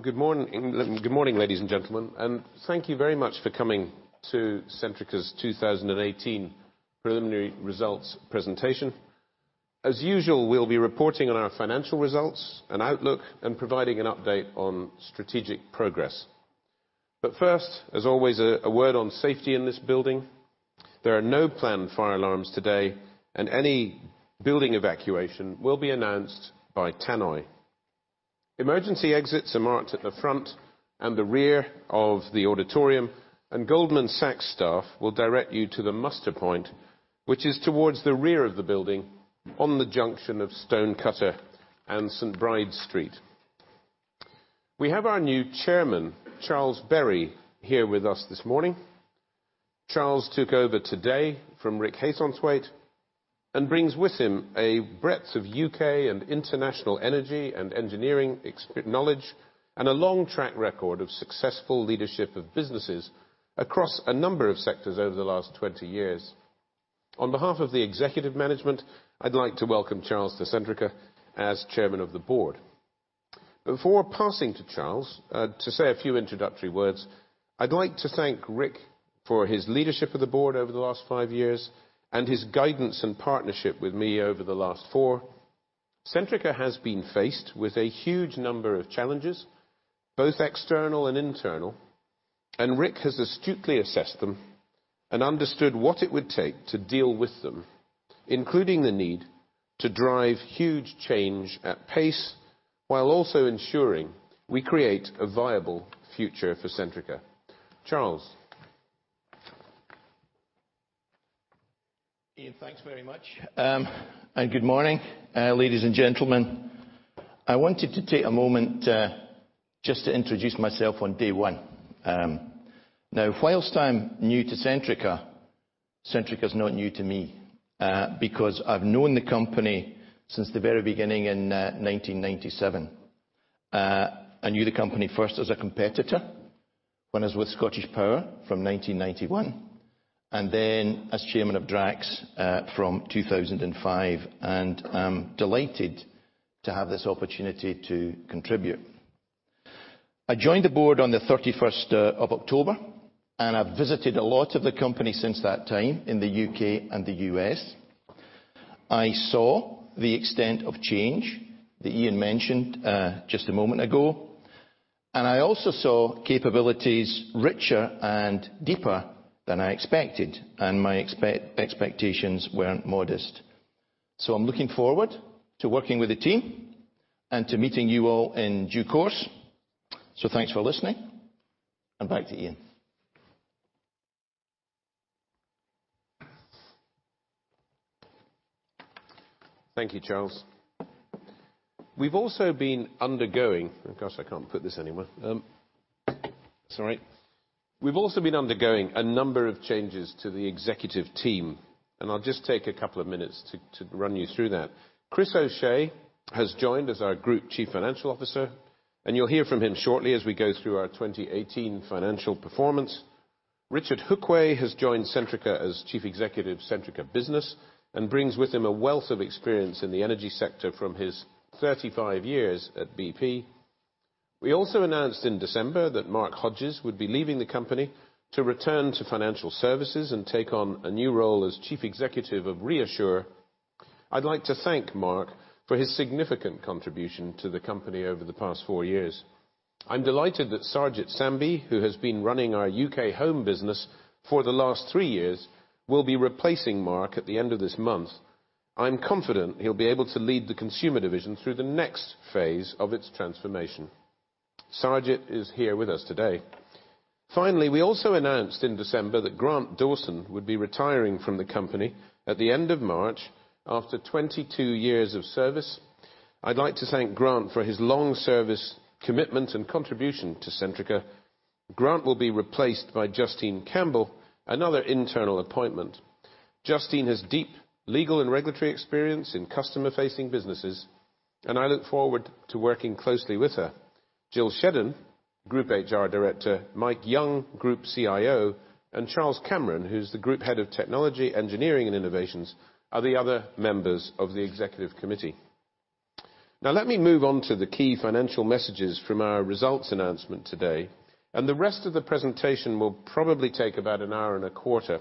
Good morning, ladies and gentlemen, and thank you very much for coming to Centrica's 2018 preliminary results presentation. As usual, we'll be reporting on our financial results and outlook and providing an update on strategic progress. First, as always, a word on safety in this building. There are no planned fire alarms today, and any building evacuation will be announced by tannoy. Emergency exits are marked at the front and the rear of the auditorium, and Goldman Sachs staff will direct you to the muster point, which is towards the rear of the building on the junction of Stonecutter and St. Bride's Street. We have our new Chairman, Charles Berry, here with us this morning. Charles took over today from Rick Haythornthwaite and brings with him a breadth of U.K. and international energy and engineering knowledge, and a long track record of successful leadership of businesses across a number of sectors over the last 20 years. On behalf of the executive management, I'd like to welcome Charles to Centrica as Chairman of the Board. Before passing to Charles to say a few introductory words, I'd like to thank Rick for his leadership of the Board over the last five years, and his guidance and partnership with me over the last four. Centrica has been faced with a huge number of challenges, both external and internal, and Rick has astutely assessed them and understood what it would take to deal with them, including the need to drive huge change at pace, while also ensuring we create a viable future for Centrica. Charles? Ian, thanks very much. Good morning, ladies and gentlemen. I wanted to take a moment just to introduce myself on day one. Whilst I'm new to Centrica is not new to me, because I've known the company since the very beginning in 1997. I knew the company first as a competitor when I was with ScottishPower from 1991, and then as Chairman of Drax from 2005, and I'm delighted to have this opportunity to contribute. I joined the Board on the 31st of October, and I've visited a lot of the company since that time in the U.K. and the U.S. I saw the extent of change that Ian mentioned just a moment ago, and I also saw capabilities richer and deeper than I expected, and my expectations weren't modest. I'm looking forward to working with the team and to meeting you all in due course. Thanks for listening, and back to Ian. Thank you, Charles. Of course, I can't put this anywhere. Sorry. We've also been undergoing a number of changes to the executive team. I'll just take 2 minutes to run you through that. Chris O'Shea has joined as our Group Chief Financial Officer. You'll hear from him shortly as we go through our 2018 financial performance. Richard Hookway has joined Centrica as Chief Executive, Centrica Business, brings with him a wealth of experience in the energy sector from his 35 years at BP. We also announced in December that Mark Hodges would be leaving the company to return to financial services and take on a new role as Chief Executive of ReAssure. I'd like to thank Mark for his significant contribution to the company over the past 4 years. I'm delighted that Sarwjit Sambhi, who has been running our U.K. Home business for the last 3 years, will be replacing Mark at the end of this month. I'm confident he'll be able to lead the Consumer division through the next phase of its transformation. Sarwjit is here with us today. Finally, we also announced in December that Grant Dawson would be retiring from the company at the end of March after 22 years of service. I'd like to thank Grant for his long service, commitment, and contribution to Centrica. Grant will be replaced by Justine Campbell, another internal appointment. Justine has deep legal and regulatory experience in customer-facing businesses. I look forward to working closely with her. Jill Shedden, Group HR Director, Mike Young, Group CIO, and Charles Cameron, who's the Group Head of Technology, Engineering, and Innovations, are the other members of the executive committee. Now let me move on to the key financial messages from our results announcement today. The rest of the presentation will probably take about 1 hour and a quarter.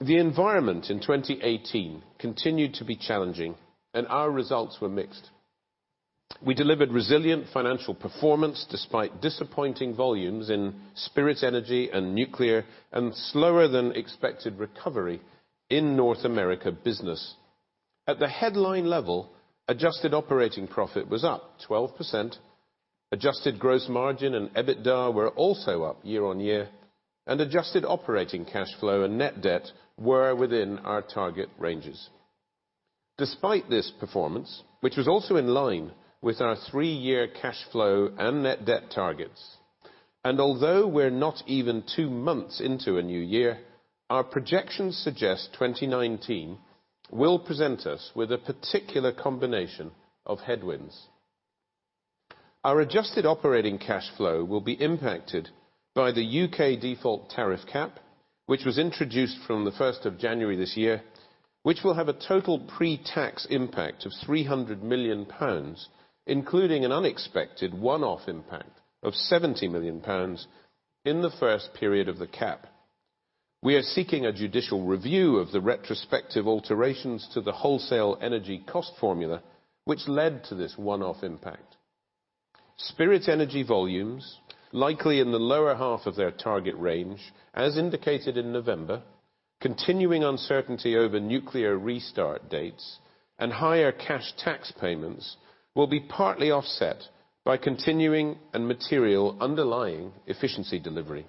The environment in 2018 continued to be challenging. Our results were mixed. We delivered resilient financial performance despite disappointing volumes in Spirit Energy and nuclear, slower than expected recovery in North America Business. At the headline level, adjusted operating profit was up 12%. Adjusted gross margin and EBITDA were also up year-over-year. Adjusted operating cash flow and net debt were within our target ranges. Despite this performance, which was also in line with our 3-year cash flow and net debt targets, although we're not even 2 months into a new year, our projections suggest 2019 will present us with a particular combination of headwinds. Our adjusted operating cash flow will be impacted by the U.K. default tariff cap, which was introduced from the 1st of January this year, which will have a total pre-tax impact of 300 million pounds, including an unexpected one-off impact of 70 million pounds in the first period of the cap. We are seeking a judicial review of the retrospective alterations to the wholesale energy cost formula, which led to this one-off impact. Spirit Energy volumes, likely in the lower half of their target range, as indicated in November, continuing uncertainty over nuclear restart dates, higher cash tax payments will be partly offset by continuing and material underlying efficiency delivery.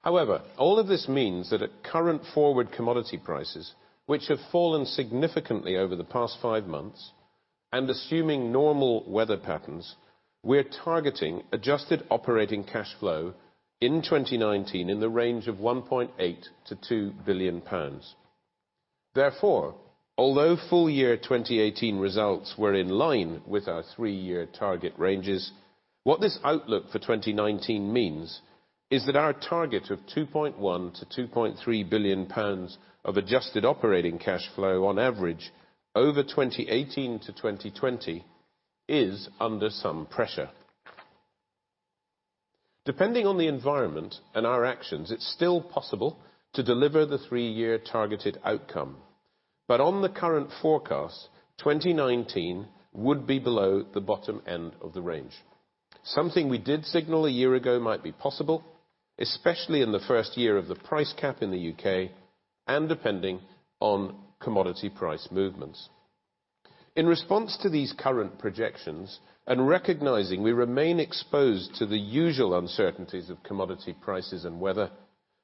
However, all of this means that at current forward commodity prices, which have fallen significantly over the past five months, and assuming normal weather patterns, we are targeting adjusted operating cash flow in 2019 in the range of 1.8 billion-2 billion pounds. Therefore, although full year 2018 results were in line with our three-year target ranges, what this outlook for 2019 means is that our target of 2.1 billion-2.3 billion pounds of adjusted operating cash flow on average over 2018-2020 is under some pressure. Depending on the environment and our actions, it is still possible to deliver the three-year targeted outcome. But on the current forecast, 2019 would be below the bottom end of the range. Something we did signal a year ago might be possible, especially in the first year of the price cap in the U.K., and depending on commodity price movements. In response to these current projections, and recognizing we remain exposed to the usual uncertainties of commodity prices and weather,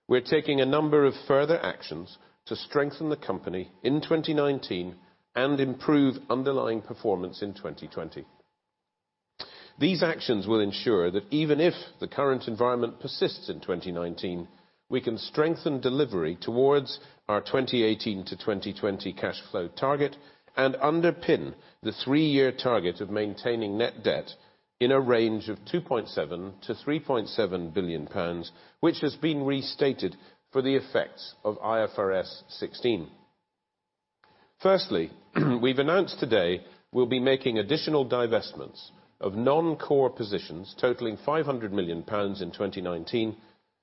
we are taking a number of further actions to strengthen the company in 2019 and improve underlying performance in 2020. These actions will ensure that even if the current environment persists in 2019, we can strengthen delivery towards our 2018-2020 cash flow target and underpin the three-year target of maintaining net debt in a range of 2.7 billion-3.7 billion pounds, which has been restated for the effects of IFRS 16. Firstly, we have announced today we will be making additional divestments of non-core positions totaling 500 million pounds in 2019,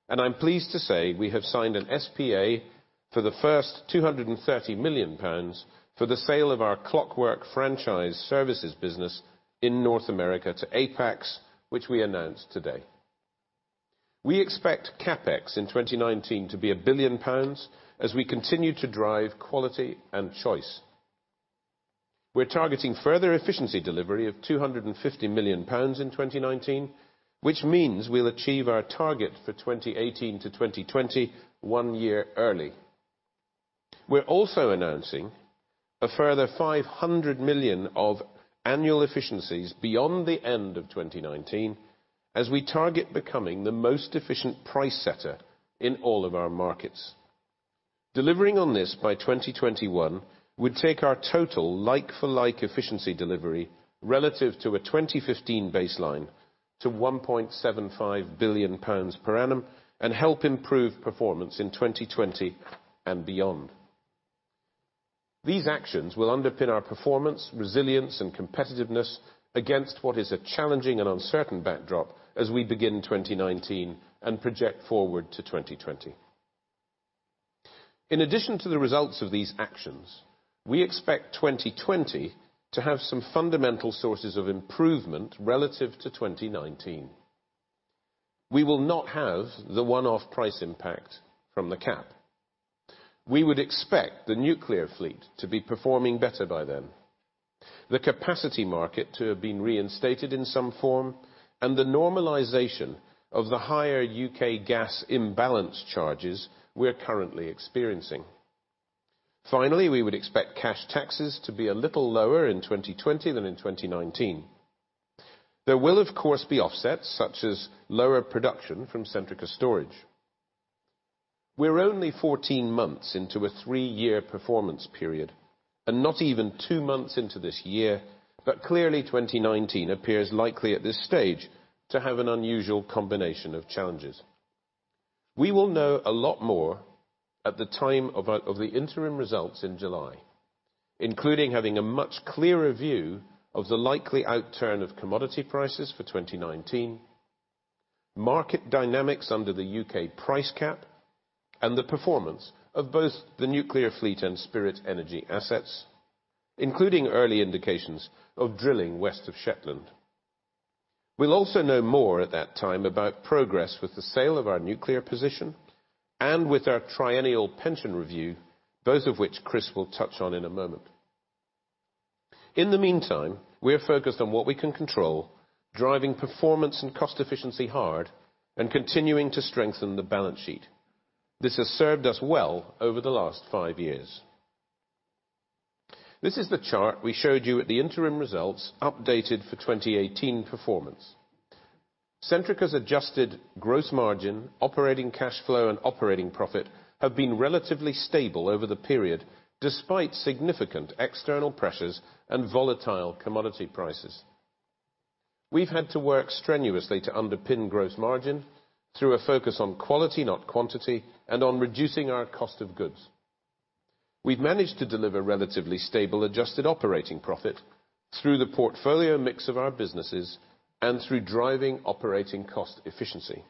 and I am pleased to say we have signed an SPA for the first 230 million pounds for the sale of our Clockwork franchise services business in North America to Apax, which we announced today. We expect CapEx in 2019 to be 1 billion pounds as we continue to drive quality and choice. We are targeting further efficiency delivery of 250 million pounds in 2019, which means we will achieve our target for 2018-2020 one year early. We are also announcing a further 500 million of annual efficiencies beyond the end of 2019 as we target becoming the most efficient price setter in all of our markets. Delivering on this by 2021 would take our total like-for-like efficiency delivery relative to a 2015 baseline to GBP 1.75 billion per annum and help improve performance in 2020 and beyond. These actions will underpin our performance, resilience, and competitiveness against what is a challenging and uncertain backdrop as we begin 2019 and project forward to 2020. In addition to the results of these actions, we expect 2020 to have some fundamental sources of improvement relative to 2019. We will not have the one-off price impact from the cap. We would expect the nuclear fleet to be performing better by then, the capacity market to have been reinstated in some form, and the normalization of the higher U.K. gas imbalance charges we are currently experiencing. Finally, we would expect cash taxes to be a little lower in 2020 than in 2019. There will, of course, be offsets such as lower production from Centrica Storage. We are only 14 months into a three-year performance period, and not even two months into this year, but clearly 2019 appears likely at this stage to have an unusual combination of challenges. We will know a lot more at the time of the interim results in July, including having a much clearer view of the likely outturn of commodity prices for 2019, market dynamics under the U.K. price cap, and the performance of both the nuclear fleet and Spirit Energy assets, including early indications of drilling west of Shetland. We'll also know more at that time about progress with the sale of our nuclear position and with our triennial pension review, both of which Chris will touch on in a moment. In the meantime, we are focused on what we can control, driving performance and cost efficiency hard, and continuing to strengthen the balance sheet. This has served us well over the last five years. This is the chart we showed you at the interim results updated for 2018 performance. Centrica's adjusted gross margin, operating cash flow, and operating profit have been relatively stable over the period, despite significant external pressures and volatile commodity prices. We've had to work strenuously to underpin gross margin through a focus on quality, not quantity, and on reducing our cost of goods. We've managed to deliver relatively stable adjusted operating profit through the portfolio mix of our businesses and through driving operating cost efficiency.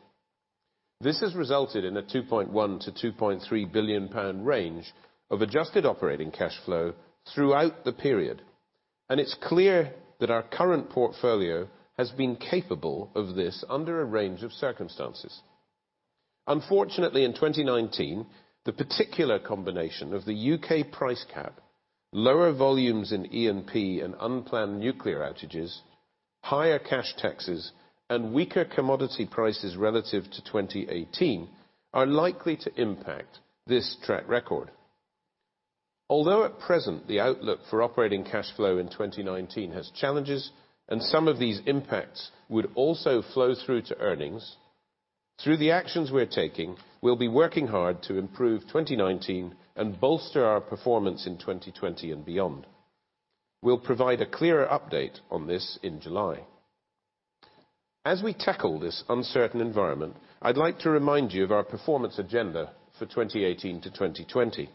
This has resulted in a 2.1 billion-2.3 billion pound range of adjusted operating cash flow throughout the period, and it's clear that our current portfolio has been capable of this under a range of circumstances. Unfortunately, in 2019, the particular combination of the U.K. price cap, lower volumes in E&P and unplanned nuclear outages, higher cash taxes, and weaker commodity prices relative to 2018, are likely to impact this track record. At present, the outlook for operating cash flow in 2019 has challenges, and some of these impacts would also flow through to earnings. Through the actions we're taking, we'll be working hard to improve 2019 and bolster our performance in 2020 and beyond. We'll provide a clearer update on this in July. As we tackle this uncertain environment, I'd like to remind you of our performance agenda for 2018 to 2020.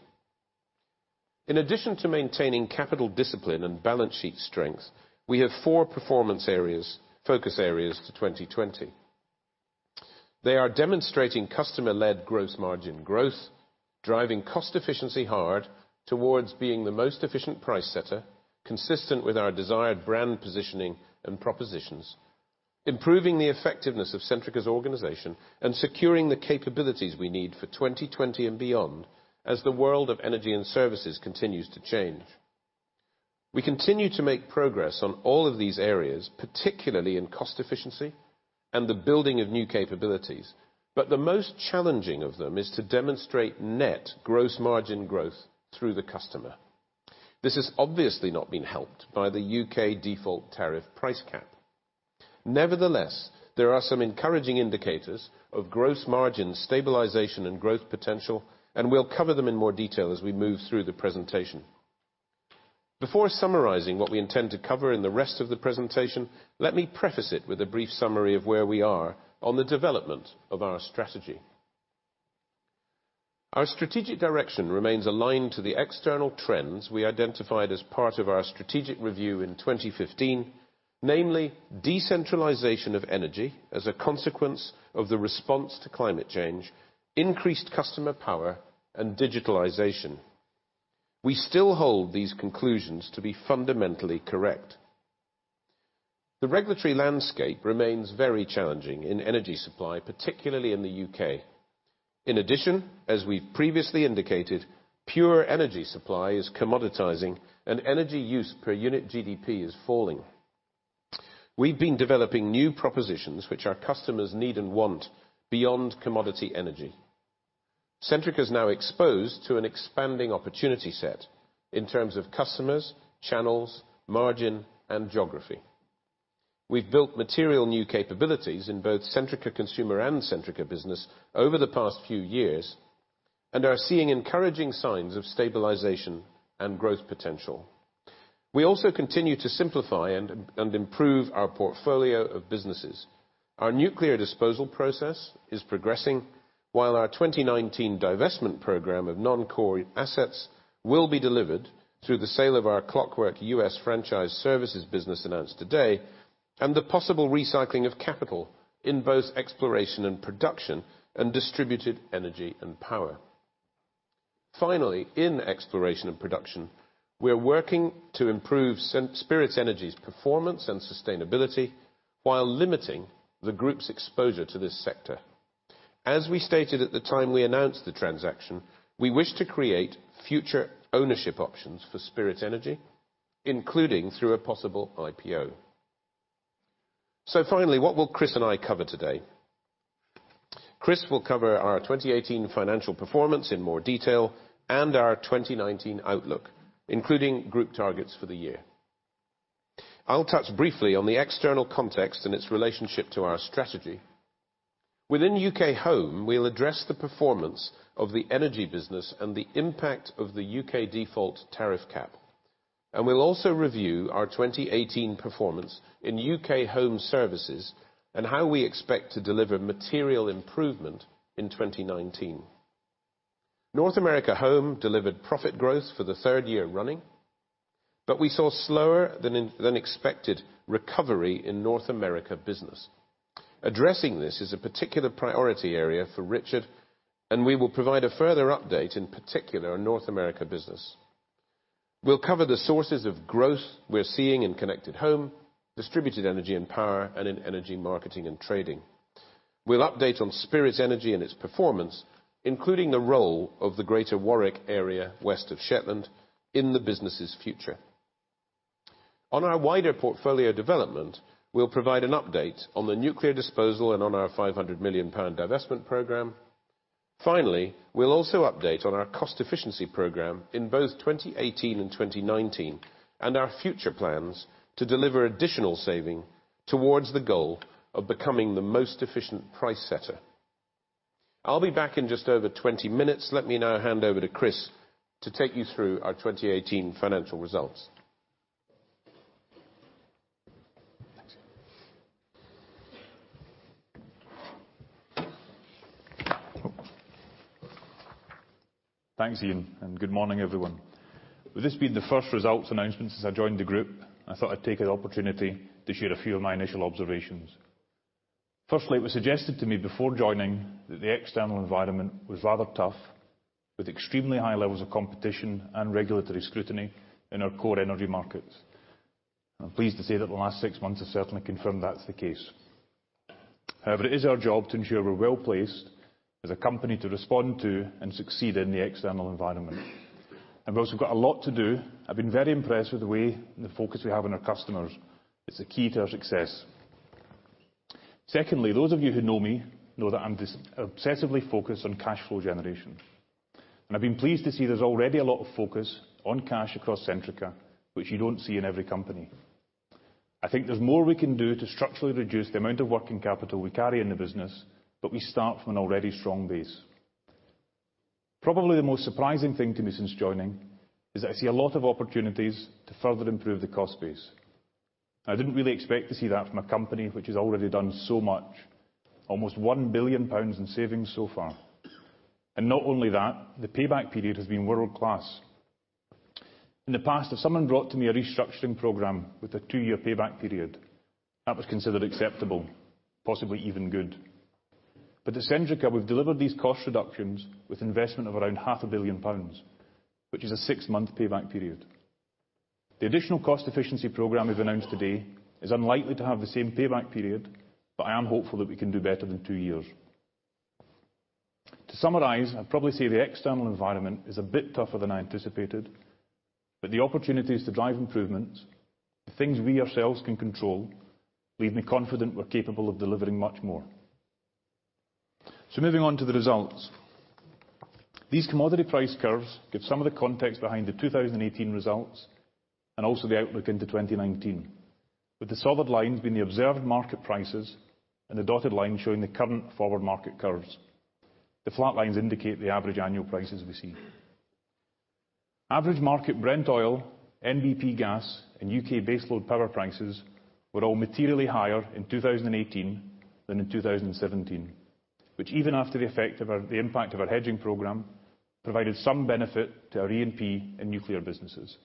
In addition to maintaining capital discipline and balance sheet strength, we have four performance areas, focus areas to 2020. They are demonstrating customer-led gross margin growth, driving cost efficiency hard towards being the most efficient price setter consistent with our desired brand positioning and propositions, improving the effectiveness of Centrica's organization, and securing the capabilities we need for 2020 and beyond, as the world of energy and services continues to change. We continue to make progress on all of these areas, particularly in cost efficiency and the building of new capabilities, the most challenging of them is to demonstrate net gross margin growth through the customer. This has obviously not been helped by the U.K. default tariff price cap. There are some encouraging indicators of gross margin stabilization and growth potential, and we'll cover them in more detail as we move through the presentation. Before summarizing what we intend to cover in the rest of the presentation, let me preface it with a brief summary of where we are on the development of our strategy. Our strategic direction remains aligned to the external trends we identified as part of our strategic review in 2015, namely decentralization of energy as a consequence of the response to climate change, increased customer power, and digitalization. We still hold these conclusions to be fundamentally correct. The regulatory landscape remains very challenging in energy supply, particularly in the U.K. In addition, as we've previously indicated, pure energy supply is commoditizing and energy use per unit GDP is falling. We've been developing new propositions which our customers need and want, beyond commodity energy. Centrica is now exposed to an expanding opportunity set in terms of customers, channels, margin, and geography. We've built material new capabilities in both Centrica Consumer and Centrica Business over the past few years and are seeing encouraging signs of stabilization and growth potential. We also continue to simplify and improve our portfolio of businesses. Our nuclear disposal process is progressing, while our 2019 divestment program of non-core assets will be delivered through the sale of our Clockwork, Inc. franchise services business announced today, and the possible recycling of capital in both exploration and production and distributed energy and power. Finally, in exploration and production, we are working to improve Spirit Energy's performance and sustainability while limiting the group's exposure to this sector. As we stated at the time we announced the transaction, we wish to create future ownership options for Spirit Energy, including through a possible IPO. Finally, what will Chris and I cover today? Chris will cover our 2018 financial performance in more detail and our 2019 outlook, including group targets for the year. I'll touch briefly on the external context and its relationship to our strategy. Within U.K. Home, we'll address the performance of the energy business and the impact of the U.K. default tariff cap, and we'll also review our 2018 performance in U.K. Home Services and how we expect to deliver material improvement in 2019. North America Home delivered profit growth for the third year running, but we saw slower than expected recovery in North America Business. Addressing this is a particular priority area for Richard, and we will provide a further update, in particular on North America Business. We'll cover the sources of growth we're seeing in Connected Home, Distributed Energy and Power, and in Energy Marketing and Trading. We'll update on Spirit Energy and its performance, including the role of the Greater Warwick Area west of Shetland in the business's future. On our wider portfolio development, we'll provide an update on the nuclear disposal and on our GBP 500 million divestment program. Finally, we'll also update on our cost efficiency program in both 2018 and 2019, and our future plans to deliver additional saving towards the goal of becoming the most efficient price setter. I'll be back in just over 20 minutes. Let me now hand over to Chris to take you through our 2018 financial results. Thanks, Ian, and good morning, everyone. With this being the first results announcement since I joined the group, I thought I'd take the opportunity to share a few of my initial observations. Firstly, it was suggested to me before joining that the external environment was rather tough, with extremely high levels of competition and regulatory scrutiny in our core energy markets. I'm pleased to say that the last six months have certainly confirmed that's the case. It is our job to ensure we're well-placed as a company to respond to and succeed in the external environment. Whilst we've got a lot to do, I've been very impressed with the way and the focus we have on our customers. It's a key to our success. Secondly, those of you who know me know that I'm obsessively focused on cash flow generation. I've been pleased to see there's already a lot of focus on cash across Centrica, which you don't see in every company. I think there's more we can do to structurally reduce the amount of working capital we carry in the business. We start from an already strong base. Probably the most surprising thing to me since joining is that I see a lot of opportunities to further improve the cost base. I didn't really expect to see that from a company which has already done so much. Almost 1 billion pounds in savings so far. Not only that, the payback period has been world-class. In the past, if someone brought to me a restructuring program with a 2-year payback period, that was considered acceptable, possibly even good. At Centrica, we've delivered these cost reductions with investment of around half a billion GBP, which is a 6-month payback period. The additional cost efficiency program we've announced today is unlikely to have the same payback period. I am hopeful that we can do better than 2 years. To summarize, I'd probably say the external environment is a bit tougher than I anticipated. The opportunities to drive improvements, the things we ourselves can control, leave me confident we're capable of delivering much more. Moving on to the results. These commodity price curves give some of the context behind the 2018 results and also the outlook into 2019. With the solid lines being the observed market prices and the dotted lines showing the current forward market curves. The flat lines indicate the average annual prices we see. Average market Brent oil, NBP gas, and U.K. baseload power prices were all materially higher in 2018 than in 2017, which even after the impact of our hedging program, provided some benefit to our EMP and nuclear businesses.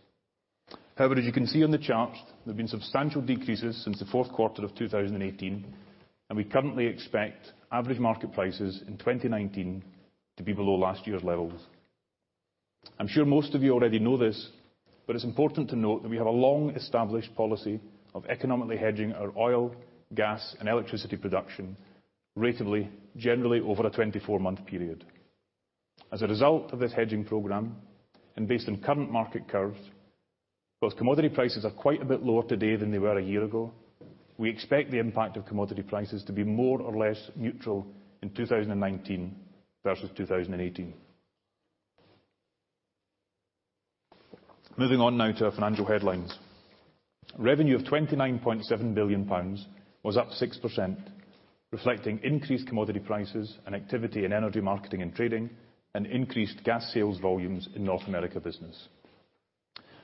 As you can see on the charts, there have been substantial decreases since the fourth quarter of 2018. We currently expect average market prices in 2019 to be below last year's levels. I'm sure most of you already know this. It's important to note that we have a long-established policy of economically hedging our oil, gas, and electricity production ratably generally over a 24-month period. As a result of this hedging program, based on current market curves, whilst commodity prices are quite a bit lower today than they were a year ago, we expect the impact of commodity prices to be more or less neutral in 2019 versus 2018. Moving on now to our financial headlines. Revenue of 29.7 billion pounds was up 6%, reflecting increased commodity prices and activity in Energy Marketing & Trading and increased gas sales volumes in North America Business.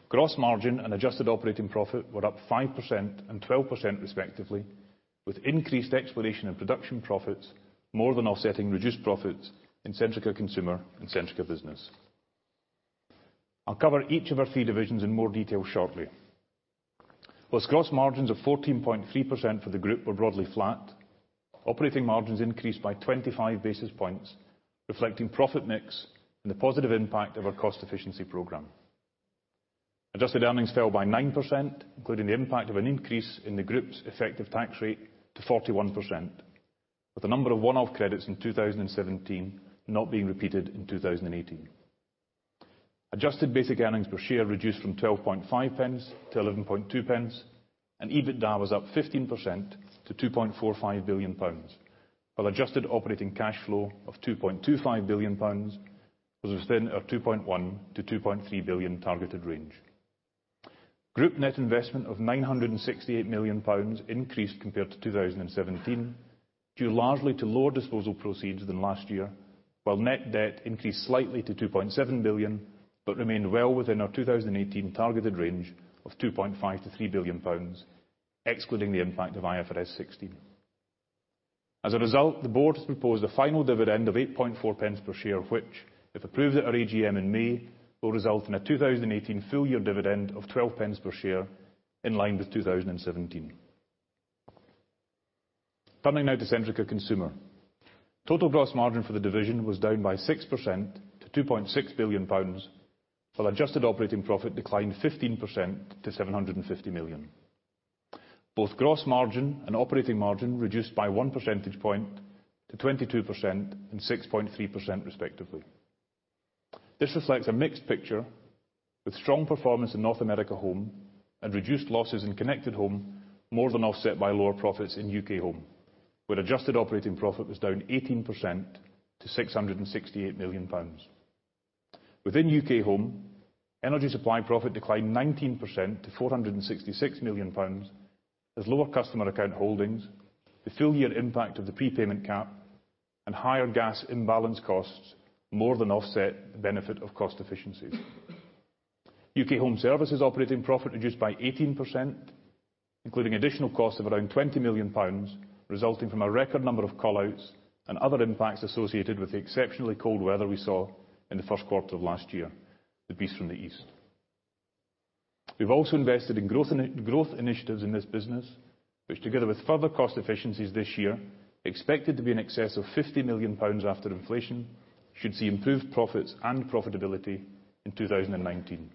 Gross margin and adjusted operating profit were up 5% and 12% respectively, with increased Exploration & Production profits more than offsetting reduced profits in Centrica Consumer and Centrica Business. I'll cover each of our three divisions in more detail shortly. Whilst gross margins of 14.3% for the group were broadly flat, operating margins increased by 25 basis points, reflecting profit mix and the positive impact of our cost efficiency program. Adjusted earnings fell by 9%, including the impact of an increase in the group's effective tax rate to 41%, with a number of one-off credits in 2017 not being repeated in 2018. Adjusted basic earnings per share reduced from 0.125 to 0.112. EBITDA was up 15% to 2.45 billion pounds, while adjusted operating cash flow of 2.25 billion pounds was within our 2.1 billion-2.3 billion targeted range. Group net investment of 968 million pounds increased compared to 2017, due largely to lower disposal proceeds than last year, while net debt increased slightly to 2.7 billion, but remained well within our 2018 targeted range of 2.5 billion-3 billion pounds, excluding the impact of IFRS 16. As a result, the board has proposed a final dividend of 0.084 per share, which, if approved at our AGM in May, will result in a 2018 full-year dividend of 0.12 per share in line with 2017. Turning now to Centrica Consumer. Total gross margin for the division was down by 6% to 2.6 billion pounds, while adjusted operating profit declined 15% to 750 million. Both gross margin and operating margin reduced by one percentage point to 22% and 6.3% respectively. This reflects a mixed picture with strong performance in North America Home and reduced losses in Connected Home, more than offset by lower profits in UK Home, where adjusted operating profit was down 18% to 668 million pounds. Within UK Home, energy supply profit declined 19% to 466 million pounds, as lower customer account holdings, the full year impact of the prepayment cap, and higher gas imbalance costs more than offset the benefit of cost efficiencies. UK Home Services operating profit reduced by 18%, including additional cost of around 20 million pounds resulting from a record number of call-outs and other impacts associated with the exceptionally cold weather we saw in the first quarter of last year, the Beast from the East. We've also invested in growth initiatives in this business, which together with further cost efficiencies this year, expected to be in excess of 50 million pounds after inflation, should see improved profits and profitability in 2019.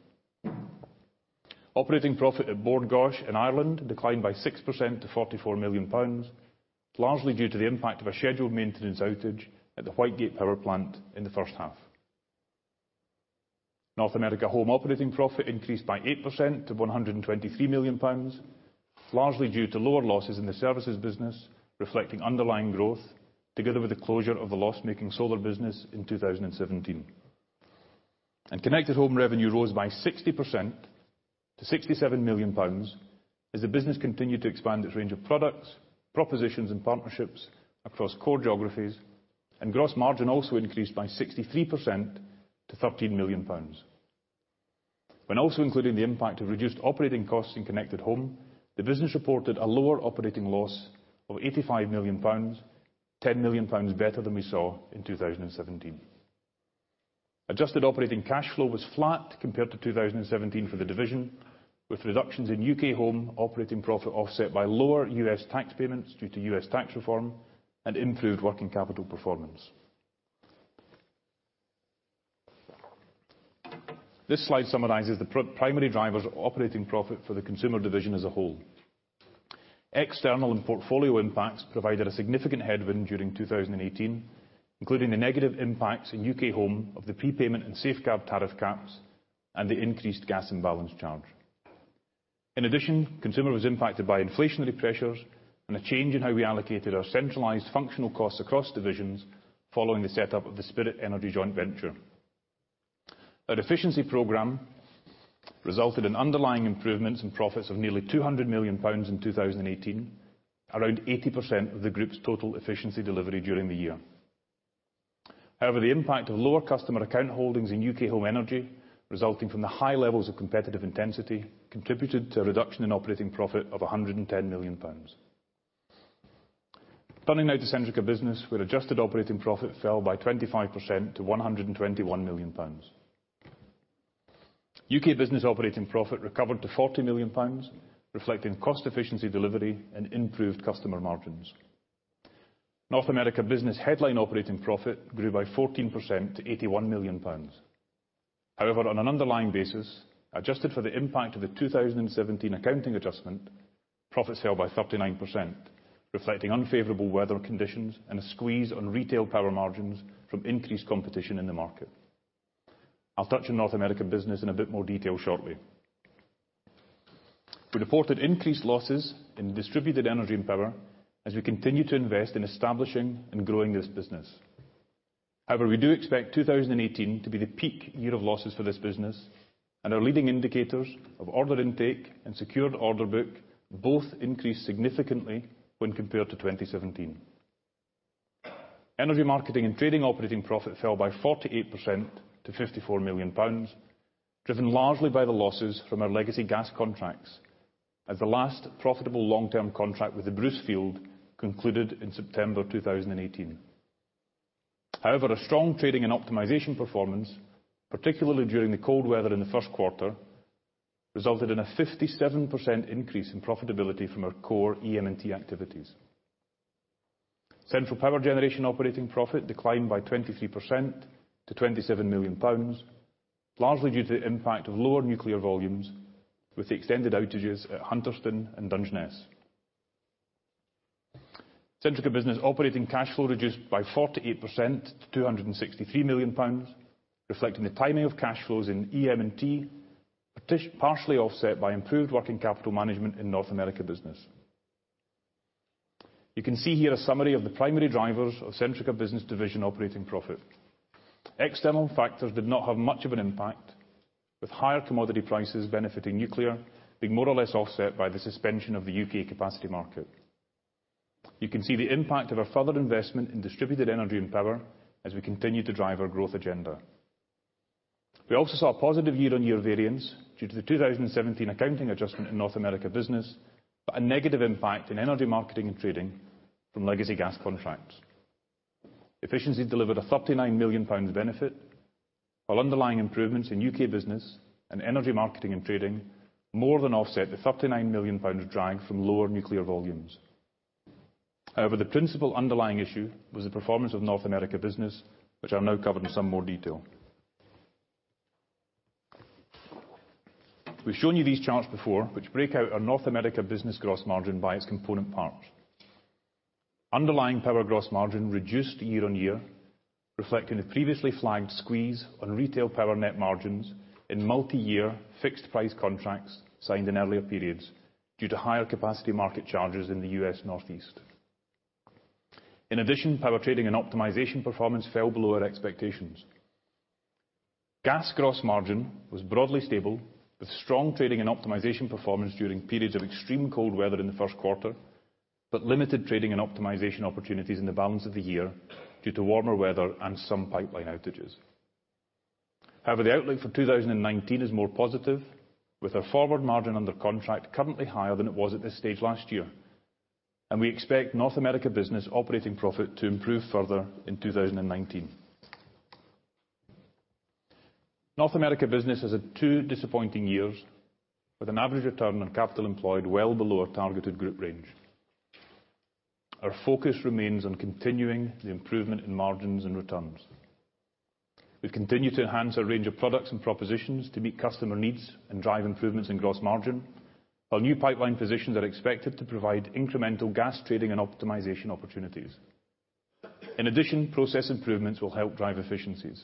Operating profit at Bord Gáis Energy in Ireland declined by 6% to 44 million pounds, largely due to the impact of a scheduled maintenance outage at the Whitegate power plant in the first half. North America Home operating profit increased by 8% to 123 million pounds, largely due to lower losses in the services business reflecting underlying growth, together with the closure of the loss-making solar business in 2017. Connected Home revenue rose by 60% to 67 million pounds, as the business continued to expand its range of products, propositions, and partnerships across core geographies, and gross margin also increased by 63% to 13 million pounds. When also including the impact of reduced operating costs in Connected Home, the business reported a lower operating loss of 85 million pounds, 10 million pounds better than we saw in 2017. Adjusted operating cash flow was flat compared to 2017 for the division, with reductions in UK Home operating profit offset by lower U.S. tax payments due to U.S. tax reform and improved working capital performance. This slide summarizes the primary drivers of operating profit for the Consumer division as a whole. External and portfolio impacts provided a significant headwind during 2018, including the negative impacts in UK Home of the prepayment and safeguard tariff caps and the increased gas imbalance charge. In addition, Consumer was impacted by inflationary pressures and a change in how we allocated our centralized functional costs across divisions following the setup of the Spirit Energy joint venture. Our efficiency program resulted in underlying improvements in profits of nearly 200 million pounds in 2018, around 80% of the group's total efficiency delivery during the year. However, the impact of lower customer account holdings in UK Home energy, resulting from the high levels of competitive intensity, contributed to a reduction in operating profit of 110 million pounds. Turning now to Centrica Business, where adjusted operating profit fell by 25% to 121 million pounds. UK Business operating profit recovered to 40 million pounds, reflecting cost efficiency delivery and improved customer margins. North America Business headline operating profit grew by 14% to 81 million pounds. However, on an underlying basis, adjusted for the impact of the 2017 accounting adjustment, profits fell by 39%, reflecting unfavorable weather conditions and a squeeze on retail power margins from increased competition in the market. I'll touch on North America Business in a bit more detail shortly. We reported increased losses in Distributed Energy & Power as we continue to invest in establishing and growing this business. However, we do expect 2018 to be the peak year of losses for this business, and our leading indicators of order intake and secured order book both increased significantly when compared to 2017. Energy Marketing & Trading operating profit fell by 48% to 54 million pounds, driven largely by the losses from our legacy gas contracts as the last profitable long-term contract with the Bruce field concluded in September 2018. However, a strong trading and optimization performance, particularly during the cold weather in the first quarter, resulted in a 57% increase in profitability from our core EM&T activities. Central Power Generation operating profit declined by 23% to 27 million pounds, largely due to the impact of lower nuclear volumes with the extended outages at Hunterston and Dungeness. Centrica Business operating cash flow reduced by 48% to 263 million pounds, reflecting the timing of cash flows in EM&T, partially offset by improved working capital management in North America Business. You can see here a summary of the primary drivers of Centrica Business division operating profit. External factors did not have much of an impact, with higher commodity prices benefiting nuclear being more or less offset by the suspension of the U.K. capacity market. You can see the impact of our further investment in Distributed Energy & Power as we continue to drive our growth agenda. We also saw a positive year-on-year variance due to the 2017 accounting adjustment in North America Business, a negative impact in Energy Marketing & Trading from legacy gas contracts. Efficiency delivered a 39 million pounds benefit, while underlying improvements in U.K. Business and Energy Marketing & Trading more than offset the 39 million pounds drag from lower nuclear volumes. The principal underlying issue was the performance of North America Business, which I'll now cover in some more detail. We've shown you these charts before, which break out our North America Business gross margin by its component parts. Underlying power gross margin reduced year-on-year, reflecting the previously flagged squeeze on retail power net margins in multi-year fixed price contracts signed in earlier periods due to higher capacity market charges in the U.S. Northeast. In addition, power trading and optimization performance fell below our expectations. Gas gross margin was broadly stable, with strong trading and optimization performance during periods of extreme cold weather in the first quarter, limited trading and optimization opportunities in the balance of the year due to warmer weather and some pipeline outages. The outlook for 2019 is more positive, with our forward margin under contract currently higher than it was at this stage last year, and we expect North America Business operating profit to improve further in 2019. North America Business has had two disappointing years, with an average return on capital employed well below our targeted group range. Our focus remains on continuing the improvement in margins and returns. We continue to enhance our range of products and propositions to meet customer needs and drive improvements in gross margin. Our new pipeline positions are expected to provide incremental gas trading and optimization opportunities. In addition, process improvements will help drive efficiencies.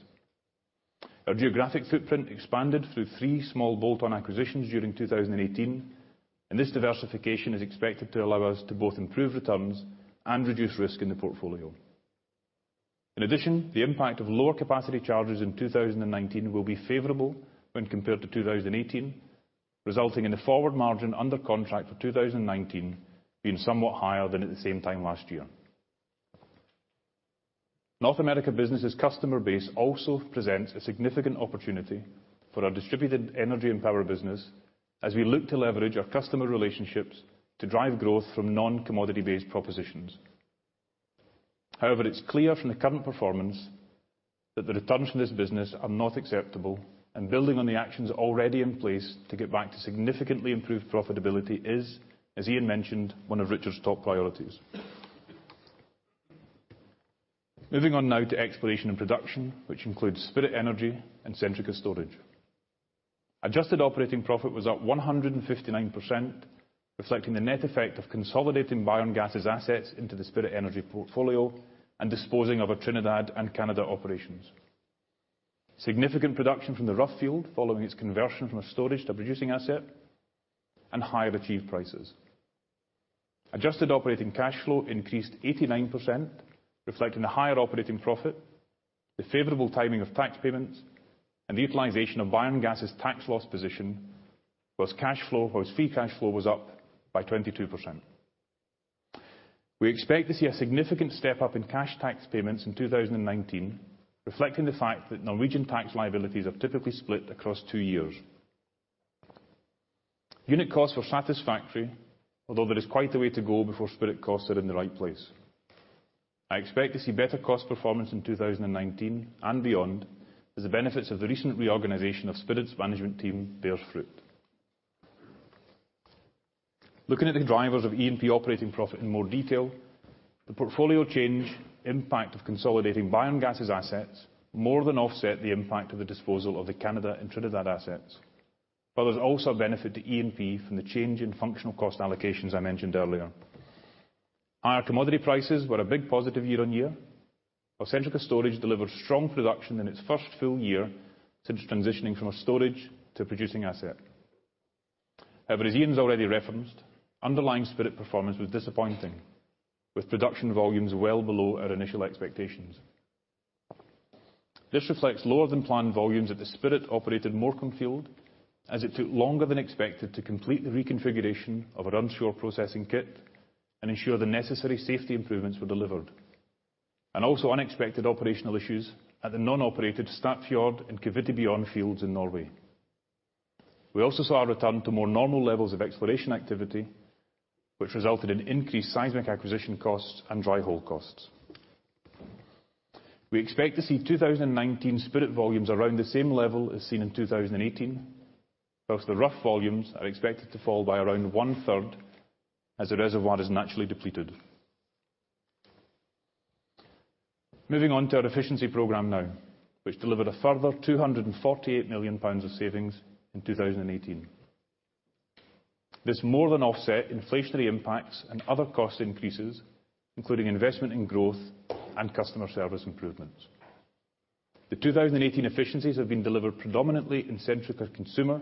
Our geographic footprint expanded through three small bolt-on acquisitions during 2018, this diversification is expected to allow us to both improve returns and reduce risk in the portfolio. In addition, the impact of lower capacity charges in 2019 will be favorable when compared to 2018, resulting in the forward margin under contract for 2019 being somewhat higher than at the same time last year. North America Business' customer base also presents a significant opportunity for our Distributed Energy & Power business, as we look to leverage our customer relationships to drive growth from non-commodity based propositions. It's clear from the current performance that the returns from this business are not acceptable, and building on the actions already in place to get back to significantly improved profitability is, as Ian mentioned, one of Richard's top priorities. Moving on now to Exploration and Production, which includes Spirit Energy and Centrica Storage. Adjusted operating profit was up 159%, reflecting the net effect of consolidating Bayerngas assets into the Spirit Energy portfolio and disposing of our Trinidad and Canada operations. Significant production from the Rough field following its conversion from a storage to producing asset and higher achieved prices. Adjusted operating cash flow increased 89%, reflecting the higher operating profit, the favorable timing of tax payments, and the utilization of Bayerngas tax loss position, whilst free cash flow was up by 22%. We expect to see a significant step-up in cash tax payments in 2019, reflecting the fact that Norwegian tax liabilities are typically split across two years. Unit costs were satisfactory, although there is quite a way to go before Spirit costs are in the right place. I expect to see better cost performance in 2019 and beyond, as the benefits of the recent reorganization of Spirit's management team bears fruit. Looking at the drivers of E&P operating profit in more detail, the portfolio change impact of consolidating Bayerngas assets more than offset the impact of the disposal of the Canada and Trinidad assets. While there is also a benefit to E&P from the change in functional cost allocations I mentioned earlier. Higher commodity prices were a big positive year-on-year. While Centrica Storage delivered strong production in its first full year since transitioning from a storage to producing asset. However, as Ian has already referenced, underlying Spirit performance was disappointing, with production volumes well below our initial expectations. This reflects lower than planned volumes at the Spirit-operated Morecambe field, as it took longer than expected to complete the reconfiguration of our onshore processing kit and ensure the necessary safety improvements were delivered, and also unexpected operational issues at the non-operated Statfjord and Kvitebjørn fields in Norway. We also saw a return to more normal levels of exploration activity, which resulted in increased seismic acquisition costs and dry hole costs. We expect to see 2019 Spirit volumes around the same level as seen in 2018, whilst the Rough volumes are expected to fall by around one-third as the reservoir is naturally depleted. Moving on to our efficiency program now, which delivered a further 248 million pounds of savings in 2018. This more than offset inflationary impacts and other cost increases, including investment in growth and customer service improvements. The 2018 efficiencies have been delivered predominantly in Centrica Consumer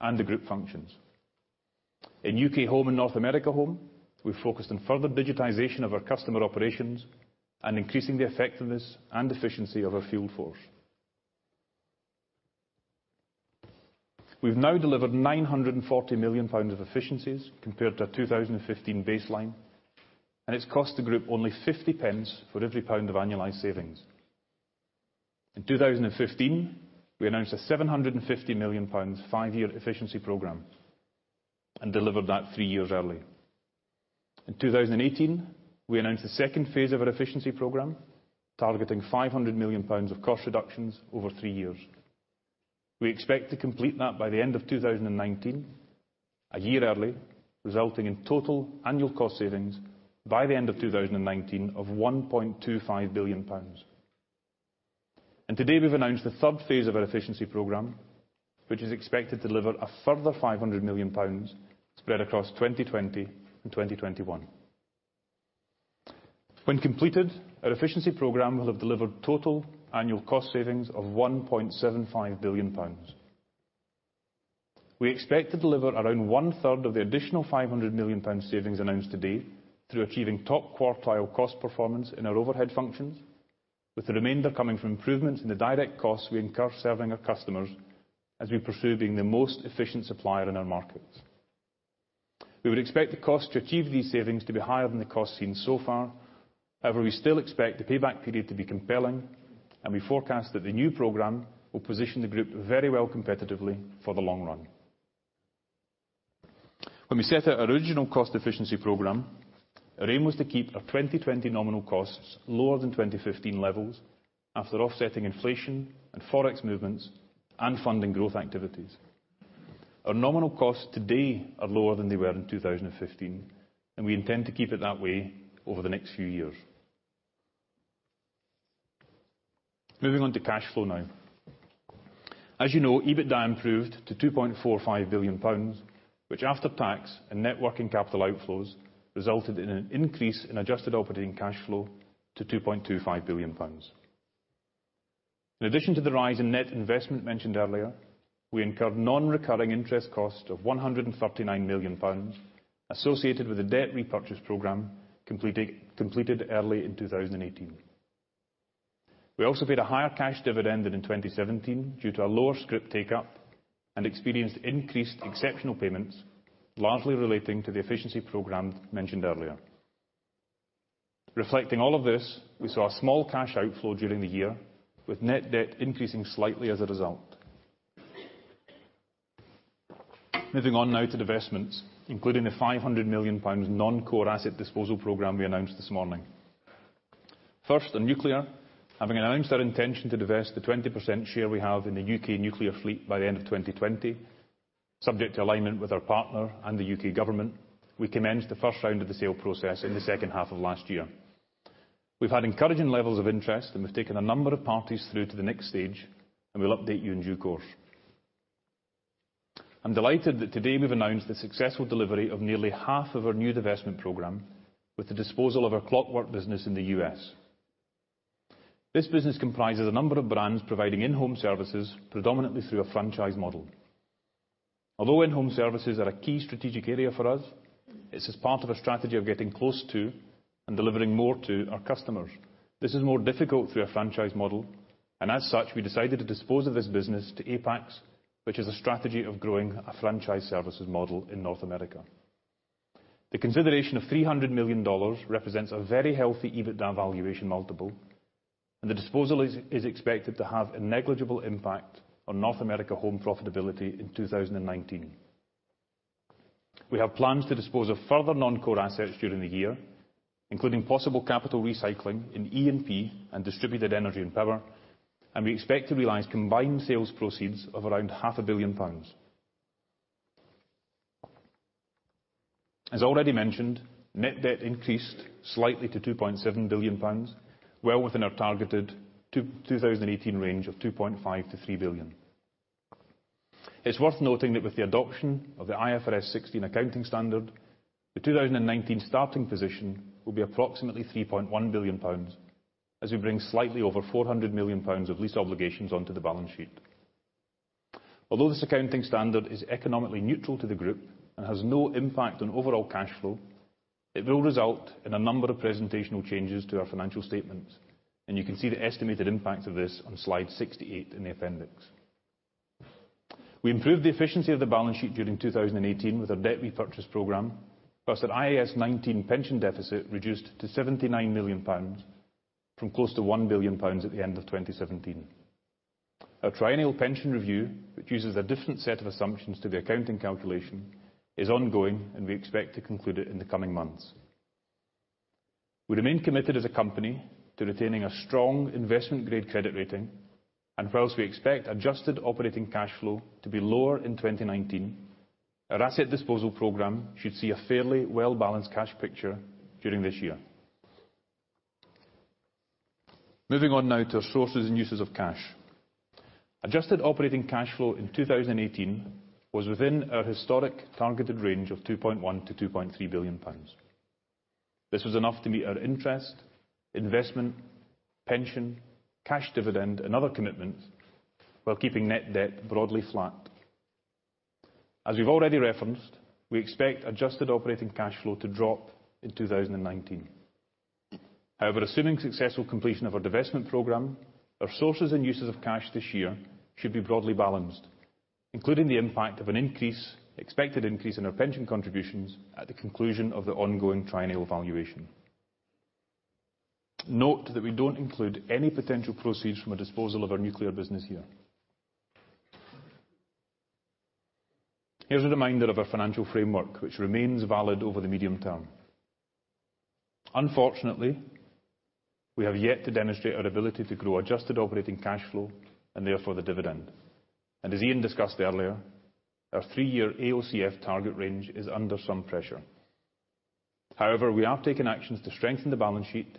and the group functions. In UK Home and North America Home, we focused on further digitization of our customer operations and increasing the effectiveness and efficiency of our field force. We have now delivered 940 million pounds of efficiencies compared to our 2015 baseline, and it has cost the group only 0.50 for every GBP 1 of annualized savings. In 2015, we announced a 750 million pounds five-year efficiency program and delivered that three years early. In 2018, we announced the second phase of our efficiency program, targeting 500 million pounds of cost reductions over three years. We expect to complete that by the end of 2019, a year early, resulting in total annual cost savings by the end of 2019 of 1.25 billion pounds. Today we've announced the third phase of our efficiency program, which is expected to deliver a further 500 million pounds spread across 2020 and 2021. When completed, our efficiency program will have delivered total annual cost savings of 1.75 billion pounds. We expect to deliver around one-third of the additional 500 million pounds savings announced today through achieving top quartile cost performance in our overhead functions, with the remainder coming from improvements in the direct costs we incur serving our customers as we pursue being the most efficient supplier in our markets. We would expect the cost to achieve these savings to be higher than the costs seen so far. We still expect the payback period to be compelling, and we forecast that the new program will position the group very well competitively for the long run. When we set our original cost efficiency program, our aim was to keep our 2020 nominal costs lower than 2015 levels after offsetting inflation and Forex movements and funding growth activities. Our nominal costs today are lower than they were in 2015, and we intend to keep it that way over the next few years. Moving on to cash flow now. As you know, EBITDA improved to 2.45 billion pounds, which after tax and net working capital outflows, resulted in an increase in adjusted operating cash flow to 2.25 billion pounds. In addition to the rise in net investment mentioned earlier, we incurred non-recurring interest cost of 139 million pounds associated with the debt repurchase program completed early in 2018. We also paid a higher cash dividend than in 2017 due to a lower scrip take-up and experienced increased exceptional payments, largely relating to the efficiency program mentioned earlier. Reflecting all of this, we saw a small cash outflow during the year, with net debt increasing slightly as a result. Moving on now to divestments, including the 500 million pounds non-core asset disposal program we announced this morning. First, on nuclear. Having announced our intention to divest the 20% share we have in the U.K. nuclear fleet by the end of 2020, subject to alignment with our partner and the U.K. government, we commenced the first round of the sale process in the second half of last year. We've had encouraging levels of interest, and we've taken a number of parties through to the next stage, and we'll update you in due course. I'm delighted that today we've announced the successful delivery of nearly half of our new divestment program with the disposal of our Clockwork business in the U.S. This business comprises a number of brands providing in-home services, predominantly through a franchise model. Although in-home services are a key strategic area for us, this is part of a strategy of getting close to and delivering more to our customers. This is more difficult through a franchise model, and as such, we decided to dispose of this business to Apax, which has a strategy of growing a franchise services model in North America. The consideration of $300 million represents a very healthy EBITDA valuation multiple, and the disposal is expected to have a negligible impact on North America Home profitability in 2019. We have plans to dispose of further non-core assets during the year, including possible capital recycling in E&P and Distributed Energy & Power, and we expect to realize combined sales proceeds of around half a billion GBP. As already mentioned, net debt increased slightly to 2.7 billion pounds, well within our targeted 2018 range of 2.5 billion-3 billion. It's worth noting that with the adoption of the IFRS 16 accounting standard, the 2019 starting position will be approximately 3.1 billion pounds, as we bring slightly over 400 million pounds of lease obligations onto the balance sheet. Although this accounting standard is economically neutral to the group and has no impact on overall cash flow, it will result in a number of presentational changes to our financial statements, and you can see the estimated impact of this on slide 68 in the appendix. We improved the efficiency of the balance sheet during 2018 with our debt repurchase program, plus an IAS 19 pension deficit reduced to 79 million pounds from close to 1 billion pounds at the end of 2017. Our triennial pension review, which uses a different set of assumptions to the accounting calculation, is ongoing, and we expect to conclude it in the coming months. We remain committed as a company to retaining a strong investment-grade credit rating, and whilst we expect adjusted operating cash flow to be lower in 2019, our asset disposal program should see a fairly well-balanced cash picture during this year. Moving on now to our sources and uses of cash. Adjusted operating cash flow in 2018 was within our historic targeted range of 2.1 billion-2.3 billion pounds. This was enough to meet our interest, investment, pension, cash dividend, and other commitments while keeping net debt broadly flat. As we've already referenced, we expect adjusted operating cash flow to drop in 2019. Assuming successful completion of our divestment program, our sources and uses of cash this year should be broadly balanced, including the impact of an expected increase in our pension contributions at the conclusion of the ongoing triennial valuation. Note that we don't include any potential proceeds from a disposal of our nuclear business here. Here's a reminder of our financial framework, which remains valid over the medium-term. Unfortunately, we have yet to demonstrate our ability to grow adjusted operating cash flow and therefore the dividend. As Ian discussed earlier, our three-year AOCF target range is under some pressure. However, we have taken actions to strengthen the balance sheet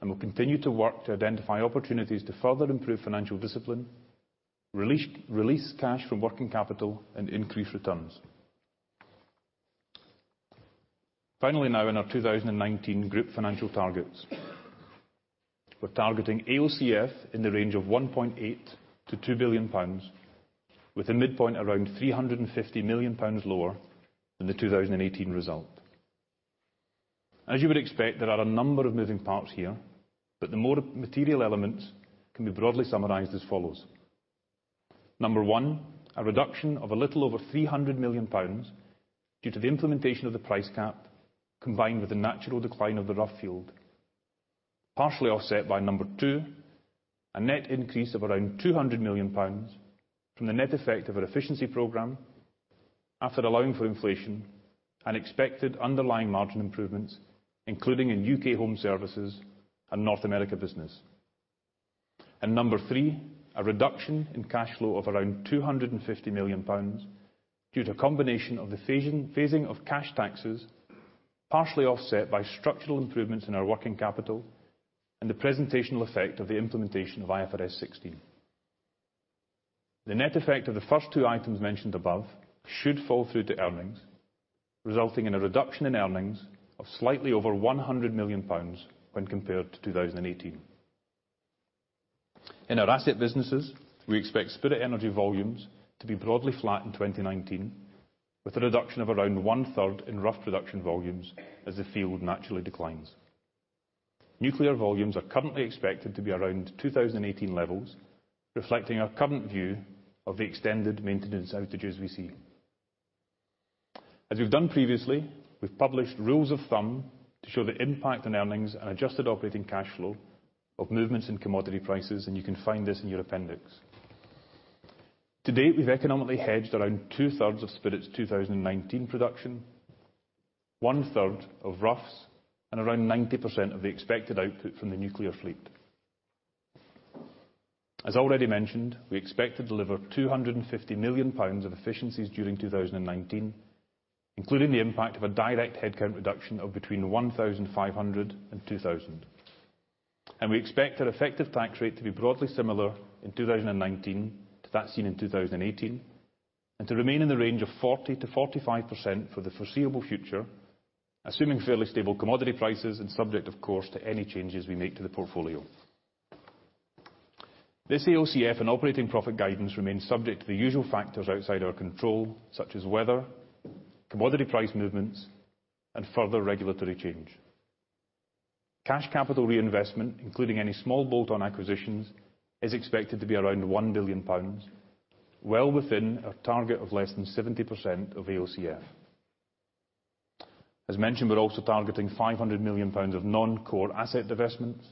and will continue to work to identify opportunities to further improve financial discipline, release cash from working capital, and increase returns. Finally now, in our 2019 group financial targets. We're targeting AOCF in the range of 1.8 billion-2 billion pounds, with a midpoint around 350 million pounds lower than the 2018 result. As you would expect, there are a number of moving parts here, but the more material elements can be broadly summarized as follows. Number 1, a reduction of a little over 300 million pounds due to the implementation of the price cap, combined with the natural decline of the Rough field. Partially offset by number 2, a net increase of around 200 million pounds from the net effect of our efficiency program after allowing for inflation and expected underlying margin improvements, including in UK home services and North America Business. number three, a reduction in cash flow of around 250 million pounds due to a combination of the phasing of cash taxes, partially offset by structural improvements in our working capital and the presentational effect of the implementation of IFRS 16. The net effect of the first two items mentioned above should fall through to earnings, resulting in a reduction in earnings of slightly over 100 million pounds when compared to 2018. In our asset businesses, we expect Spirit Energy volumes to be broadly flat in 2019, with a reduction of around one-third in Rough production volumes as the field naturally declines. Nuclear volumes are currently expected to be around 2018 levels, reflecting our current view of the extended maintenance outages we see. As we've done previously, we've published rules of thumb to show the impact on earnings and adjusted operating cash flow of movements in commodity prices, you can find this in your appendix. To date, we've economically hedged around two-thirds of Spirit's 2019 production, one-third of Rough's, and around 90% of the expected output from the nuclear fleet. As already mentioned, we expect to deliver 250 million pounds of efficiencies during 2019, including the impact of a direct headcount reduction of between 1,500 and 2,000. We expect our effective tax rate to be broadly similar in 2019 to that seen in 2018, and to remain in the range of 40%-45% for the foreseeable future, assuming fairly stable commodity prices and subject, of course, to any changes we make to the portfolio. This AOCF and operating profit guidance remains subject to the usual factors outside our control, such as weather, commodity price movements, and further regulatory change. Cash capital reinvestment, including any small bolt-on acquisitions, is expected to be around 1 billion pounds, well within our target of less than 70% of AOCF. As mentioned, we're also targeting 500 million pounds of non-core asset divestments.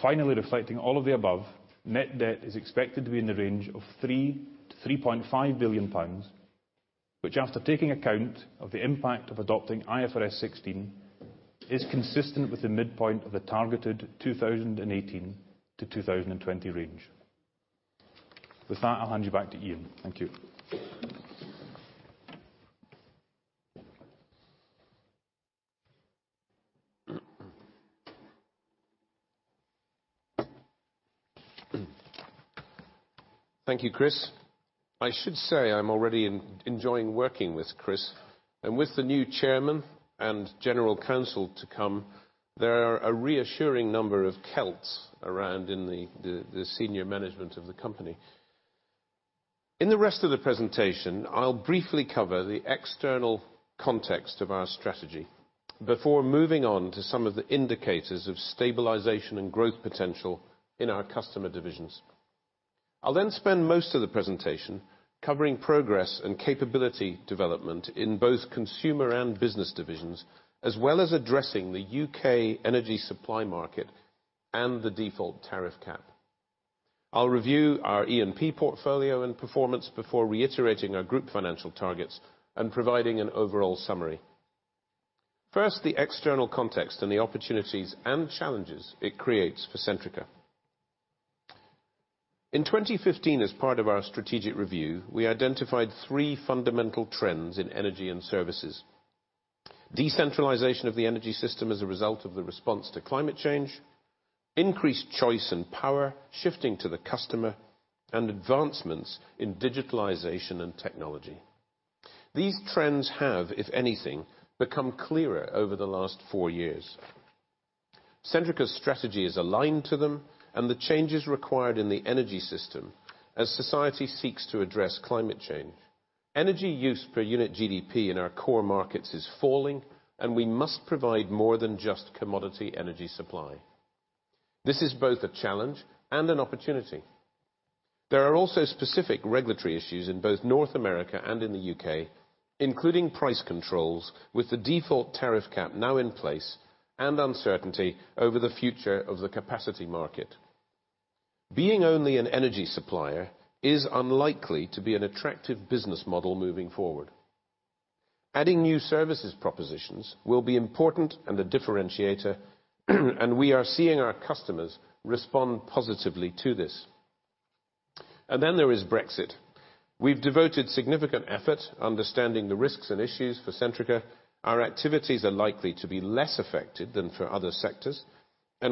Finally, reflecting all of the above, net debt is expected to be in the range of 3 billion-3.5 billion pounds, which after taking account of the impact of adopting IFRS 16, is consistent with the midpoint of the targeted 2018-2020 range. With that, I'll hand you back to Ian. Thank you. Thank you, Chris. I should say I'm already enjoying working with Chris. With the new chairman and general counsel to come, there are a reassuring number of Celts around in the senior management of the company. In the rest of the presentation, I'll briefly cover the external context of our strategy before moving on to some of the indicators of stabilization and growth potential in our customer divisions. I'll then spend most of the presentation covering progress and capability development in both consumer and business divisions, as well as addressing the U.K. energy supply market and the default tariff cap. I'll review our E&P portfolio and performance before reiterating our group financial targets and providing an overall summary. First, the external context and the opportunities and challenges it creates for Centrica. In 2015, as part of our strategic review, we identified three fundamental trends in energy and services. Decentralization of the energy system as a result of the response to climate change, increased choice and power shifting to the customer, and advancements in digitalization and technology. These trends have, if anything, become clearer over the last four years. Centrica's strategy is aligned to them and the changes required in the energy system as society seeks to address climate change. Energy use per unit GDP in our core markets is falling, and we must provide more than just commodity energy supply. This is both a challenge and an opportunity. There are also specific regulatory issues in both North America and in the U.K., including price controls with the default tariff cap now in place, and uncertainty over the future of the capacity market. Being only an energy supplier is unlikely to be an attractive business model moving forward. Adding new services propositions will be important and a differentiator, and we are seeing our customers respond positively to this. Then there is Brexit. We've devoted significant effort understanding the risks and issues for Centrica. Our activities are likely to be less affected than for other sectors.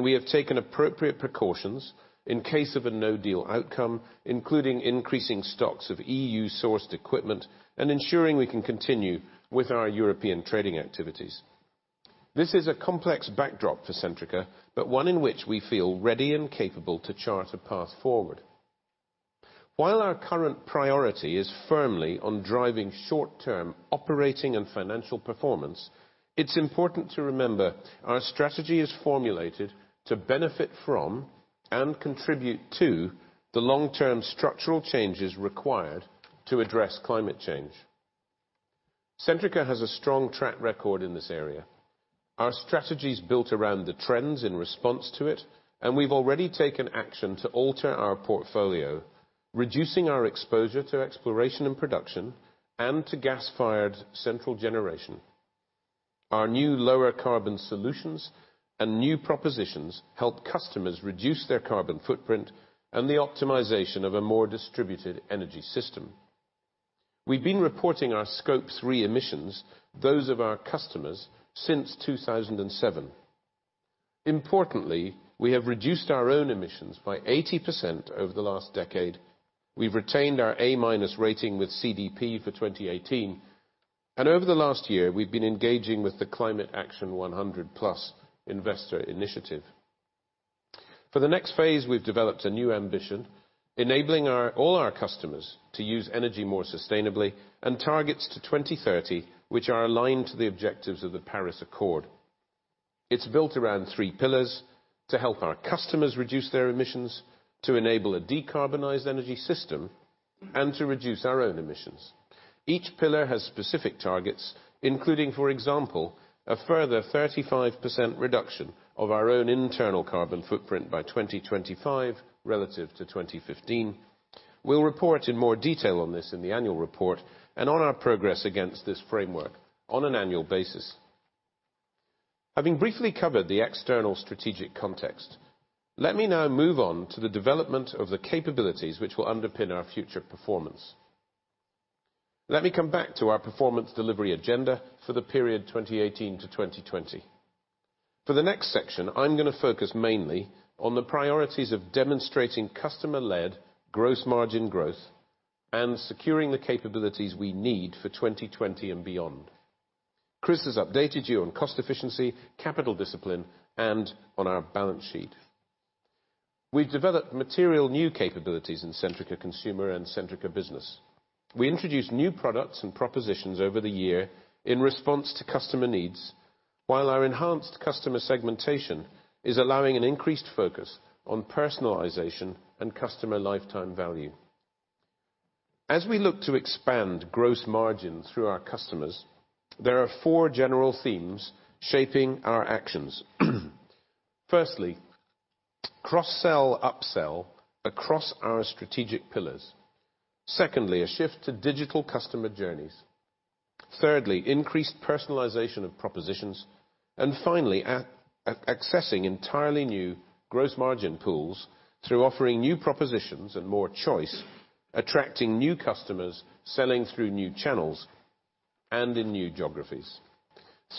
We have taken appropriate precautions in case of a no deal outcome, including increasing stocks of EU-sourced equipment and ensuring we can continue with our European trading activities. This is a complex backdrop for Centrica, but one in which we feel ready and capable to chart a path forward. While our current priority is firmly on driving short-term operating and financial performance, it's important to remember our strategy is formulated to benefit from and contribute to the long-term structural changes required to address climate change. Centrica has a strong track record in this area. Our strategy's built around the trends in response to it, and we've already taken action to alter our portfolio, reducing our exposure to exploration and production, and to gas-fired central generation. Our new lower carbon solutions and new propositions help customers reduce their carbon footprint and the optimization of a more distributed energy system. We've been reporting our Scope 3 emissions, those of our customers, since 2007. Importantly, we have reduced our own emissions by 80% over the last decade. We've retained our A-minus rating with CDP for 2018. Over the last year, we've been engaging with the Climate Action 100+ investor initiative. For the next phase, we've developed a new ambition, enabling all our customers to use energy more sustainably, and targets to 2030, which are aligned to the objectives of the Paris Agreement. It's built around three pillars to help our customers reduce their emissions, to enable a decarbonized energy system, and to reduce our own emissions. Each pillar has specific targets, including, for example, a further 35% reduction of our own internal carbon footprint by 2025, relative to 2015. We'll report in more detail on this in the annual report and on our progress against this framework on an annual basis. Having briefly covered the external strategic context, let me now move on to the development of the capabilities which will underpin our future performance. Let me come back to our performance delivery agenda for the period 2018 to 2020. For the next section, I'm going to focus mainly on the priorities of demonstrating customer-led gross margin growth and securing the capabilities we need for 2020 and beyond. Chris has updated you on cost efficiency, capital discipline, and on our balance sheet. We've developed material new capabilities in Centrica Consumer and Centrica Business. We introduced new products and propositions over the year in response to customer needs, while our enhanced customer segmentation is allowing an increased focus on personalization and customer lifetime value. As we look to expand gross margin through our customers, there are four general themes shaping our actions. Firstly, cross-sell, up-sell across our strategic pillars. Secondly, a shift to digital customer journeys. Thirdly, increased personalization of propositions. Finally, accessing entirely new gross margin pools through offering new propositions and more choice, attracting new customers, selling through new channels and in new geographies.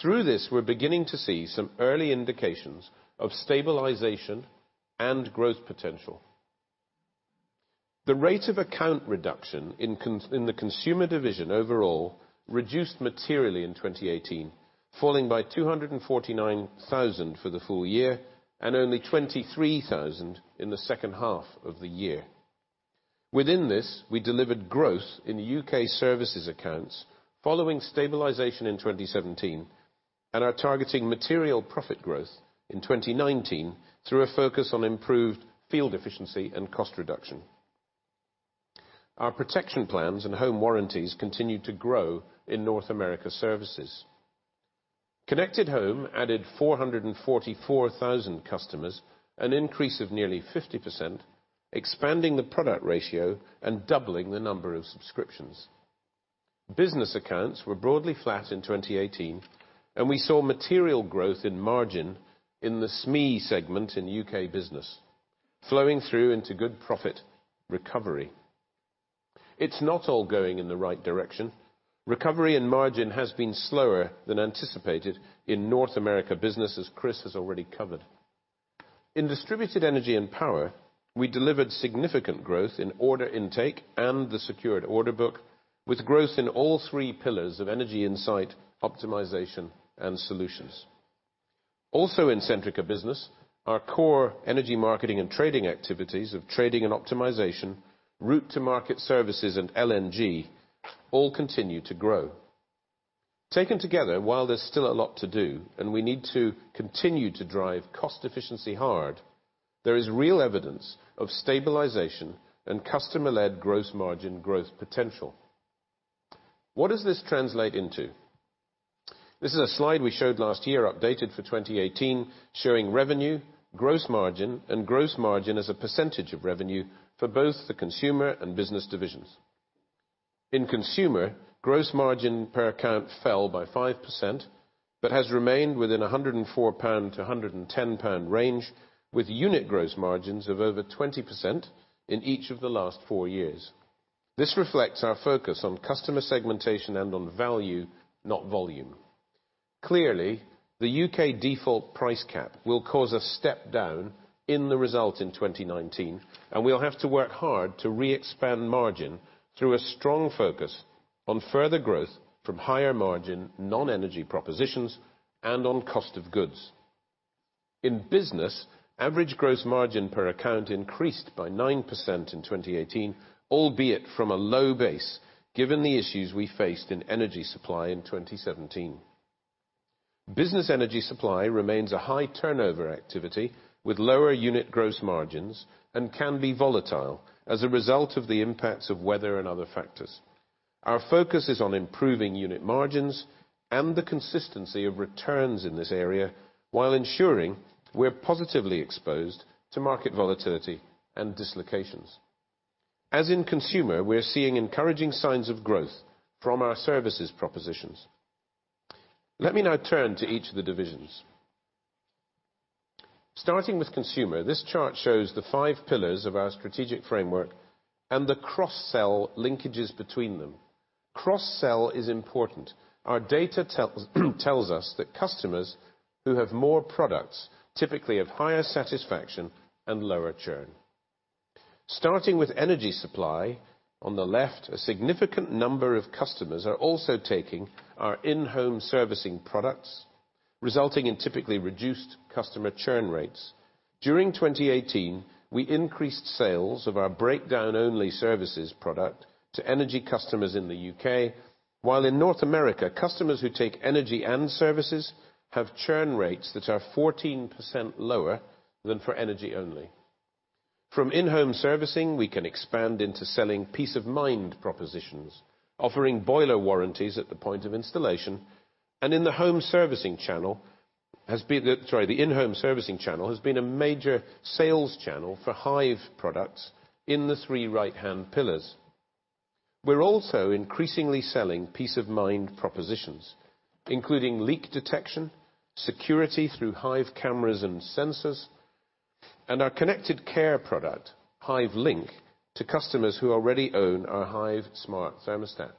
Through this, we're beginning to see some early indications of stabilization and growth potential. The rate of account reduction in the Consumer division overall reduced materially in 2018, falling by 249,000 for the full year and only 23,000 in the second half of the year. Within this, we delivered growth in the U.K. Services accounts following stabilization in 2017 and are targeting material profit growth in 2019 through a focus on improved field efficiency and cost reduction. Our protection plans and home warranties continued to grow in North America Services. Connected Home added 444,000 customers, an increase of nearly 50%, expanding the product ratio and doubling the number of subscriptions. Business accounts were broadly flat in 2018, and we saw material growth in margin in the SME segment in U.K. Business, flowing through into good profit recovery. It's not all going in the right direction. Recovery and margin has been slower than anticipated in North America Business, as Chris has already covered. In Distributed Energy & Power, we delivered significant growth in order intake and the secured order book with growth in all three pillars of energy insight, optimization, and solutions. Also in Centrica Business, our core Energy Marketing & Trading activities of trading and optimization, route to market services, and LNG all continue to grow. Taken together, while there's still a lot to do and we need to continue to drive cost efficiency hard, there is real evidence of stabilization and customer-led gross margin growth potential. What does this translate into? This is a slide we showed last year updated for 2018, showing revenue, gross margin, and gross margin as a percentage of revenue for both the Consumer and Business divisions. In Consumer, gross margin per account fell by 5% but has remained within 104-110 pound range, with unit gross margins of over 20% in each of the last four years. This reflects our focus on customer segmentation and on value, not volume. Clearly, the U.K. Default Price Cap will cause a step down in the result in 2019, we'll have to work hard to re-expand margin through a strong focus on further growth from higher margin non-energy propositions and on cost of goods. In business, average gross margin per account increased by 9% in 2018, albeit from a low base, given the issues we faced in energy supply in 2017. Business energy supply remains a high turnover activity with lower unit gross margins and can be volatile as a result of the impacts of weather and other factors. Our focus is on improving unit margins and the consistency of returns in this area, while ensuring we're positively exposed to market volatility and dislocations. As in consumer, we are seeing encouraging signs of growth from our services propositions. Let me now turn to each of the divisions. Starting with Consumer, this chart shows the five pillars of our strategic framework and the cross-sell linkages between them. Cross-sell is important. Our data tells us that customers who have more products typically have higher satisfaction and lower churn. Starting with energy supply, on the left, a significant number of customers are also taking our in-home servicing products, resulting in typically reduced customer churn rates. During 2018, we increased sales of our breakdown-only services product to energy customers in the U.K., while in North America, customers who take energy and services have churn rates that are 14% lower than for energy only. From in-home servicing, we can expand into selling peace of mind propositions, offering boiler warranties at the point of installation, and the in-home servicing channel has been a major sales channel for Hive products in the three right-hand pillars. We're also increasingly selling peace of mind propositions, including leak detection, security through Hive cameras and sensors, and our connected care product, Hive Link, to customers who already own our Hive smart thermostat.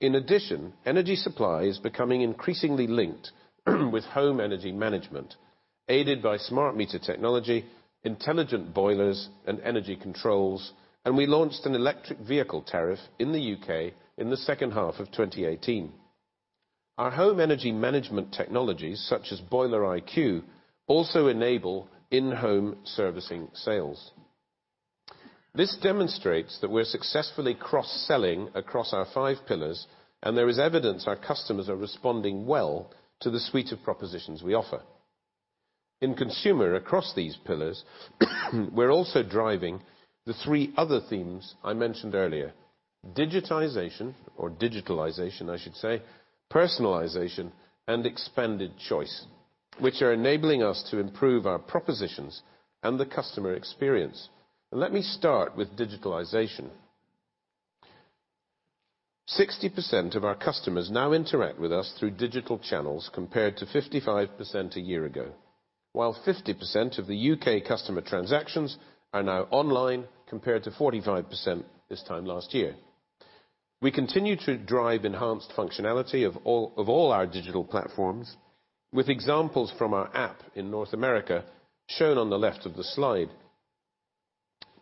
In addition, energy supply is becoming increasingly linked with home energy management, aided by smart meter technology, intelligent boilers, and energy controls, and we launched an electric vehicle tariff in the U.K. in the second half of 2018. Our home energy management technologies, such as Boiler IQ, also enable in-home servicing sales. This demonstrates that we're successfully cross-selling across our five pillars, and there is evidence our customers are responding well to the suite of propositions we offer. In Consumer, across these pillars, we're also driving the three other themes I mentioned earlier: digitization, or digitalization, I should say, personalization, and expanded choice, which are enabling us to improve our propositions and the customer experience. Let me start with digitalization. 60% of our customers now interact with us through digital channels, compared to 55% a year ago, while 50% of the U.K. customer transactions are now online, compared to 45% this time last year. We continue to drive enhanced functionality of all our digital platforms with examples from our app in North America shown on the left of the slide.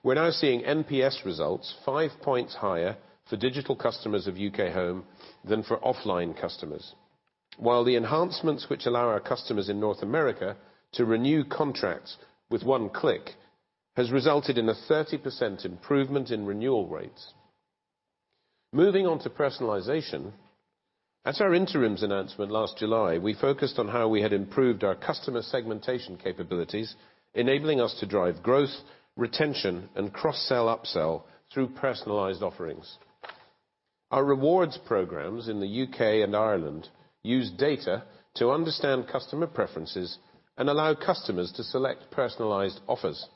We're now seeing NPS results five points higher for digital customers of UK Home than for offline customers. While the enhancements which allow our customers in North America to renew contracts with one click has resulted in a 30% improvement in renewal rates. Moving on to personalization. At our interims announcement last July, we focused on how we had improved our customer segmentation capabilities, enabling us to drive growth, retention, and cross-sell/upsell through personalized offerings. Our rewards programs in the U.K. and Ireland use data to understand customer preferences and allow customers to select personalized offers.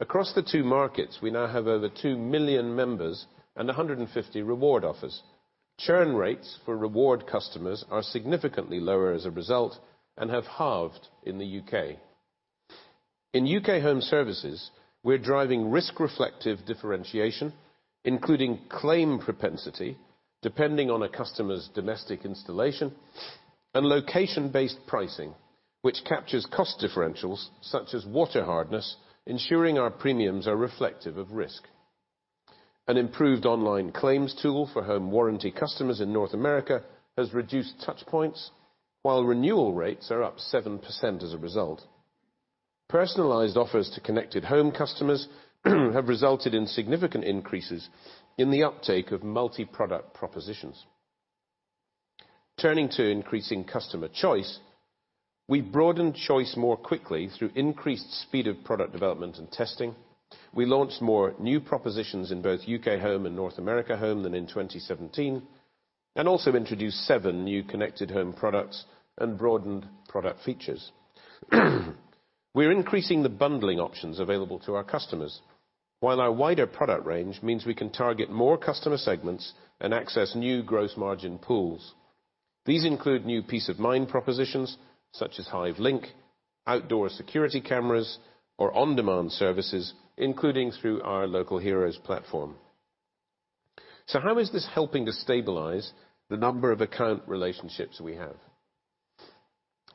Across the two markets, we now have over two million members and 150 reward offers. Churn rates for reward customers are significantly lower as a result and have halved in the U.K. In UK Home services, we're driving risk-reflective differentiation, including claim propensity, depending on a customer's domestic installation, and location-based pricing, which captures cost differentials such as water hardness, ensuring our premiums are reflective of risk. An improved online claims tool for home warranty customers in North America has reduced touch points, while renewal rates are up 7% as a result. Personalized offers to Connected Home customers have resulted in significant increases in the uptake of multi-product propositions. Turning to increasing customer choice, we broadened choice more quickly through increased speed of product development and testing. We launched more new propositions in both UK Home and North America Home than in 2017, and also introduced seven new Connected Home products and broadened product features. We are increasing the bundling options available to our customers, while our wider product range means we can target more customer segments and access new gross margin pools. These include new peace-of-mind propositions, such as Hive Link, outdoor security cameras, or on-demand services, including through our Local Heroes platform. How is this helping to stabilize the number of account relationships we have?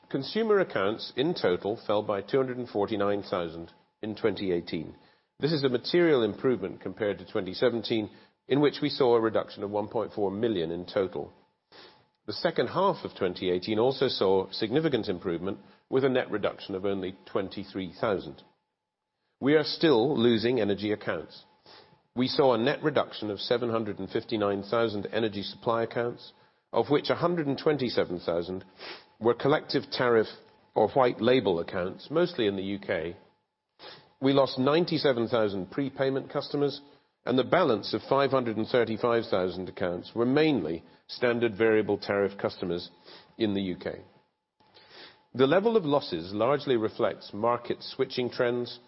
Consumer accounts in total fell by 249,000 in 2018. This is a material improvement compared to 2017, in which we saw a reduction of 1.4 million in total. The second half of 2018 also saw significant improvement, with a net reduction of only 23,000. We are still losing energy accounts. We saw a net reduction of 759,000 energy supply accounts, of which 127,000 were collective tariff or white label accounts, mostly in the U.K. We lost 97,000 prepayment customers, and the balance of 535,000 accounts were mainly standard variable tariff customers in the U.K. The level of losses largely reflects market switching trends,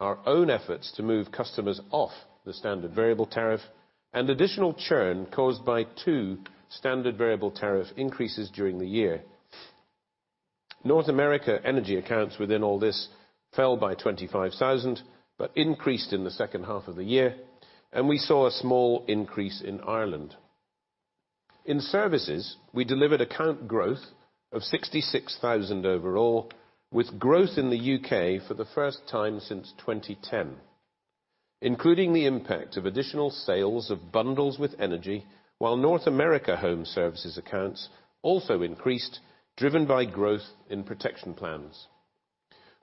our own efforts to move customers off the standard variable tariff, and additional churn caused by two standard variable tariff increases during the year. North America energy accounts within all this fell by 25,000, but increased in the second half of the year, and we saw a small increase in Ireland. In services, we delivered account growth of 66,000 overall, with growth in the U.K. for the first time since 2010, including the impact of additional sales of bundles with energy, while North America home services accounts also increased, driven by growth in protection plans.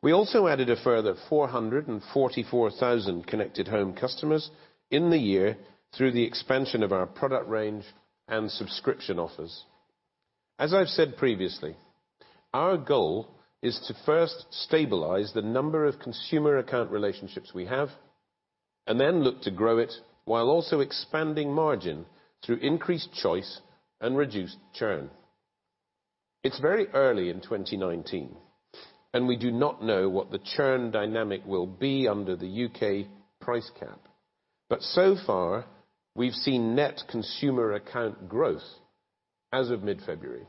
We also added a further 444,000 Connected Home customers in the year through the expansion of our product range and subscription offers. As I have said previously, our goal is to first stabilize the number of consumer account relationships we have and then look to grow it while also expanding margin through increased choice and reduced churn. It is very early in 2019, and we do not know what the churn dynamic will be under the U.K. price cap. But so far, we have seen net consumer account growth as of mid-February.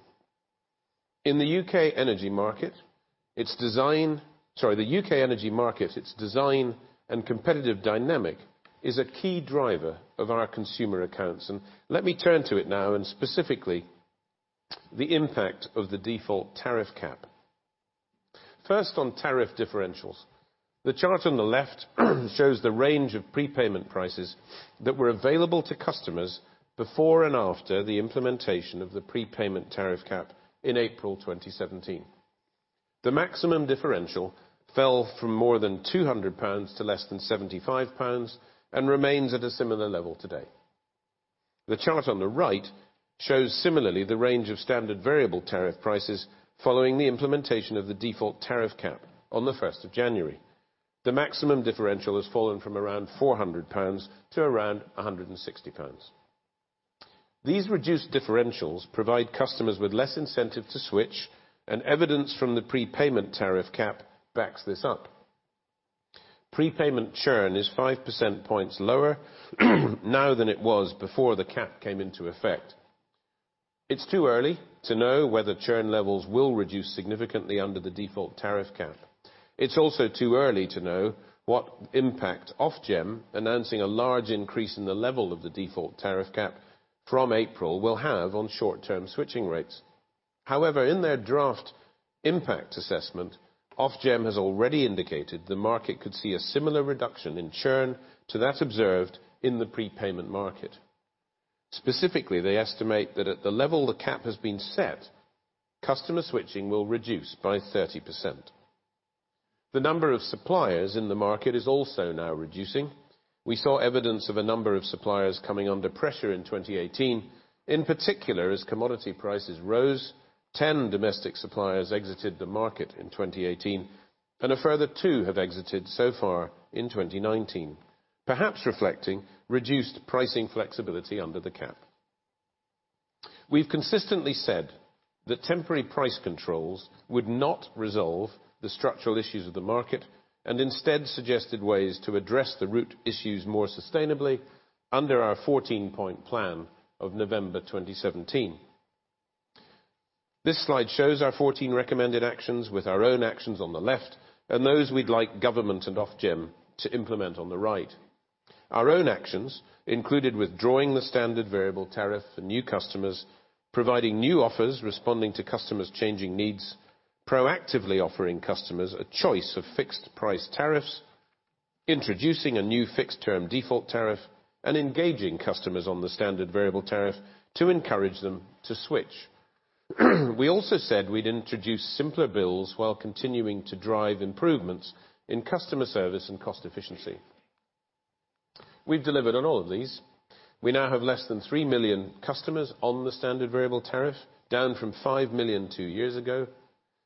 In the U.K. energy market, its design and competitive dynamic is a key driver of our consumer accounts. Let me turn to it now, and specifically, the impact of the default tariff cap. First, on tariff differentials. The chart on the left shows the range of prepayment prices that were available to customers before and after the implementation of the prepayment tariff cap in April 2017. The maximum differential fell from more than 200 pounds to less than 75 pounds and remains at a similar level today. The chart on the right shows similarly the range of standard variable tariff prices following the implementation of the default tariff cap on the 1st of January. The maximum differential has fallen from around 400 pounds to around 160 pounds. These reduced differentials provide customers with less incentive to switch, and evidence from the prepayment tariff cap backs this up. Prepayment churn is 5% points lower now than it was before the cap came into effect. It is too early to know whether churn levels will reduce significantly under the default tariff cap. It's also too early to know what impact Ofgem announcing a large increase in the level of the default tariff cap from April will have on short-term switching rates. However, in their draft impact assessment, Ofgem has already indicated the market could see a similar reduction in churn to that observed in the prepayment market. Specifically, they estimate that at the level the cap has been set, customer switching will reduce by 30%. The number of suppliers in the market is also now reducing. We saw evidence of a number of suppliers coming under pressure in 2018. In particular, as commodity prices rose, 10 domestic suppliers exited the market in 2018, and a further two have exited so far in 2019, perhaps reflecting reduced pricing flexibility under the cap. We've consistently said that temporary price controls would not resolve the structural issues of the market and instead suggested ways to address the root issues more sustainably under our 14-point plan of November 2017. This slide shows our 14 recommended actions with our own actions on the left and those we'd like government and Ofgem to implement on the right. Our own actions included withdrawing the standard variable tariff for new customers, providing new offers responding to customers' changing needs, proactively offering customers a choice of fixed-price tariffs, introducing a new fixed-term default tariff, and engaging customers on the standard variable tariff to encourage them to switch. We also said we'd introduce simpler bills while continuing to drive improvements in customer service and cost efficiency. We've delivered on all of these. We now have less than 3 million customers on the standard variable tariff, down from 5 million two years ago.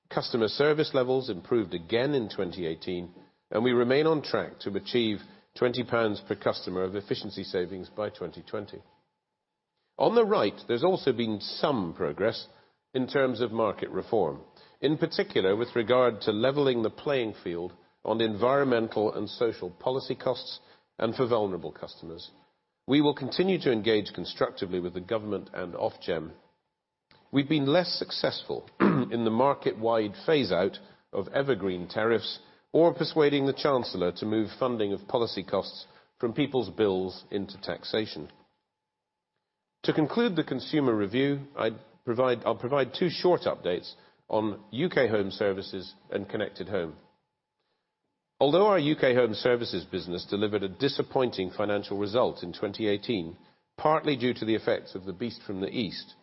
Customer service levels improved again in 2018, and we remain on track to achieve 20 pounds per customer of efficiency savings by 2020. On the right, there's also been some progress in terms of market reform, in particular, with regard to leveling the playing field on environmental and social policy costs and for vulnerable customers. We will continue to engage constructively with the government and Ofgem. We've been less successful in the market-wide phaseout of evergreen tariffs or persuading the Chancellor to move funding of policy costs from people's bills into taxation. To conclude the consumer review, I'll provide two short updates on U.K. Home Services and Connected Home. Although our U.K. Home Services business delivered a disappointing financial result in 2018, partly due to the effects of the Beast from the East,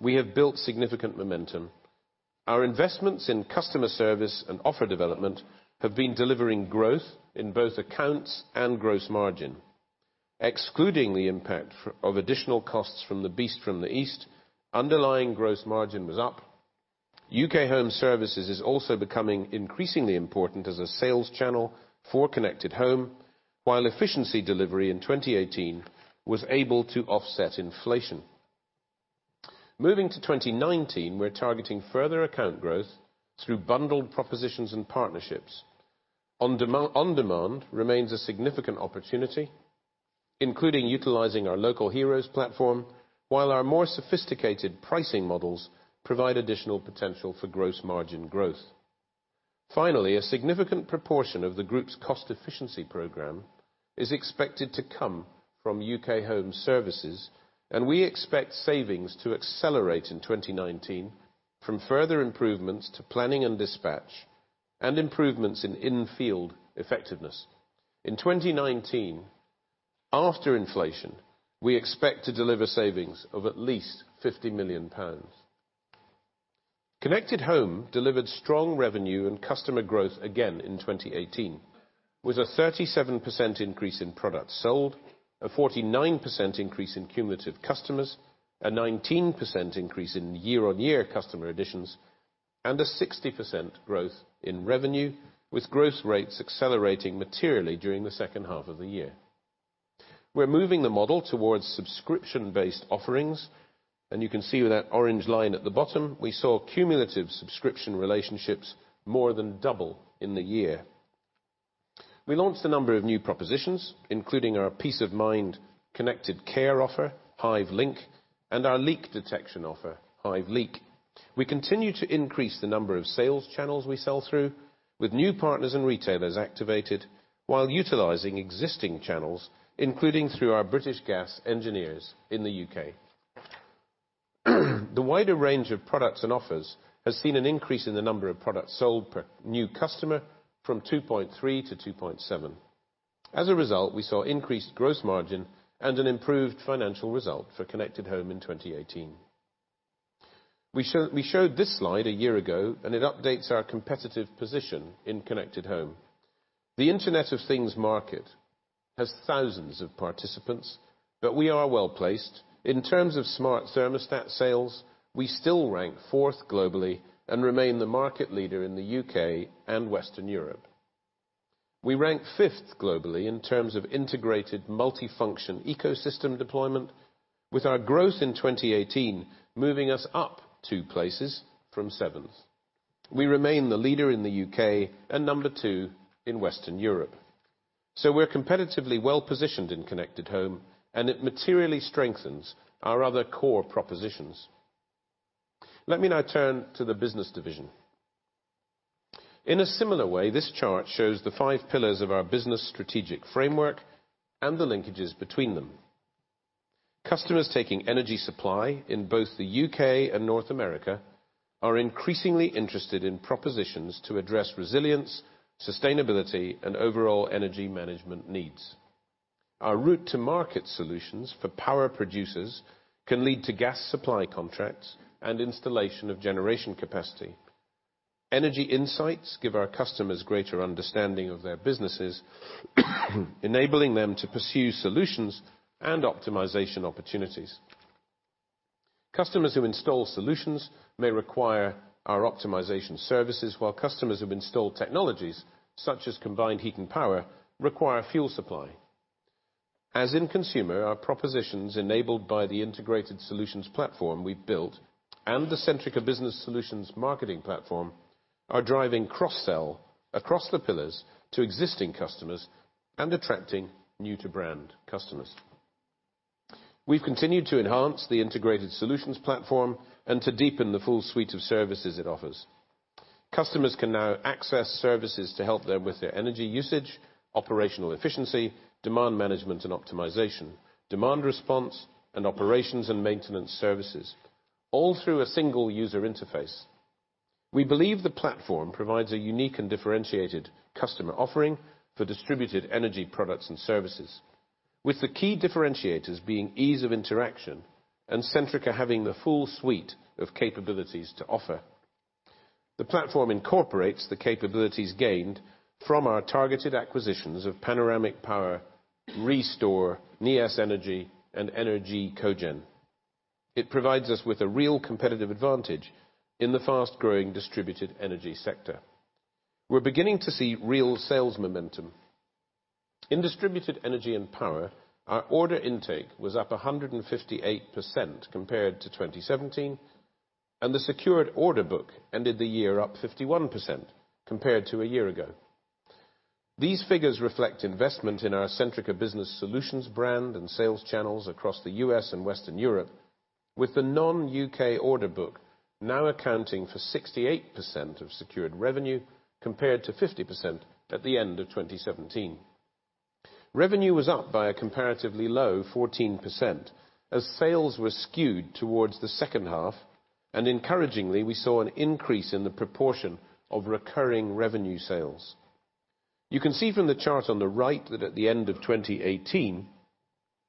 we have built significant momentum. Our investments in customer service and offer development have been delivering growth in both accounts and gross margin. Excluding the impact of additional costs from the Beast from the East, underlying gross margin was up. U.K. Home Services is also becoming increasingly important as a sales channel for Connected Home, while efficiency delivery in 2018 was able to offset inflation. Moving to 2019, we're targeting further account growth through bundled propositions and partnerships. On-demand remains a significant opportunity, including utilizing our Local Heroes platform, while our more sophisticated pricing models provide additional potential for gross margin growth. A significant proportion of the group's cost efficiency program is expected to come from UK Home Services, and we expect savings to accelerate in 2019 from further improvements to planning and dispatch, and improvements in in-field effectiveness. In 2019, after inflation, we expect to deliver savings of at least 50 million pounds. Connected Home delivered strong revenue and customer growth again in 2018, with a 37% increase in products sold, a 49% increase in cumulative customers, a 19% increase in year-on-year customer additions, and a 60% growth in revenue, with gross rates accelerating materially during the second half of the year. We're moving the model towards subscription-based offerings, and you can see with that orange line at the bottom, we saw cumulative subscription relationships more than double in the year. We launched a number of new propositions, including our peace of mind connected care offer, Hive Link, and our leak detection offer, Hive Leak. We continue to increase the number of sales channels we sell through with new partners and retailers activated while utilizing existing channels, including through our British Gas engineers in the U.K. The wider range of products and offers has seen an increase in the number of products sold per new customer from 2.3 to 2.7. As a result, we saw increased gross margin and an improved financial result for Connected Home in 2018. We showed this slide a year ago, and it updates our competitive position in Connected Home. The Internet of Things market has thousands of participants, but we are well-placed. In terms of smart thermostat sales, we still rank fourth globally and remain the market leader in the U.K. and Western Europe. We rank fifth globally in terms of integrated multifunction ecosystem deployment, with our growth in 2018 moving us up two places from seventh. We remain the leader in the U.K. and number two in Western Europe. We're competitively well-positioned in Connected Home, and it materially strengthens our other core propositions. Let me now turn to the business division. In a similar way, this chart shows the five pillars of our business strategic framework and the linkages between them. Customers taking energy supply in both the U.K. and North America are increasingly interested in propositions to address resilience, sustainability, and overall energy management needs. Our route to market solutions for power producers can lead to gas supply contracts and installation of generation capacity. Energy insights give our customers greater understanding of their businesses, enabling them to pursue solutions and optimization opportunities. Customers who install solutions may require our optimization services, while customers who have installed technologies such as combined heat and power require fuel supply. As in consumer, our propositions enabled by the integrated solutions platform we built and the Centrica Business Solutions marketing platform are driving cross-sell across the pillars to existing customers and attracting new-to-brand customers. We've continued to enhance the integrated solutions platform and to deepen the full suite of services it offers. Customers can now access services to help them with their energy usage, operational efficiency, demand management and optimization, demand response, and operations and maintenance services, all through a single user interface. We believe the platform provides a unique and differentiated customer offering for distributed energy products and services. With the key differentiators being ease of interaction and Centrica having the full suite of capabilities to offer. The platform incorporates the capabilities gained from our targeted acquisitions of Panoramic Power, REstore, Neas Energy, and ENER-G Cogen. It provides us with a real competitive advantage in the fast-growing Distributed Energy & Power sector. We're beginning to see real sales momentum. In Distributed Energy & Power, our order intake was up 158% compared to 2017. The secured order book ended the year up 51% compared to a year ago. These figures reflect investment in our Centrica Business Solutions brand and sales channels across the U.S. and Western Europe, with the non-U.K. order book now accounting for 68% of secured revenue, compared to 50% at the end of 2017. Revenue was up by a comparatively low 14% as sales were skewed towards the second half, and encouragingly, we saw an increase in the proportion of recurring revenue sales. You can see from the chart on the right that at the end of 2018,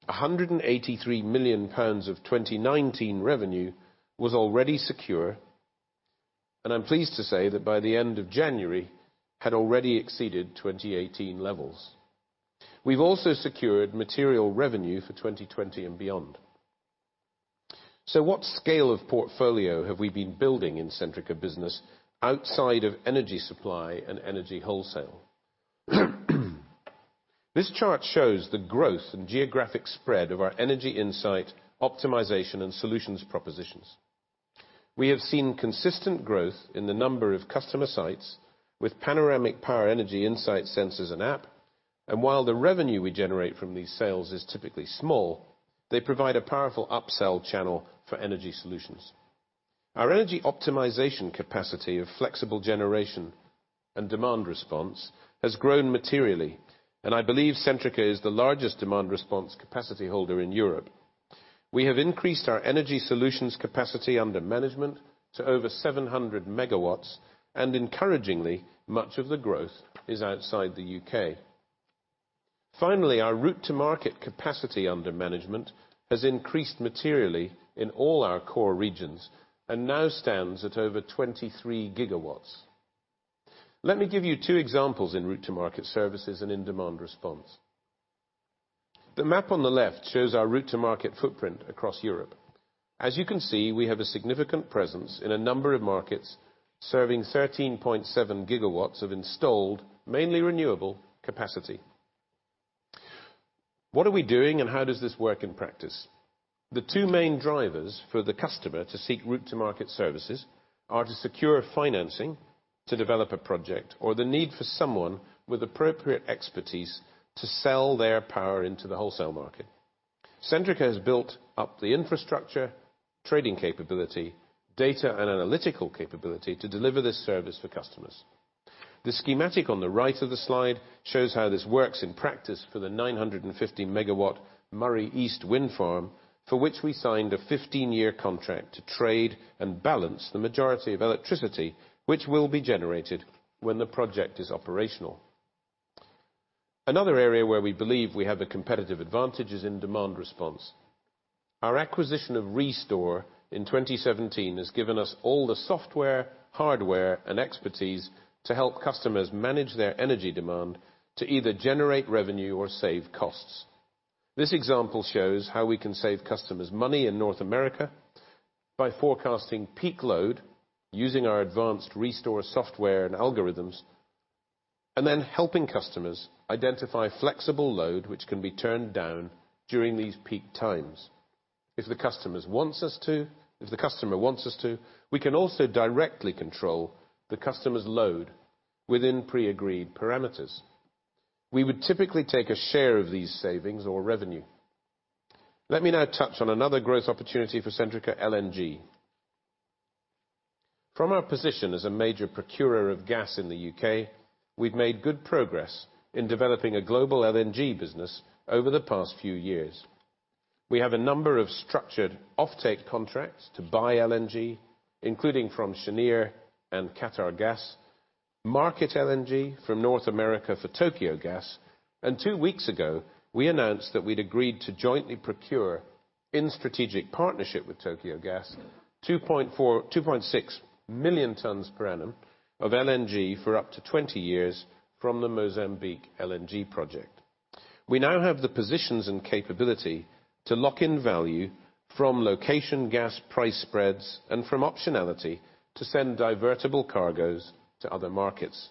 183 million pounds of 2019 revenue was already secure, and I'm pleased to say that by the end of January had already exceeded 2018 levels. We've also secured material revenue for 2020 and beyond. What scale of portfolio have we been building in Centrica Business outside of energy supply and energy wholesale? This chart shows the growth and geographic spread of our energy insight, optimization, and solutions propositions. We have seen consistent growth in the number of customer sites with Panoramic Power energy insight sensors and app, and while the revenue we generate from these sales is typically small, they provide a powerful upsell channel for energy solutions. Our energy optimization capacity of flexible generation and demand response has grown materially, and I believe Centrica is the largest demand response capacity holder in Europe. We have increased our energy solutions capacity under management to over 700 MW, and encouragingly, much of the growth is outside the U.K. Our route-to-market capacity under management has increased materially in all our core regions and now stands at over 23 GW. Let me give you two examples in route-to-market services and in-demand response. The map on the left shows our route-to-market footprint across Europe. You can see, we have a significant presence in a number of markets, serving 13.7 GW of installed, mainly renewable capacity. What are we doing and how does this work in practice? The two main drivers for the customer to seek route-to-market services are to secure financing to develop a project or the need for someone with appropriate expertise to sell their power into the wholesale market. Centrica has built up the infrastructure, trading capability, data, and analytical capability to deliver this service for customers. The schematic on the right of the slide shows how this works in practice for the 950 MW Moray East Wind Farm, for which we signed a 15-year contract to trade and balance the majority of electricity which will be generated when the project is operational. Another area where we believe we have a competitive advantage is in-demand response. Our acquisition of REstore in 2017 has given us all the software, hardware, and expertise to help customers manage their energy demand to either generate revenue or save costs. This example shows how we can save customers money in North America by forecasting peak load, using our advanced REstore software and algorithms, and then helping customers identify flexible load which can be turned down during these peak times. If the customer wants us to, we can also directly control the customer's load within pre-agreed parameters. We would typically take a share of these savings or revenue. Let me now touch on another growth opportunity for Centrica LNG. From our position as a major procurer of gas in the U.K., we've made good progress in developing a global LNG business over the past few years. We have a number of structured offtake contracts to buy LNG, including from Cheniere and Qatargas, market LNG from North America for Tokyo Gas, and two weeks ago, we announced that we'd agreed to jointly procure in strategic partnership with Tokyo Gas, 2.6 million tons per annum of LNG for up to 20 years from the Mozambique LNG project. We now have the positions and capability to lock in value from location gas price spreads and from optionality to send divertible cargos to other markets.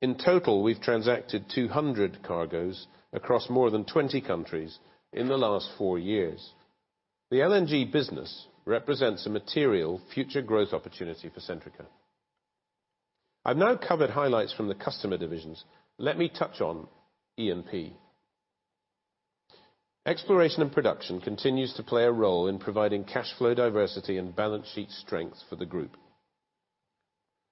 In total, we've transacted 200 cargos across more than 20 countries in the last four years. The LNG business represents a material future growth opportunity for Centrica. I've now covered highlights from the customer divisions. Let me touch on E&P. Exploration and production continues to play a role in providing cash flow diversity and balance sheet strength for the group.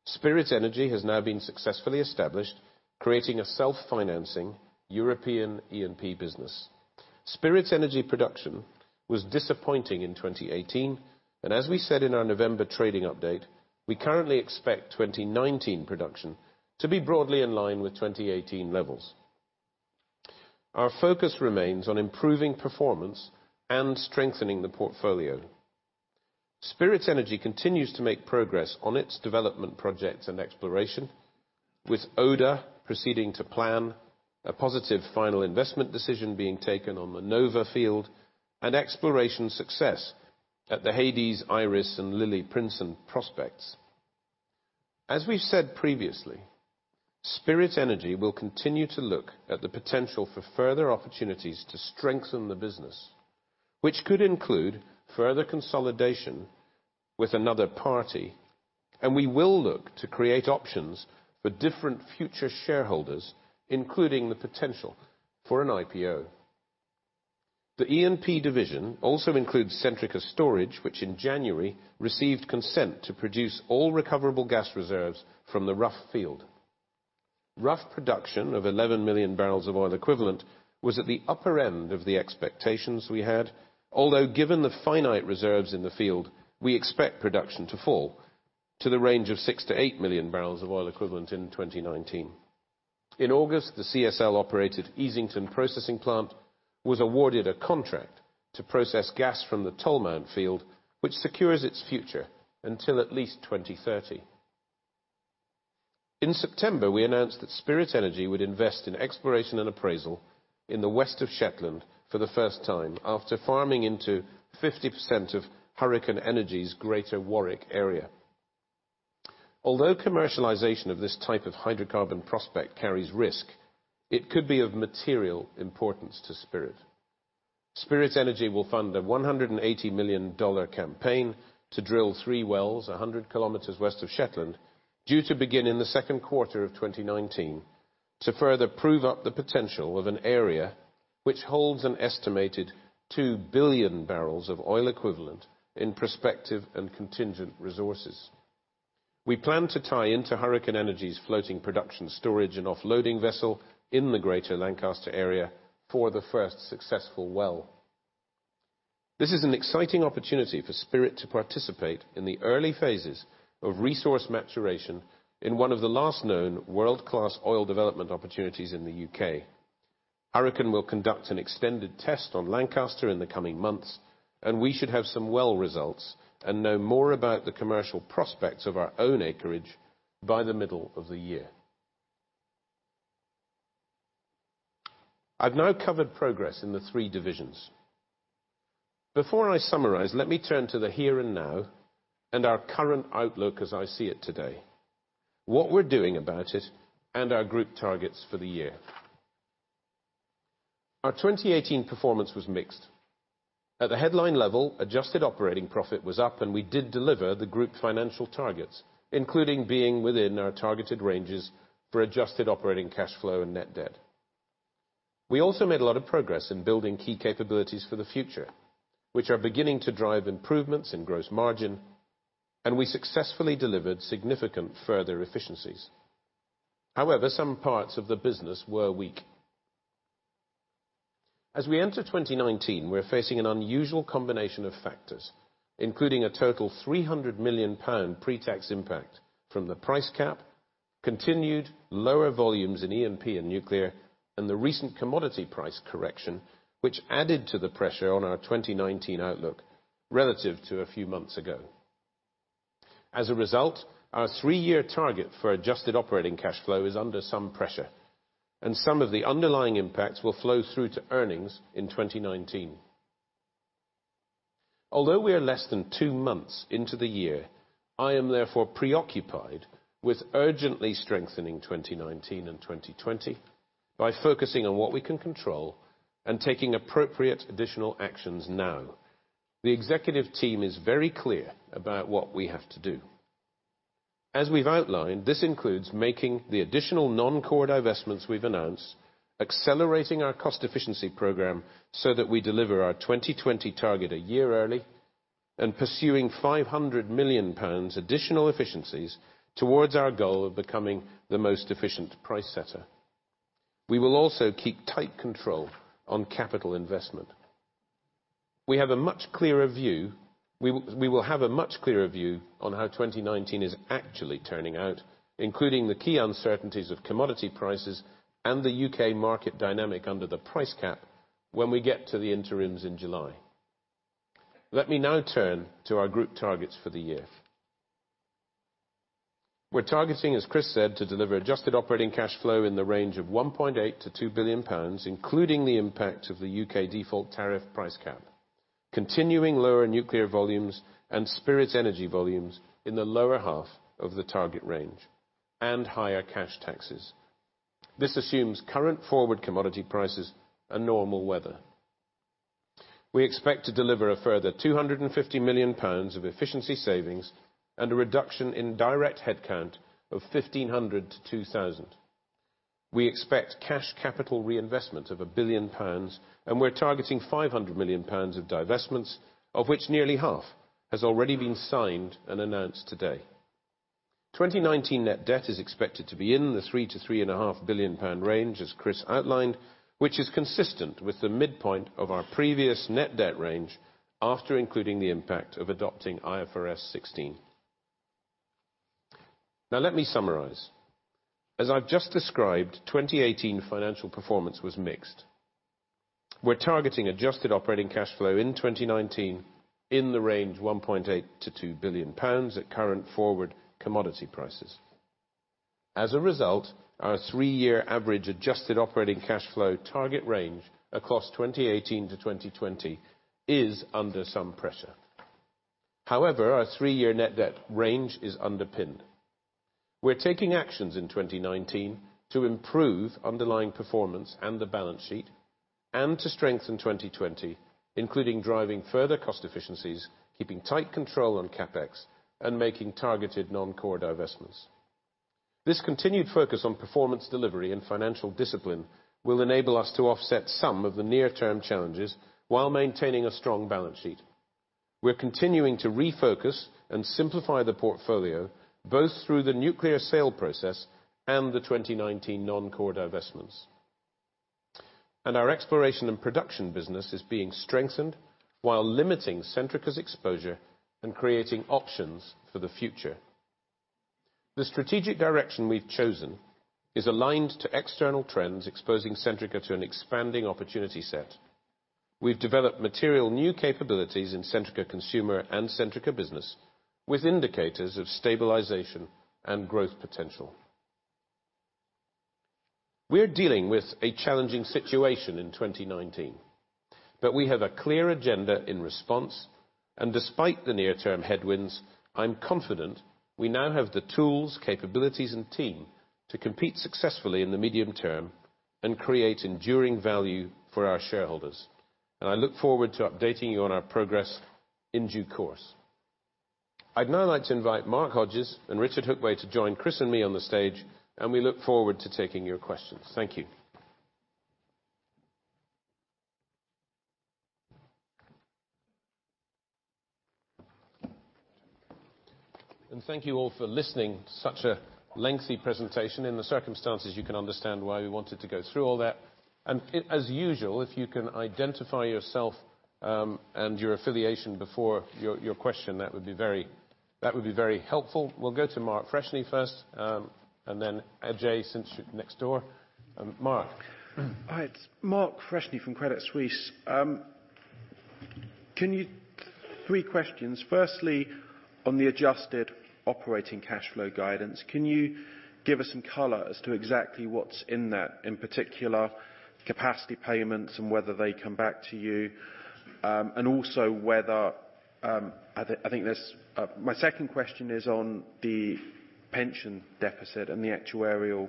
Spirit Energy has now been successfully established, creating a self-financing European E&P business. Spirit Energy production was disappointing in 2018, and as we said in our November trading update, we currently expect 2019 production to be broadly in line with 2018 levels. Our focus remains on improving performance and strengthening the portfolio. Spirit Energy continues to make progress on its development projects and exploration, with Oda proceeding to plan a positive final investment decision being taken on the Nova field and exploration success at the Hades, Iris, and Lille-Prinsen prospects. As we've said previously, Spirit Energy will continue to look at the potential for further opportunities to strengthen the business, which could include further consolidation with another party, and we will look to create options for different future shareholders, including the potential for an IPO. The E&P division also includes Centrica Storage, which in January received consent to produce all recoverable gas reserves from the Rough field. Rough production of 11 million barrels of oil equivalent was at the upper end of the expectations we had, although given the finite reserves in the field, we expect production to fall to the range of 6 million-8 million barrels of oil equivalent in 2019. In August, the CSL-operated Easington processing plant was awarded a contract to process gas from the Tolmount field, which secures its future until at least 2030. In September, we announced that Spirit Energy would invest in exploration and appraisal in the west of Shetland for the first time after farming into 50% of Hurricane Energy's Greater Warwick Area. Although commercialization of this type of hydrocarbon prospect carries risk, it could be of material importance to Spirit. Spirit Energy will fund a GBP 180 million campaign to drill three wells 100 km west of Shetland, due to begin in the second quarter of 2019 to further prove up the potential of an area which holds an estimated two billion barrels of oil equivalent in prospective and contingent resources. We plan to tie into Hurricane Energy's floating production storage and offloading vessel in the Greater Lancaster Area for the first successful well. This is an exciting opportunity for Spirit to participate in the early phases of resource maturation in one of the last known world-class oil development opportunities in the U.K. Hurricane will conduct an extended test on Lancaster in the coming months, and we should have some well results and know more about the commercial prospects of our own acreage by the middle of the year. I've now covered progress in the three divisions. Before I summarize, let me turn to the here and now and our current outlook as I see it today, what we're doing about it, and our group targets for the year. Our 2018 performance was mixed. At the headline level, adjusted operating profit was up. We did deliver the group financial targets, including being within our targeted ranges for adjusted operating cash flow and net debt. We also made a lot of progress in building key capabilities for the future, which are beginning to drive improvements in gross margin. We successfully delivered significant further efficiencies. Some parts of the business were weak. As we enter 2019, we're facing an unusual combination of factors, including a total 300 million pound pre-tax impact from the price cap, continued lower volumes in E&P and nuclear, and the recent commodity price correction, which added to the pressure on our 2019 outlook relative to a few months ago. As a result, our three-year target for adjusted operating cash flow is under some pressure. Some of the underlying impacts will flow through to earnings in 2019. Although we are less than two months into the year, I am therefore preoccupied with urgently strengthening 2019 and 2020 by focusing on what we can control and taking appropriate additional actions now. The executive team is very clear about what we have to do. As we've outlined, this includes making the additional non-core divestments we've announced, accelerating our cost efficiency program so that we deliver our 2020 target a year early. Pursuing 500 million pounds additional efficiencies towards our goal of becoming the most efficient price setter. We will also keep tight control on capital investment. We will have a much clearer view on how 2019 is actually turning out, including the key uncertainties of commodity prices and the U.K. market dynamic under the price cap, when we get to the interims in July. Let me now turn to our group targets for the year. We're targeting, as Chris said, to deliver adjusted operating cash flow in the range of 1.8 billion-2 billion pounds, including the impact of the U.K. default tariff price cap, continuing lower nuclear volumes and Spirit Energy volumes in the lower half of the target range. Higher cash taxes. This assumes current forward commodity prices and normal weather. We expect to deliver a further 250 million pounds of efficiency savings and a reduction in direct headcount of 1,500-2,000. We expect cash capital reinvestment of 1 billion pounds. We're targeting 500 million pounds of divestments, of which nearly half has already been signed and announced today. 2019 net debt is expected to be in the 3 billion-3.5 billion pound range, as Chris outlined, which is consistent with the midpoint of our previous net debt range after including the impact of adopting IFRS 16. Let me summarize. As I've just described, 2018 financial performance was mixed. We're targeting adjusted operating cash flow in 2019 in the range 1.8 billion-2 billion pounds at current forward commodity prices. As a result, our three-year average adjusted operating cash flow target range across 2018 to 2020 is under some pressure. Our three-year net debt range is underpinned. We're taking actions in 2019 to improve underlying performance and the balance sheet, and to strengthen 2020, including driving further cost efficiencies, keeping tight control on CapEx, and making targeted non-core divestments. This continued focus on performance delivery and financial discipline will enable us to offset some of the near-term challenges, while maintaining a strong balance sheet. We're continuing to refocus and simplify the portfolio, both through the nuclear sale process and the 2019 non-core divestments. Our exploration and production business is being strengthened, while limiting Centrica's exposure and creating options for the future. The strategic direction we've chosen is aligned to external trends, exposing Centrica to an expanding opportunity set. We've developed material new capabilities in Centrica Consumer and Centrica Business, with indicators of stabilization and growth potential. We're dealing with a challenging situation in 2019. We have a clear agenda in response. Despite the near-term headwinds, I'm confident we now have the tools, capabilities, and team to compete successfully in the medium term and create enduring value for our shareholders. I look forward to updating you on our progress in due course. I'd now like to invite Mark Hodges and Richard Hookway to join Chris and me on the stage. We look forward to taking your questions. Thank you. Thank you all for listening to such a lengthy presentation. In the circumstances, you can understand why we wanted to go through all that. As usual, if you can identify yourself and your affiliation before your question, that would be very helpful. We'll go to Mark Freshney first, and then Ajay since you're next door. Mark? Hi, it's Mark Freshney from Credit Suisse. Three questions. Firstly, on the adjusted operating cash flow guidance, can you give us some color as to exactly what's in that? In particular, capacity payments and whether they come back to you. My second question is on the pension deficit and the actuarial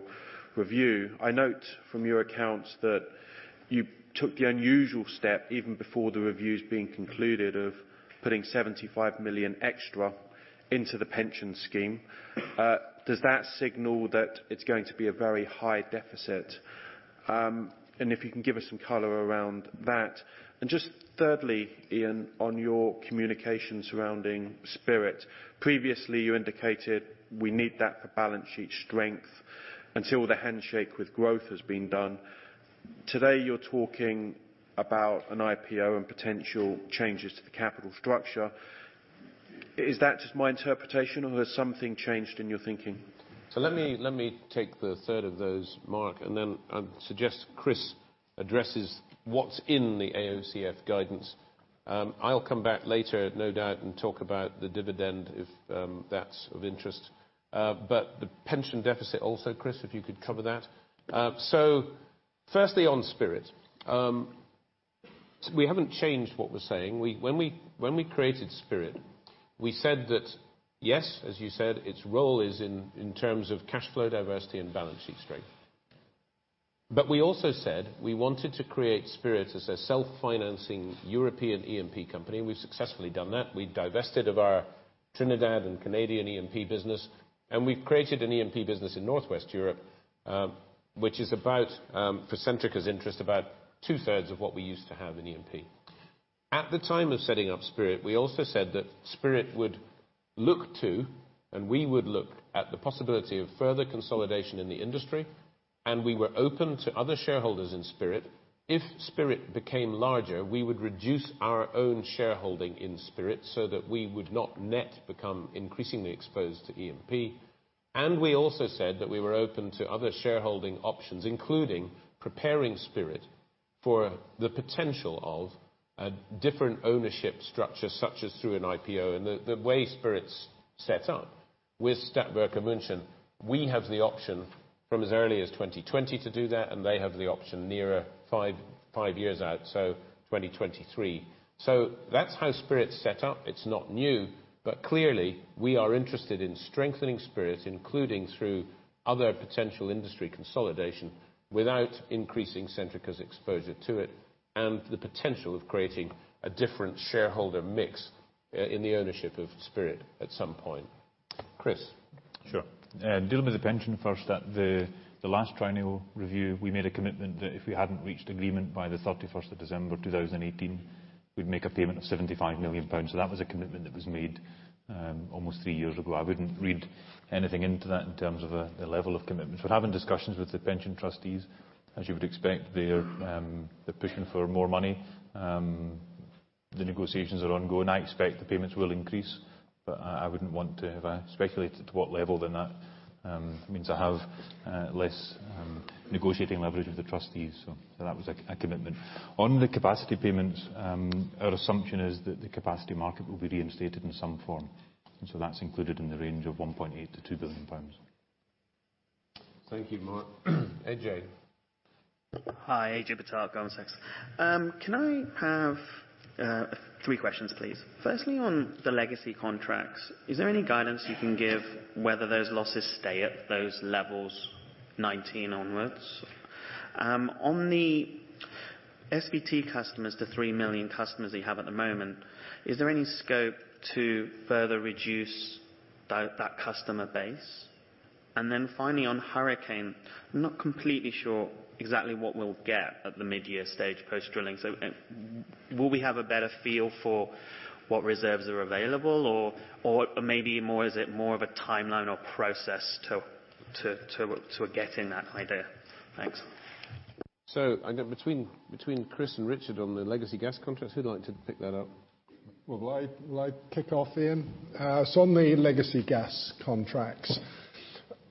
review. I note from your accounts that you took the unusual step, even before the review's been concluded, of putting 75 million extra into the pension scheme. Does that signal that it's going to be a very high deficit? If you can give us some color around that. Just thirdly, Ian, on your communication surrounding Spirit. Previously, you indicated we need that for balance sheet strength until the handshake with growth has been done. Today, you're talking about an IPO and potential changes to the capital structure. Is that just my interpretation or has something changed in your thinking? Let me take the third of those, Mark, and then I suggest Chris addresses what's in the AOCF guidance. I'll come back later, no doubt, and talk about the dividend if that's of interest. The pension deficit also, Chris, if you could cover that. Firstly on Spirit. We haven't changed what we're saying. When we created Spirit, we said that, yes, as you said, its role is in terms of cash flow diversity and balance sheet strength. We also said we wanted to create Spirit as a self-financing European E&P company. We've successfully done that. We divested of our Trinidad and Canadian E&P business. We've created an E&P business in Northwest Europe, which is, for Centrica's interest, about two-thirds of what we used to have in E&P. At the time of setting up Spirit, we also said that Spirit would look to, and we would look at the possibility of further consolidation in the industry, and we were open to other shareholders in Spirit. If Spirit became larger, we would reduce our own shareholding in Spirit so that we would not net become increasingly exposed to E&P. We also said that we were open to other shareholding options, including preparing Spirit for the potential of a different ownership structure, such as through an IPO. The way Spirit's set up with Stadtwerke München, we have the option from as early as 2020 to do that, and they have the option nearer five years out, so 2023. That's how Spirit's set up. It's not new. Clearly, we are interested in strengthening Spirit, including through other potential industry consolidation without increasing Centrica's exposure to it, and the potential of creating a different shareholder mix in the ownership of Spirit at some point. Chris? Sure. Dealing with the pension first, at the last triennial review, we made a commitment that if we hadn't reached agreement by the 31st of December, 2018, we'd make a payment of GBP 75 million. That was a commitment that was made almost three years ago. I wouldn't read anything into that in terms of a level of commitment. We're having discussions with the pension trustees. As you would expect, they're pushing for more money. The negotiations are ongoing. I expect the payments will increase, but I wouldn't want to have speculated to what level, and that means I have less negotiating leverage with the trustees. That was a commitment. On the capacity payments, our assumption is that the capacity market will be reinstated in some form. That's included in the range of 1.8 billion-2 billion pounds. Thank you, Mark. Ajay. Hi, Ajay Bhatt, Goldman Sachs. Can I have three questions, please? Firstly, on the legacy contracts, is there any guidance you can give whether those losses stay at those levels 2019 onwards? On the SVT customers, the three million customers that you have at the moment, is there any scope to further reduce that customer base? Finally, on Hurricane Energy, I'm not completely sure exactly what we'll get at the mid-year stage post-drilling. Will we have a better feel for what reserves are available, or maybe is it more of a timeline or process to getting that idea? Thanks. I know between Chris and Richard on the legacy gas contracts, who'd like to pick that up? Will I kick off then? On the legacy gas contracts,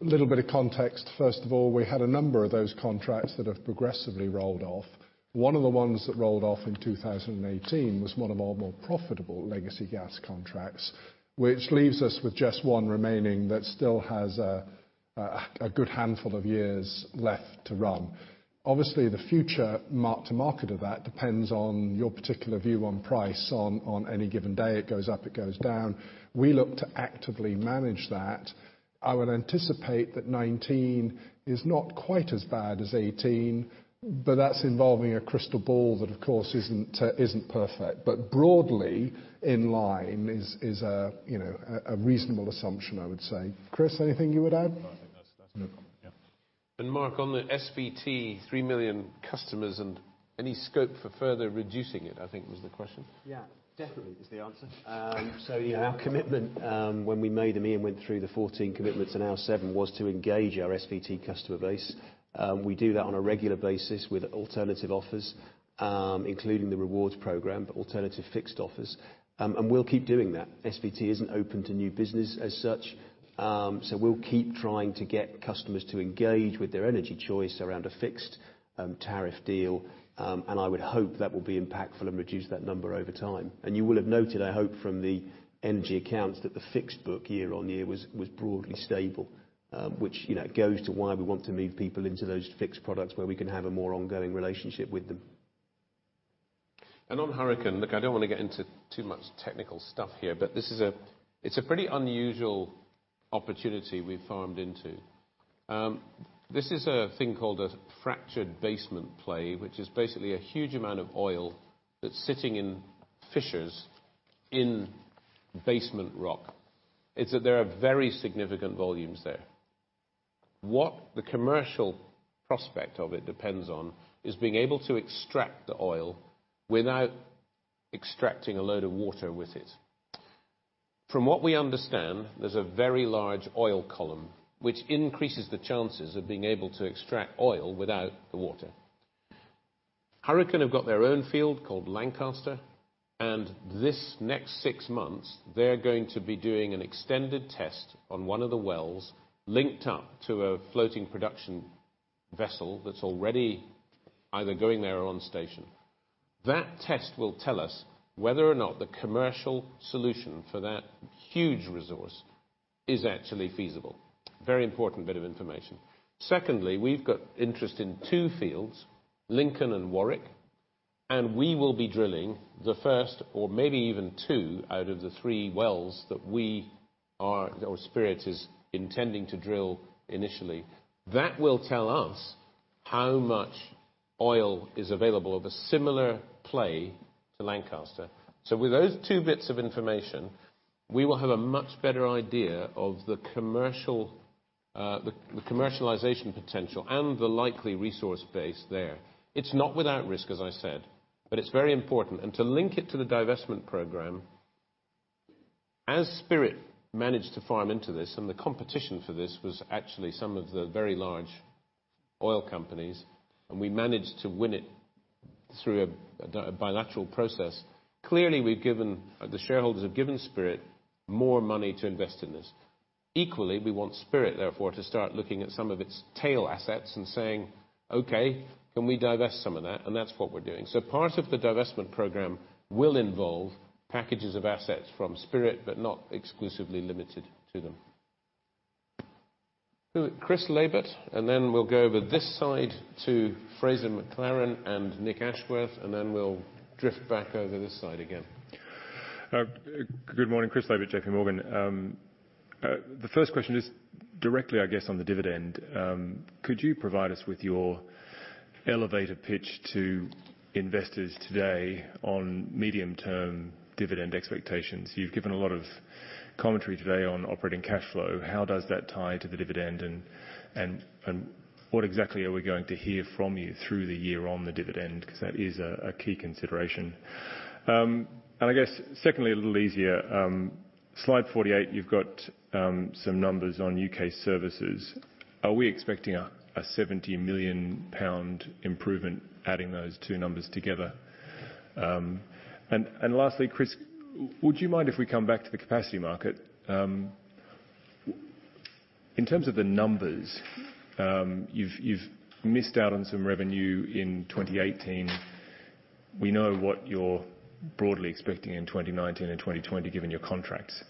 little bit of context. First of all, we had a number of those contracts that have progressively rolled off. One of the ones that rolled off in 2018 was one of our more profitable legacy gas contracts, which leaves us with just one remaining that still has a good handful of years left to run. Obviously, the future mark to market of that depends on your particular view on price on any given day. It goes up, it goes down. We look to actively manage that. I would anticipate that 2019 is not quite as bad as 2018, that's involving a crystal ball that of course isn't perfect. Broadly in line is a reasonable assumption, I would say. Chris, anything you would add? No, I think that's no comment. Yeah. Mark, on the SVT, 3 million customers and any scope for further reducing it, I think was the question. Yeah. Definitely is the answer. Our commitment, when we made them, Ian went through the 14 commitments and now seven, was to engage our SVT customer base. We do that on a regular basis with alternative offers, including the rewards program, but alternative fixed offers. We'll keep doing that. SVT isn't open to new business as such. We'll keep trying to get customers to engage with their energy choice around a fixed tariff deal. I would hope that will be impactful and reduce that number over time. You will have noted, I hope, from the energy accounts, that the fixed book year-over-year was broadly stable. Which goes to why we want to move people into those fixed products where we can have a more ongoing relationship with them. On Hurricane, look, I don't want to get into too much technical stuff here, but it's a pretty unusual opportunity we've farmed into. This is a thing called a fractured basement play, which is basically a huge amount of oil that's sitting in fissures in basement rock. It's that there are very significant volumes there. What the commercial prospect of it depends on is being able to extract the oil without extracting a load of water with it. From what we understand, there's a very large oil column, which increases the chances of being able to extract oil without the water. Hurricane have got their own field called Lancaster, and this next six months, they're going to be doing an extended test on one of the wells linked up to a floating production vessel that's already either going there or on station. That test will tell us whether or not the commercial solution for that huge resource is actually feasible. Very important bit of information. Secondly, we've got interest in two fields, Lincoln and Warwick, we will be drilling the first or maybe even two out of the three wells that we or Spirit is intending to drill initially. That will tell us how much oil is available of a similar play to Lancaster. With those two bits of information, we will have a much better idea of the commercialization potential and the likely resource base there. It's not without risk, as I said, but it's very important. To link it to the divestment program, as Spirit managed to farm into this, the competition for this was actually some of the very large oil companies, and we managed to win it through a bilateral process. Clearly, the shareholders have given Spirit more money to invest in this. Equally, we want Spirit therefore to start looking at some of its tail assets and saying, "Okay, can we divest some of that?" That's what we're doing. Part of the divestment program will involve packages of assets from Spirit, but not exclusively limited to them. Chris Mayler, then we'll go over this side to Fraser McLaren and Nicholas Ashworth, then we'll drift back over this side again. Good morning. Chris Mayler at J.P. Morgan. The first question is directly, I guess, on the dividend. Could you provide us with your elevator pitch to investors today on medium-term dividend expectations? You've given a lot of commentary today on operating cash flow. How does that tie to the dividend, and what exactly are we going to hear from you through the year on the dividend? That is a key consideration. I guess secondly, a little easier. Slide 48, you've got some numbers on U.K. services. Are we expecting a 70 million pound improvement adding those two numbers together? Lastly, Chris, would you mind if we come back to the capacity market? In terms of the numbers, you've missed out on some revenue in 2018. We know what you're broadly expecting in 2019 and 2020, given your contracts.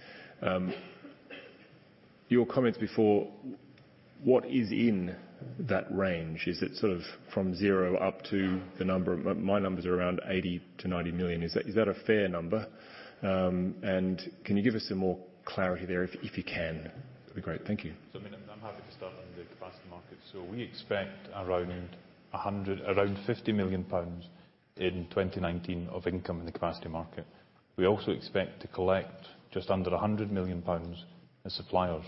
Your comments before, what is in that range? Is it from zero up to the number? My numbers are around 80 million-90 million. Is that a fair number? Can you give us some more clarity there? If you can, that'd be great. Thank you. I'm happy to start on the capacity market. We expect around 50 million pounds in 2019 of income in the capacity market. We also expect to collect just under 100 million pounds as suppliers.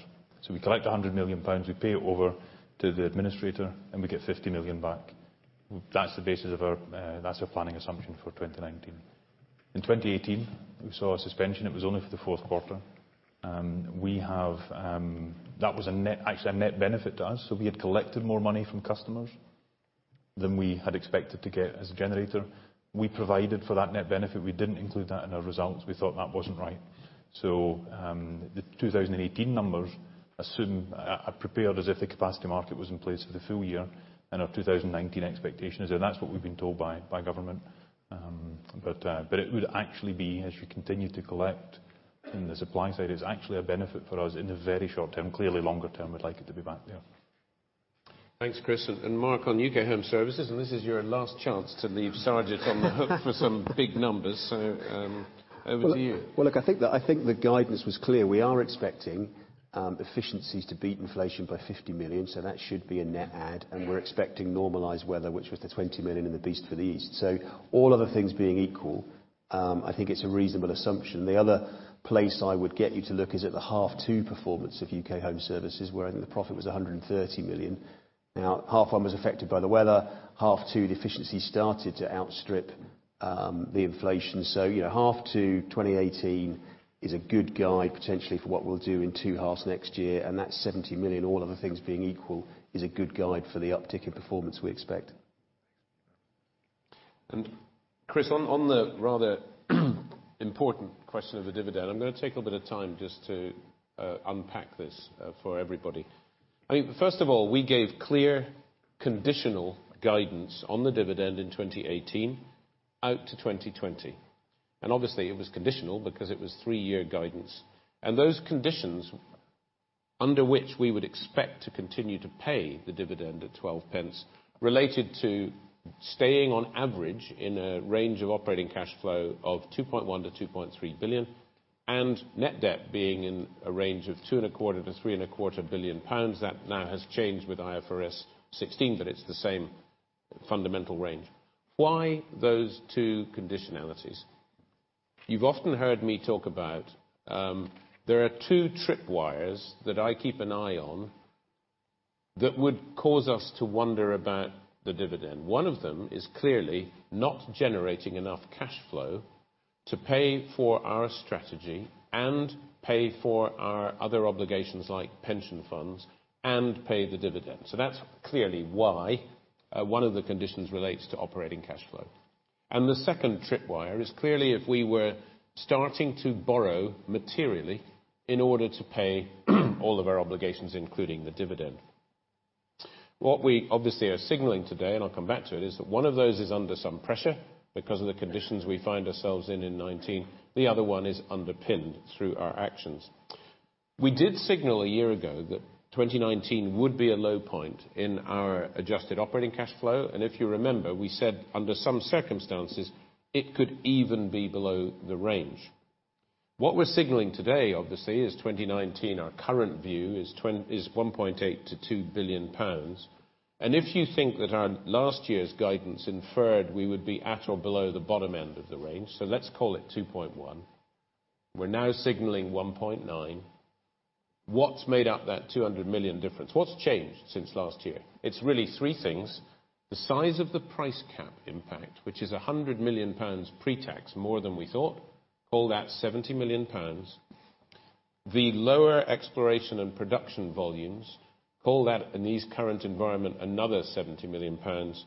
We collect 100 million pounds, we pay it over to the administrator, and we get 50 million back. That's our planning assumption for 2019. In 2018, we saw a suspension. It was only for the fourth quarter. That was actually a net benefit to us, we had collected more money from customers than we had expected to get as a generator. We provided for that net benefit. We didn't include that in our results. We thought that wasn't right. The 2018 numbers are prepared as if the capacity market was in place for the full year, and our 2019 expectation is that that's what we've been told by government. It would actually be, as we continue to collect in the supply side, is actually a benefit for us in the very short term. Clearly longer term, we'd like it to be back there. Thanks, Chris. Mark, on UK Home Services, this is your last chance to leave Sajit on the hook for some big numbers. Over to you. Well, look, I think the guidance was clear. We are expecting efficiencies to beat inflation by 50 million, that should be a net add. We're expecting normalized weather, which was the 20 million in the Beast from the East. All other things being equal, I think it's a reasonable assumption. The other place I would get you to look is at the half 2 performance of UK Home Services, wherein the profit was 130 million. Half 1 was affected by the weather. Half 2, the efficiency started to outstrip the inflation. Half 2 2018 is a good guide, potentially, for what we'll do in 2 halves next year, and that's 70 million, all other things being equal, is a good guide for the uptick in performance we expect. Chris, on the rather important question of the dividend, I'm going to take a bit of time just to unpack this for everybody. I mean, first of all, we gave clear conditional guidance on the dividend in 2018 out to 2020, obviously it was conditional because it was 3-year guidance. Those conditions under which we would expect to continue to pay the dividend at 0.12, related to staying on average in a range of operating cash flow of 2.1 billion-2.3 billion, and net debt being in a range of 2.25 billion-3.25 billion pounds. That now has changed with IFRS 16, but it's the same fundamental range. Why those two conditionalities? You've often heard me talk about, there are two tripwires that I keep an eye on that would cause us to wonder about the dividend. One of them is clearly not generating enough cash flow to pay for our strategy and pay for our other obligations like pension funds and pay the dividend. That's clearly why one of the conditions relates to operating cash flow. The second tripwire is clearly if we were starting to borrow materially in order to pay all of our obligations, including the dividend. What we obviously are signaling today, and I'll come back to it, is that one of those is under some pressure because of the conditions we find ourselves in 2019. The other one is underpinned through our actions. We did signal a year ago that 2019 would be a low point in our adjusted operating cash flow. If you remember, we said under some circumstances it could even be below the range. What we're signaling today, obviously, is 2019. Our current view is 1.8 billion to 2 billion pounds. If you think that our last year's guidance inferred we would be at or below the bottom end of the range, let's call it 2.1 billion. We are now signaling 1.9 billion. What has made up that 200 million difference? What has changed since last year? It is really three things. The size of the price cap impact, which is 100 million pounds pre-tax, more than we thought. Call that 70 million pounds. The lower Exploration & Production volumes, call that in this current environment, another 70 million pounds.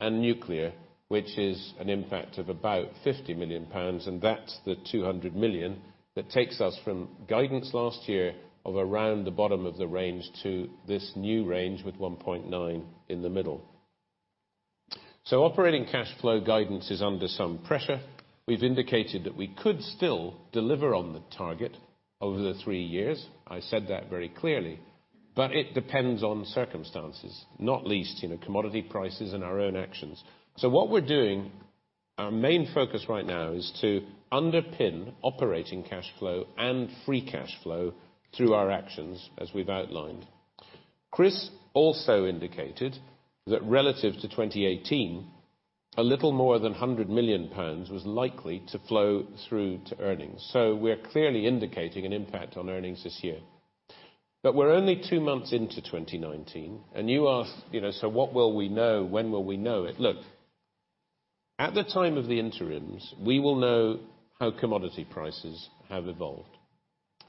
Nuclear, which is an impact of about 50 million pounds, and that is the 200 million that takes us from guidance last year of around the bottom of the range to this new range with 1.9 billion in the middle. Operating cash flow guidance is under some pressure. We have indicated that we could still deliver on the target over the three years. I said that very clearly. What we are doing, our main focus right now is to underpin operating cash flow and free cash flow through our actions as we have outlined. Chris O'Shea also indicated that relative to 2018, a little more than 100 million pounds was likely to flow through to earnings. We are clearly indicating an impact on earnings this year. We are only two months into 2019 and you ask, "What will we know? When will we know it?" Look, at the time of the interims, we will know how commodity prices have evolved.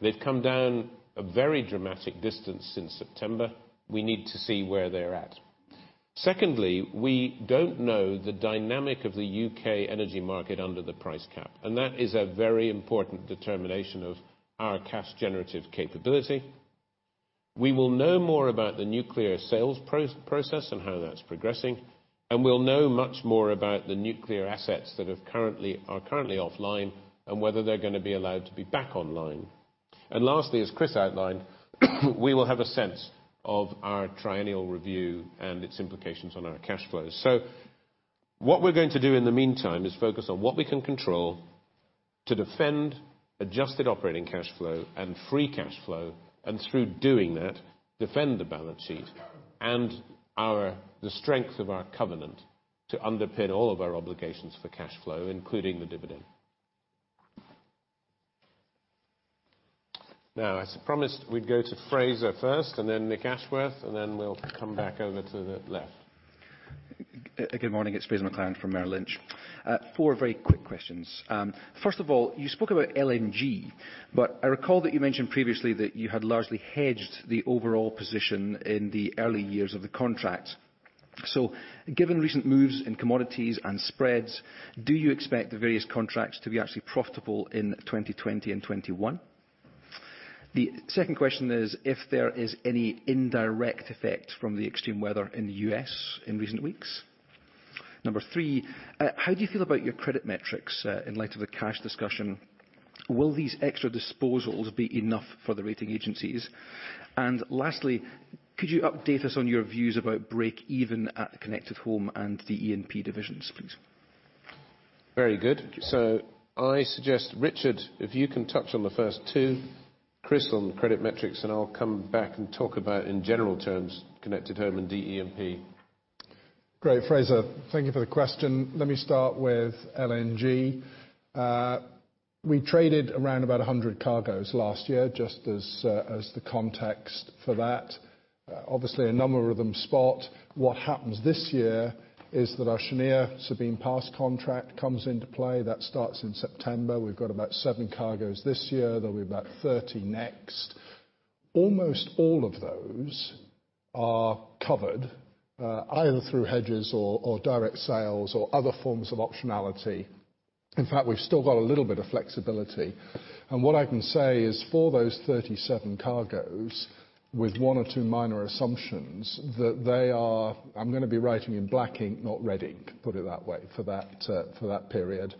They have come down a very dramatic distance since September. We need to see where they are at. Secondly, we do not know the dynamic of the U.K. energy market under the price cap, and that is a very important determination of our cash generative capability. We will know more about the nuclear sales process and how that is progressing, and we will know much more about the nuclear assets that are currently offline and whether they are going to be allowed to be back online. Lastly, as Chris O'Shea outlined, we will have a sense of our triennial review and its implications on our cash flows. What we are going to do in the meantime is focus on what we can control to defend adjusted operating cash flow and free cash flow, and through doing that, defend the balance sheet and the strength of our covenant to underpin all of our obligations for cash flow, including the dividend. As promised, we would go to Fraser McLaren first and then Nicholas Ashworth, then we will come back over to the left. Good morning. It's Fraser McLaren from Merrill Lynch. Four very quick questions. First of all, you spoke about LNG, but I recall that you mentioned previously that you had largely hedged the overall position in the early years of the contract. Given recent moves in commodities and spreads, do you expect the various contracts to be actually profitable in 2020 and 2021? The second question is if there is any indirect effect from the extreme weather in the U.S. in recent weeks. Number three, how do you feel about your credit metrics in light of the cash discussion? Will these extra disposals be enough for the rating agencies? And lastly, could you update us on your views about break even at Connected Home and the E&P divisions, please? Very good. I suggest, Richard, if you can touch on the first two, Chris on the credit metrics, and I'll come back and talk about in general terms, Connected Home and DE&P. Great, Fraser. Thank you for the question. Let me start with LNG. We traded around about 100 cargoes last year, just as the context for that. Obviously, a number of them spot. What happens this year is that our Cheniere Sabine Pass contract comes into play. That starts in September. We've got about seven cargoes this year. There'll be about 30 next. Almost all of those are covered, either through hedges or direct sales or other forms of optionality. In fact, we've still got a little bit of flexibility. What I can say is for those 37 cargoes with one or two minor assumptions, that they are, I'm going to be writing in black ink, not red ink, put it that way, for that period.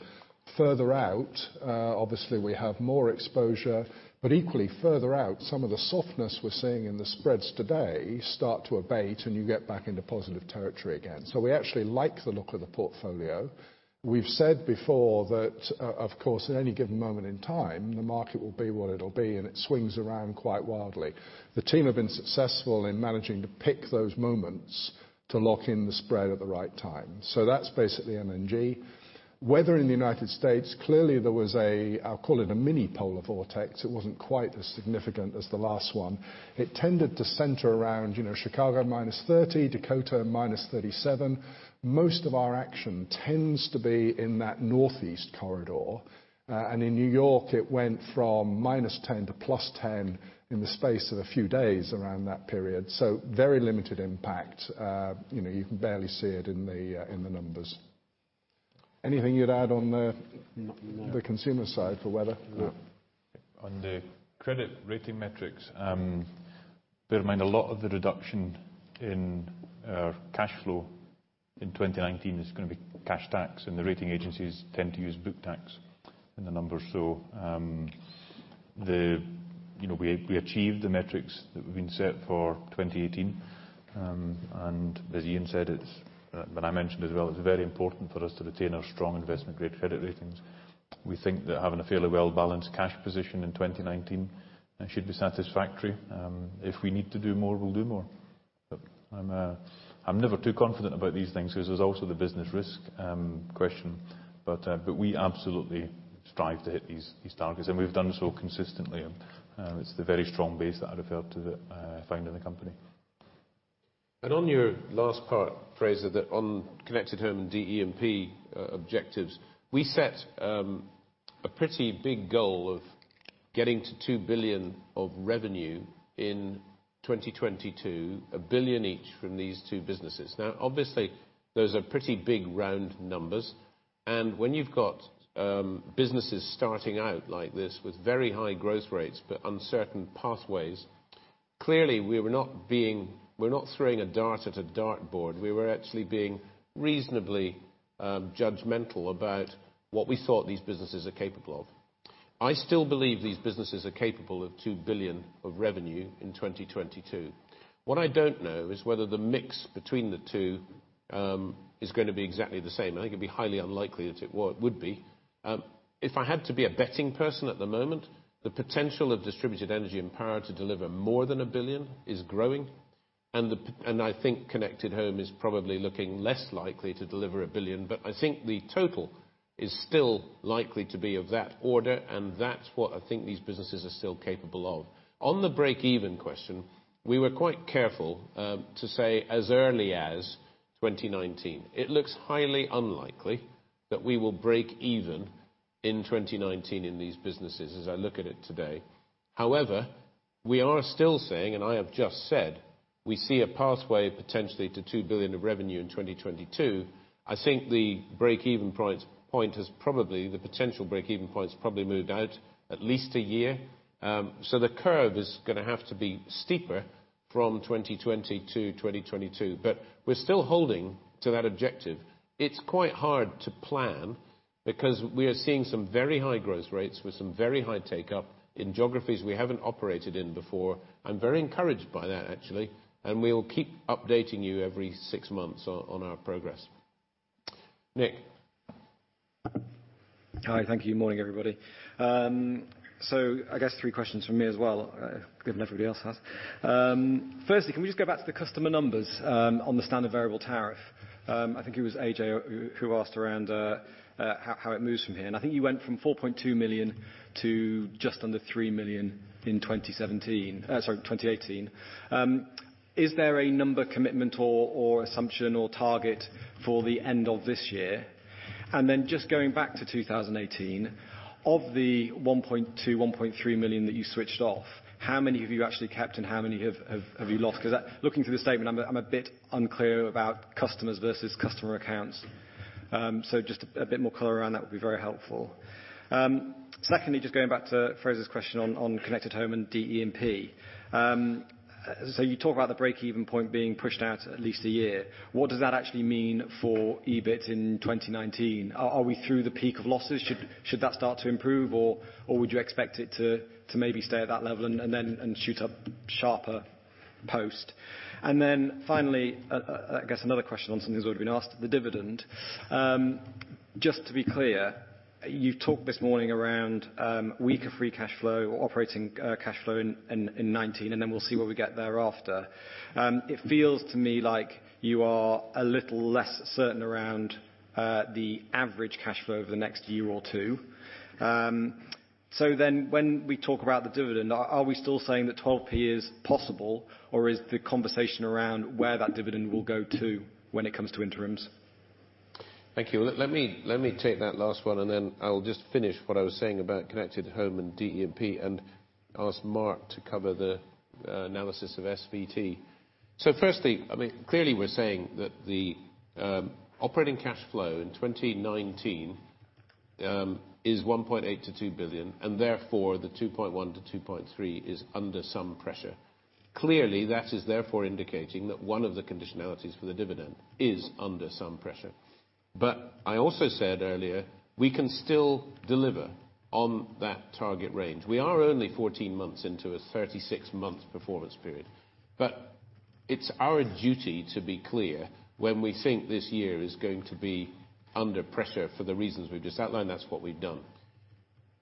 Further out, obviously we have more exposure, equally further out, some of the softness we're seeing in the spreads today start to abate and you get back into positive territory again. We actually like the look of the portfolio. We've said before that, of course, at any given moment in time, the market will be what it'll be, and it swings around quite wildly. The team have been successful in managing to pick those moments to lock in the spread at the right time. That's basically LNG. Weather in the U.S., clearly there was a, I'll call it a mini polar vortex. It wasn't quite as significant as the last one. It tended to center around Chicago, minus 30, Dakota, minus 37. Most of our action tends to be in that northeast corridor. In New York, it went from minus 10 to plus 10 in the space of a few days around that period. Very limited impact. You can barely see it in the numbers. Anything you'd add on the Consumer side for weather? No. On the credit rating metrics, bear in mind, a lot of the reduction in our cash flow in 2019 is going to be cash tax, and the rating agencies tend to use book tax in the numbers. We achieved the metrics that we've been set for 2018. As Ian said, but I mentioned as well, it's very important for us to retain our strong investment-grade credit ratings. We think that having a fairly well-balanced cash position in 2019 should be satisfactory. If we need to do more, we'll do more. I'm never too confident about these things because there's also the business risk question. We absolutely strive to hit these targets, and we've done so consistently. It's the very strong base that I referred to that I find in the company. On your last part, Fraser, on Connected Home and DE&P objectives, we set a pretty big goal of getting to 2 billion of revenue in 2022, 1 billion each from these two businesses. Obviously, those are pretty big, round numbers. When you've got businesses starting out like this with very high growth rates but uncertain pathways, clearly we're not throwing a dart at a dart board. We were actually being reasonably judgmental about what we thought these businesses are capable of. I still believe these businesses are capable of 2 billion of revenue in 2022. What I don't know is whether the mix between the two is going to be exactly the same. I think it'd be highly unlikely that it would be. If I had to be a betting person at the moment, the potential of Distributed Energy & Power to deliver more than 1 billion is growing, and I think Connected Home is probably looking less likely to deliver 1 billion. I think the total is still likely to be of that order, and that's what I think these businesses are still capable of. On the break-even question, we were quite careful to say as early as 2019. It looks highly unlikely that we will break even in 2019 in these businesses, as I look at it today. However, we are still saying, and I have just said, we see a pathway potentially to 2 billion of revenue in 2022. I think the break-even point has probably, the potential break-even point, has probably moved out at least a year. The curve is going to have to be steeper from 2020 to 2022. We're still holding to that objective. It's quite hard to plan, because we are seeing some very high growth rates with some very high take-up in geographies we haven't operated in before. I'm very encouraged by that, actually. We'll keep updating you every six months on our progress. Nick? Hi. Thank you. Morning, everybody. I guess three questions from me as well, given everybody else has. Firstly, can we just go back to the customer numbers on the standard variable tariff? I think it was Ajay who asked around how it moves from here. I think you went from 4.2 million to just under 3 million in 2017, 2018. Is there a number commitment, or assumption, or target for the end of this year? Then just going back to 2018, of the 1.2, 1.3 million that you switched off, how many have you actually kept, and how many have you lost? Because looking through the statement, I'm a bit unclear about customers versus customer accounts. Just a bit more color around that would be very helpful. Secondly, just going back to Fraser's question on Connected Home and DE&P. You talk about the break-even point being pushed out at least one year. What does that actually mean for EBIT in 2019? Are we through the peak of losses? Should that start to improve, or would you expect it to maybe stay at that level and then shoot up sharper post? Finally, I guess another question on something that's already been asked, the dividend. Just to be clear, you've talked this morning around weaker free cash flow or operating cash flow in 2019, and then we'll see where we get thereafter. It feels to me like you are a little less certain around the average cash flow over the next year or two. When we talk about the dividend, are we still saying that 0.12 is possible, or is the conversation around where that dividend will go to when it comes to interims? Thank you. Let me take that last one, and then I'll just finish what I was saying about Connected Home and DE&P and ask Mark to cover the analysis of SVT. Firstly, clearly we're saying that the operating cash flow in 2019 is 1.8 billion-2 billion, and therefore the 2.1 billion-2.3 billion is under some pressure. Clearly, that is therefore indicating that one of the conditionalities for the dividend is under some pressure. I also said earlier we can still deliver on that target range. We are only 14 months into a 36-month performance period. It's our duty to be clear when we think this year is going to be under pressure for the reasons we've just outlined. That's what we've done.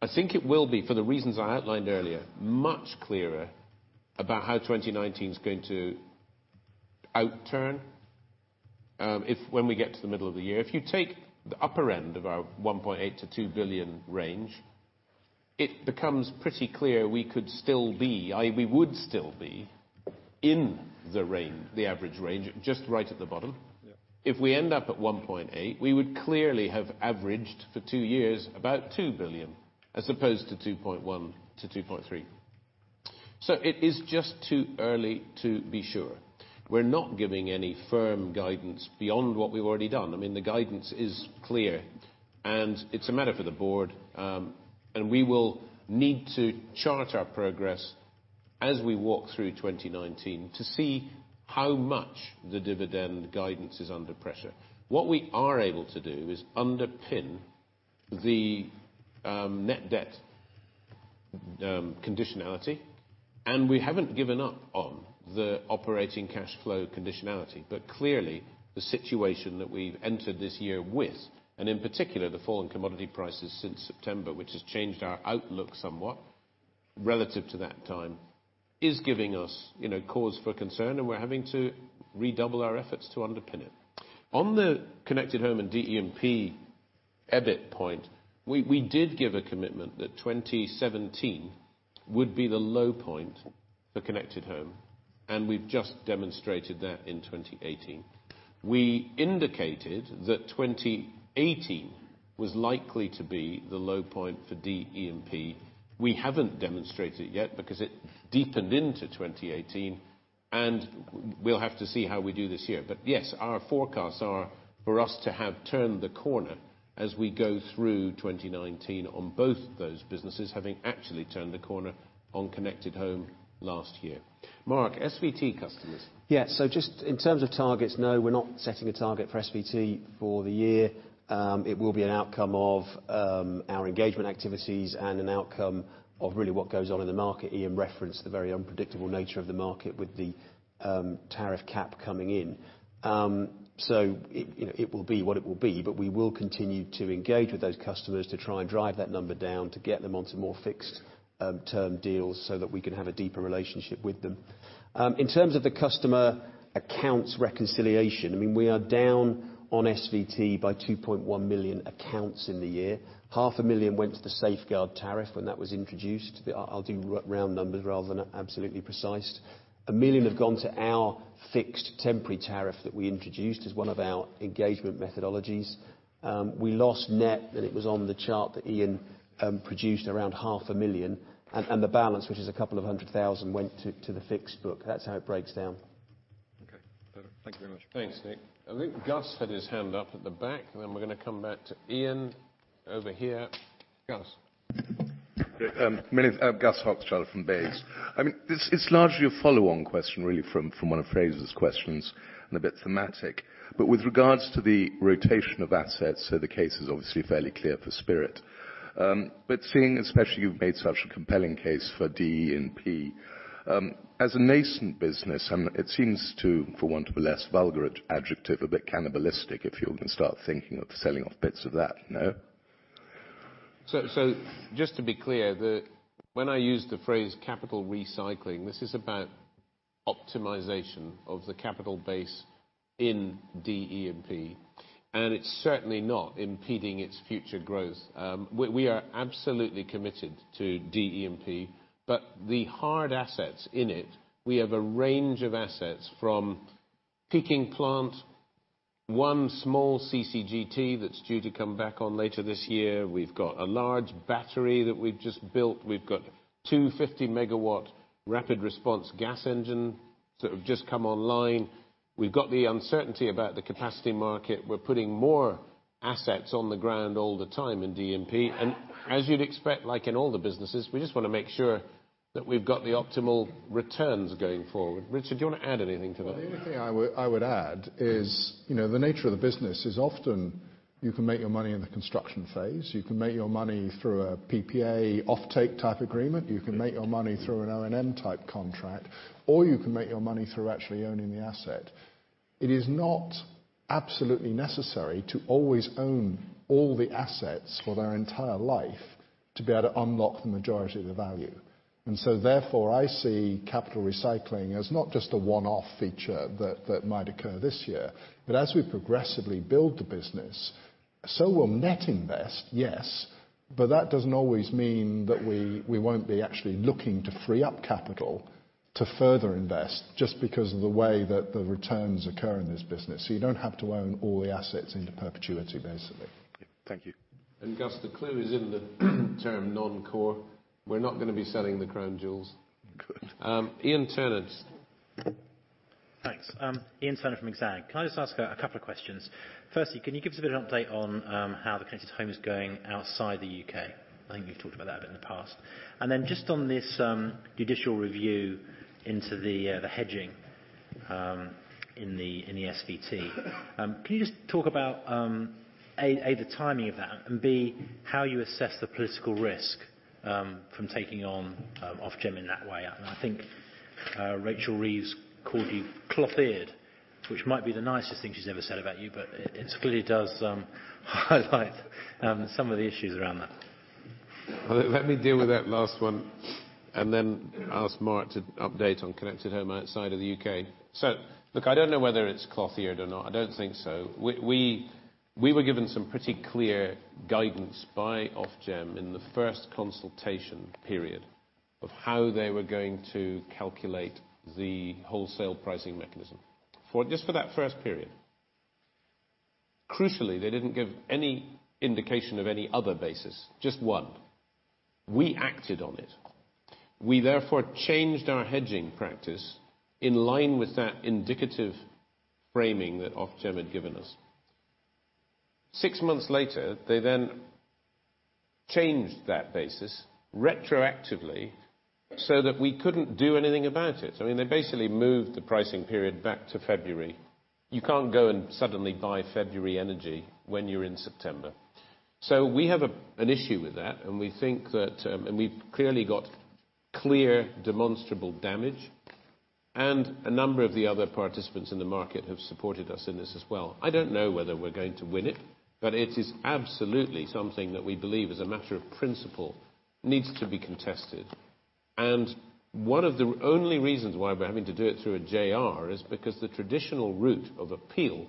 I think it will be, for the reasons I outlined earlier, much clearer about how 2019's going to outturn when we get to the middle of the year. If you take the upper end of our 1.8 billion-2 billion range, it becomes pretty clear we would still be in the average range, just right at the bottom. Yeah. If we end up at 1.8 billion, we would clearly have averaged for two years about 2 billion as opposed to 2.1 billion-2.3 billion. It is just too early to be sure. We're not giving any firm guidance beyond what we've already done. The guidance is clear, and it's a matter for the board. We will need to chart our progress as we walk through 2019 to see how much the dividend guidance is under pressure. What we are able to do is underpin the net debt conditionality. We haven't given up on the operating cash flow conditionality. Clearly the situation that we've entered this year with, and in particular, the fall in commodity prices since September, which has changed our outlook somewhat relative to that time, is giving us cause for concern, and we're having to redouble our efforts to underpin it. On the Connected Home and DE&P EBIT point, we did give a commitment that 2017 would be the low point for Connected Home, and we've just demonstrated that in 2018. We indicated that 2018 was likely to be the low point for DE&P. We haven't demonstrated it yet because it deepened into 2018, and we'll have to see how we do this year. Yes, our forecasts are for us to have turned the corner as we go through 2019 on both those businesses, having actually turned the corner on Connected Home last year. Mark, SVT customers. Yeah. Just in terms of targets, no, we're not setting a target for SVT for the year. It will be an outcome of our engagement activities and an outcome of really what goes on in the market. Ian referenced the very unpredictable nature of the market with the tariff cap coming in. It will be what it will be. We will continue to engage with those customers to try and drive that number down to get them onto more fixed-term deals so that we can have a deeper relationship with them. In terms of the customer accounts reconciliation, we are down on SVT by 2.1 million accounts in the year. Half a million went to the safeguard tariff when that was introduced. I'll do round numbers rather than absolutely precise. 1 million have gone to our fixed temporary tariff that we introduced as one of our Engagement methodologies. We lost net, and it was on the chart that Ian produced, around half a million. The balance, which is a couple of hundred thousand, went to the fixed book. That's how it breaks down. Okay. Thank you very much. Thanks, Nick. I think Gus had his hand up at the back, then we're going to come back to Ian over here. Gus. My name is Gus Hochschild from Mirabaud. It's largely a follow-on question, really from one of Fraser's questions, and a bit thematic. With regards to the rotation of assets, the case is obviously fairly clear for Spirit. Seeing especially you've made such a compelling case for DE&P. As a nascent business, it seems to, for want of a less vulgar adjective, a bit cannibalistic if you were going to start thinking of selling off bits of that now. Just to be clear, when I use the phrase capital recycling, this is about optimization of the capital base in D, E, and P, and it's certainly not impeding its future growth. We are absolutely committed to D, E, and P, but the hard assets in it, we have a range of assets from peaking plant, one small CCGT that's due to come back on later this year. We've got a large battery that we've just built. We've got two 50 MW rapid response gas engine sort of just come online. We've got the uncertainty about the capacity market. We're putting more assets on the ground all the time in D, E, and P. As you'd expect, like in all the businesses, we just want to make sure that we've got the optimal returns going forward. Richard, do you want to add anything to that? The only thing I would add is the nature of the business is often you can make your money in the construction phase, you can make your money through a PPA offtake type agreement, you can make your money through an O&M type contract, or you can make your money through actually owning the asset. It is not absolutely necessary to always own all the assets for their entire life to be able to unlock the majority of the value. Therefore, I see capital recycling as not just a one-off feature that might occur this year, but as we progressively build the business, so we'll net invest, yes. That doesn't always mean that we won't be actually looking to free up capital to further invest just because of the way that the returns occur in this business. You don't have to own all the assets into perpetuity, basically. Thank you. Gus, the clue is in the term non-core. We're not going to be selling the crown jewels. Good. Ian Turner. Thanks. Ian Turner from Exane. Can I just ask a couple of questions? Firstly, can you give us a bit of an update on how the Connected Home is going outside the U.K.? I think you've talked about that a bit in the past. Then just on this judicial review into the hedging in the SVT. Can you just talk about, A, the timing of that, and B, how you assess the political risk from taking on Ofgem in that way? I think Rachel Reeves called you cloth-eared, which might be the nicest thing she's ever said about you, but it clearly does highlight some of the issues around that. Let me deal with that last one, and then ask Mark to update on Connected Home outside of the U.K. Look, I don't know whether it's cloth-eared or not. I don't think so. We were given some pretty clear guidance by Ofgem in the first consultation period of how they were going to calculate the wholesale pricing mechanism just for that first period. Crucially, they didn't give any indication of any other basis, just one. We acted on it. We therefore changed our hedging practice in line with that indicative framing that Ofgem had given us. Six months later, they then changed that basis retroactively so that we couldn't do anything about it. They basically moved the pricing period back to February. You can't go and suddenly buy February energy when you're in September. We have an issue with that, and we've clearly got clear demonstrable damage. A number of the other participants in the market have supported us in this as well. I don't know whether we're going to win it, but it is absolutely something that we believe is a matter of principle needs to be contested. One of the only reasons why we're having to do it through a JR is because the traditional route of appeal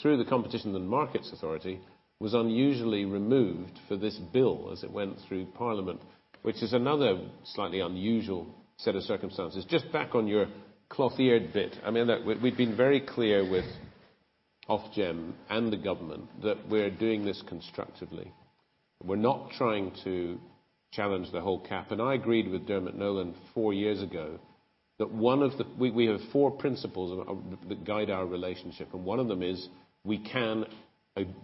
through the Competition and Markets Authority was unusually removed for this bill as it went through Parliament, which is another slightly unusual set of circumstances. Just back on your cloth-eared bit. We've been very clear with Ofgem and the government that we're doing this constructively. We're not trying to challenge the whole cap. I agreed with Dermot Nolan four years ago that we have four principles that guide our relationship, and one of them is we can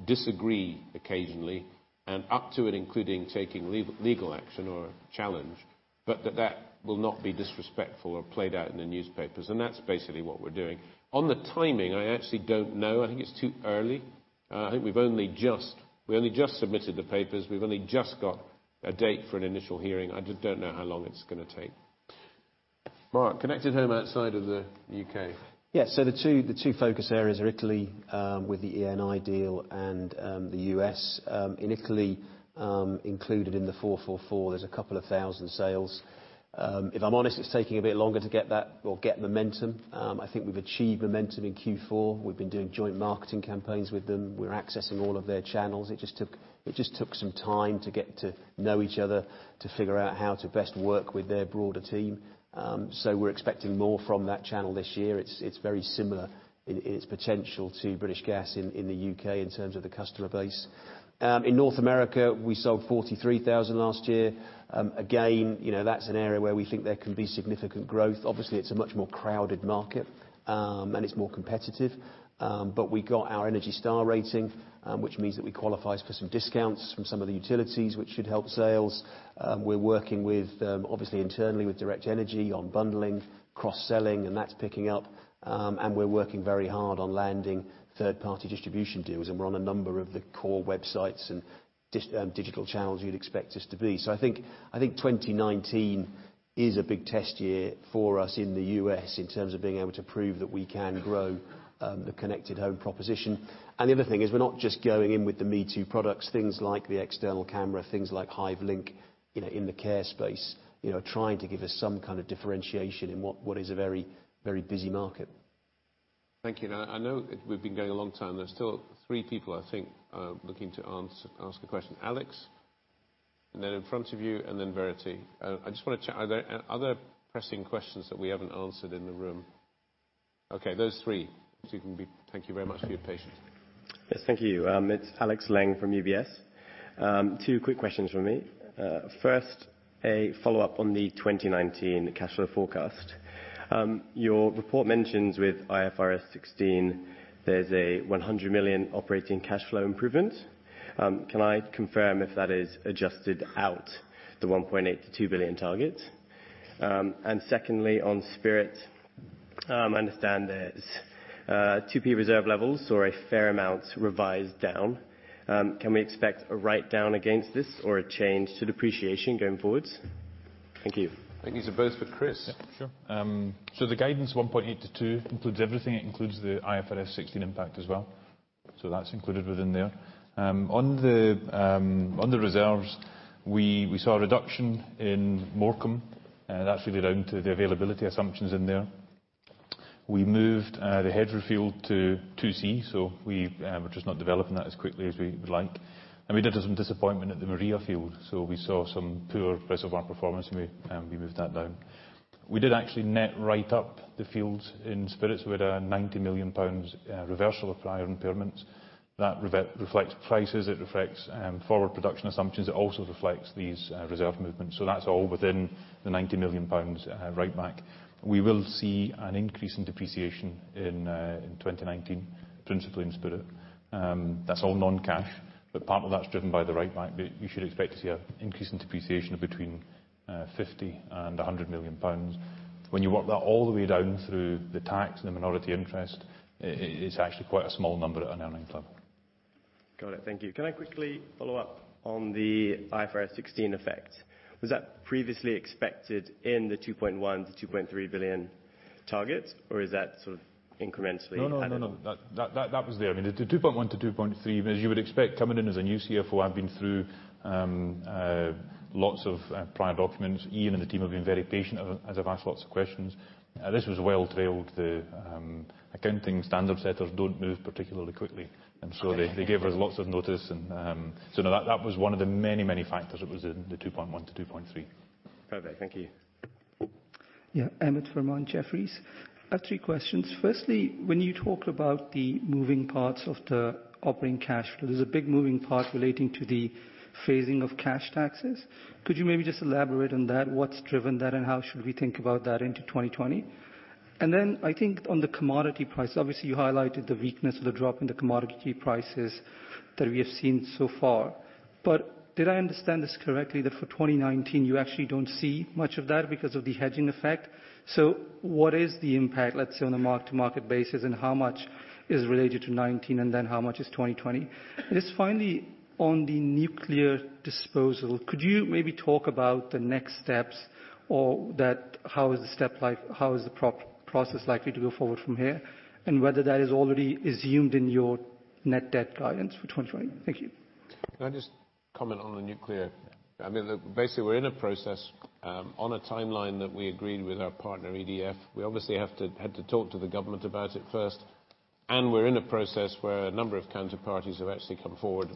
disagree occasionally, and up to and including taking legal action or challenge, but that that will not be disrespectful or played out in the newspapers, and that's basically what we're doing. On the timing, I actually don't know. I think it's too early. We only just submitted the papers. We've only just got a date for an initial hearing. I just don't know how long it's going to take. Mark, Connected Home outside of the U.K. The two focus areas are Italy, with the Eni deal and the U.S. In Italy, included in the 444, there's a couple of thousand sales. If I'm honest, it's taking a bit longer to get that or get momentum. I think we've achieved momentum in Q4. We've been doing joint marketing campaigns with them. We're accessing all of their channels. It just took some time to get to know each other, to figure out how to best work with their broader team. We're expecting more from that channel this year. It's very similar in its potential to British Gas in the U.K. in terms of the customer base. In North America, we sold 43,000 last year. Again, that's an area where we think there can be significant growth. Obviously, it's a much more crowded market, and it's more competitive. We got our Energy Star rating, which means that we qualify for some discounts from some of the utilities, which should help sales. We're working obviously internally with Direct Energy on bundling, cross-selling, and that's picking up. We're working very hard on landing third-party distribution deals, and we're on a number of the core websites and digital channels you'd expect us to be. I think 2019 is a big test year for us in the U.S. in terms of being able to prove that we can grow the Connected Home proposition. The other thing is we're not just going in with the me-too products, things like the external camera, things like Hive Link in the care space, trying to give us some kind of differentiation in what is a very busy market. Thank you. I know we have been going a long time. There are still three people, I think, looking to ask a question. Alex, and then in front of you, and then Verity. I just want to check, are there other pressing questions that we haven't answered in the room? Those three. Thank you very much for your patience. Yes. Thank you. It is Alex Leng from UBS. Two quick questions from me. First, a follow-up on the 2019 cash flow forecast. Your report mentions with IFRS 16, there is a 100 million operating cash flow improvement. Can I confirm if that is adjusted out the 1.8 billion-2 billion target? Secondly, on Spirit, I understand there are 2P reserve levels or a fair amount revised down. Can we expect a write-down against this or a change to depreciation going forward? Thank you. I think these are both for Chris. Yeah, sure. The guidance, 1.8 billion-2 billion includes everything. It includes the IFRS 16 impact as well. That is included within there. On the reserves, we saw a reduction in Morecambe, and that is really down to the availability assumptions in there. We moved the Hejre Field to 2C, so we are just not developing that as quickly as we would like. We did have some disappointment at the Maria Field, so we saw some poor reservoir performance, and we moved that down. We did actually net right up the fields in Spirit. We had a 90 million pounds reversal of prior impairments. That reflects prices, it reflects forward production assumptions. It also reflects these reserve movements. That is all within the 90 million pounds write back. We will see an increase in depreciation in 2019, principally in Spirit. That is all non-cash, but part of that is driven by the write back. You should expect to see an increase in depreciation of between 50 million and 100 million pounds. When you work that all the way down through the tax and the minority interest, it's actually quite a small number at an earnings level. Got it. Thank you. Can I quickly follow up on the IFRS 16 effect? Was that previously expected in the 2.1 billion to 2.3 billion target, or is that sort of incrementally added on? No, that was there. I mean, the 2.1 billion to 2.3 billion, as you would expect, coming in as a new CFO, I've been through lots of prior documents. Ian and the team have been very patient as I've asked lots of questions. This was well trailed. The accounting standard setters don't move particularly quickly, they gave us lots of notice. No, that was one of the many, many factors that was in the 2.1 billion to 2.3 billion. Perfect. Thank you. Yeah. Amine Fermont, Jefferies. I have three questions. Firstly, when you talk about the moving parts of the operating cash flow, there's a big moving part relating to the phasing of cash taxes. Could you maybe just elaborate on that? What's driven that, and how should we think about that into 2020? I think on the commodity price, obviously, you highlighted the weakness of the drop in the commodity prices that we have seen so far. Did I understand this correctly that for 2019, you actually don't see much of that because of the hedging effect? What is the impact, let's say, on a mark-to-market basis, and how much is related to 2019, and then how much is 2020? Just finally, on the nuclear disposal, could you maybe talk about the next steps or how is the process likely to go forward from here, and whether that is already assumed in your net debt guidance for 2020? Thank you. Can I just comment on the nuclear? I mean, basically, we are in a process on a timeline that we agreed with our partner, EDF. We obviously had to talk to the government about it first, and we are in a process where a number of counterparties have actually come forward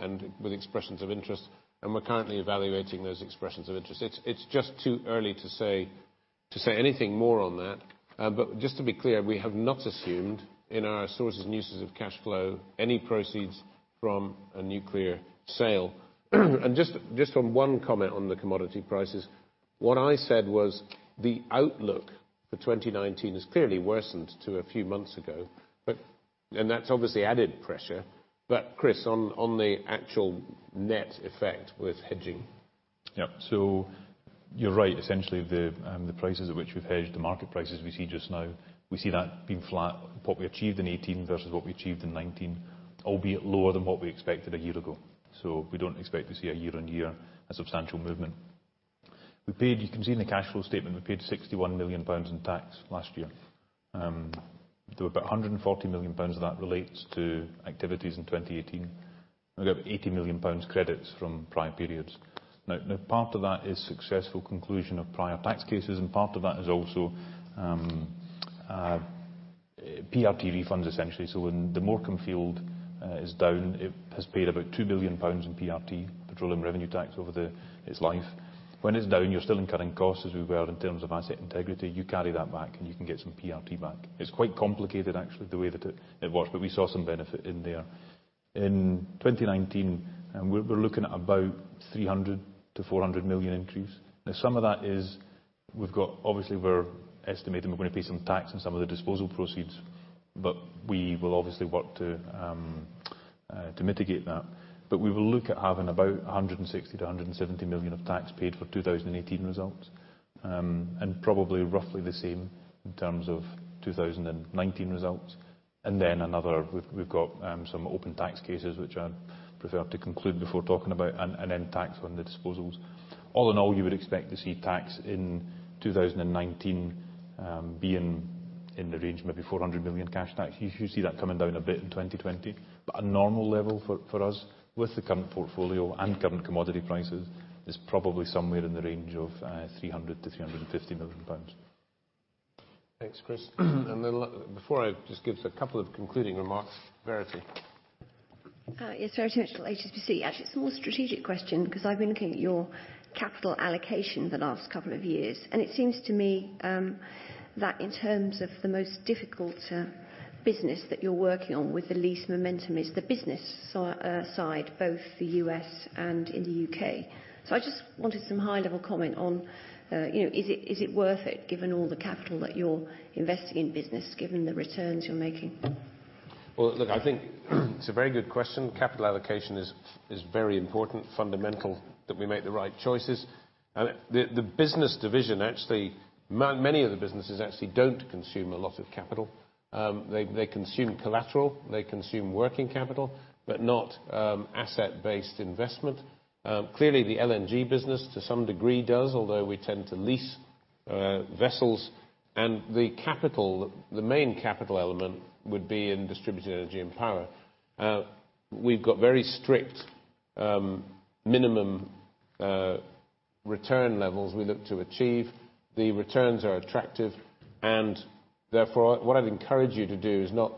and with expressions of interest, and we are currently evaluating those expressions of interest. It is just too early to say anything more on that. Just to be clear, we have not assumed in our sources and uses of cash flow any proceeds from a nuclear sale. Just on one comment on the commodity prices, what I said was the outlook for 2019 has clearly worsened to a few months ago, and that has obviously added pressure. Chris, on the actual net effect with hedging. Yeah. You are right, essentially, the prices at which we have hedged the market prices we see just now, we see that being flat, what we achieved in 2018 versus what we achieved in 2019, albeit lower than what we expected a year ago. We do not expect to see a year-on-year substantial movement. We paid, you can see in the cash flow statement, we paid 61 million pounds in tax last year. Though about 140 million pounds of that relates to activities in 2018. We got 80 million pounds credits from prior periods. Part of that is successful conclusion of prior tax cases, and part of that is also PRT refunds essentially. When the Morecambe field is down, it has paid about 2 billion pounds in PRT, petroleum revenue tax, over its life. When it is down, you are still incurring costs, as we were, in terms of asset integrity. You carry that back, and you can get some PRT back. It is quite complicated actually, the way that it works, but we saw some benefit in there. In 2019, we are looking at about 300 million-400 million increase. Some of that is, obviously we are estimating we are going to pay some tax on some of the disposal proceeds. We will obviously work to mitigate that. We will look at having about 160 million-170 million of tax paid for 2018 results. Probably roughly the same in terms of 2019 results. Then another, we have got some open tax cases, which I would prefer to conclude before talking about, and then tax on the disposals. All in all, you would expect to see tax in 2019 being in the range of maybe 400 million cash tax. You should see that coming down a bit in 2020. A normal level for us, with the current portfolio and current commodity prices, is probably somewhere in the range of 300 million-350 million pounds. Thanks, Chris. Then, before I just give a couple of concluding remarks, Verity. Yes. Verity Mitchell, HSBC. Actually, it is more a strategic question, because I have been looking at your capital allocation the last couple of years, and it seems to me that in terms of the most difficult business that you are working on, with the least momentum, is the business side, both the U.S. and in the U.K. I just wanted some high-level comment on, is it worth it, given all the capital that you are investing in business, given the returns you are making? Well, look, I think it's a very good question. Capital allocation is very important, fundamental that we make the right choices. The business division actually, many of the businesses actually don't consume a lot of capital. They consume collateral. They consume working capital, but not asset-based investment. Clearly, the LNG business, to some degree, does, although we tend to lease vessels. The main capital element would be in Distributed Energy & Power. We've got very strict minimum return levels we look to achieve. The returns are attractive, therefore, what I'd encourage you to do is not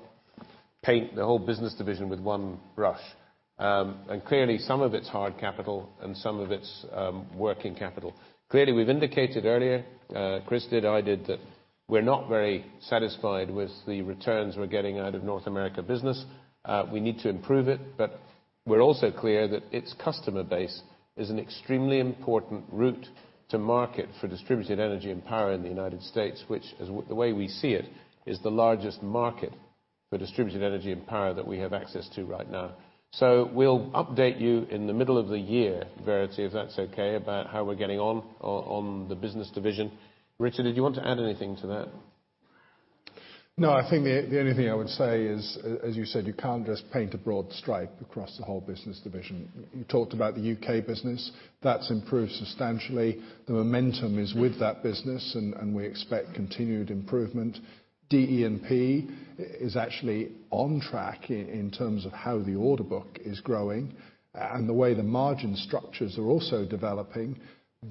paint the whole business division with one brush. Clearly, some of it's hard capital and some of it's working capital. Clearly, we've indicated earlier, Chris did, I did, that we're not very satisfied with the returns we're getting out of North America Business. We need to improve it, but we're also clear that its customer base is an extremely important route to market for Distributed Energy & Power in the U.S., which, as the way we see it, is the largest market for Distributed Energy & Power that we have access to right now. We'll update you in the middle of the year, Verity, if that's okay, about how we're getting on on the business division. Richard, did you want to add anything to that? No, I think the only thing I would say is, as you said, you can't just paint a broad stripe across the whole business division. You talked about the U.K. Business. That's improved substantially. The momentum is with that business, and we expect continued improvement. DE&P is actually on track in terms of how the order book is growing. The way the margin structures are also developing,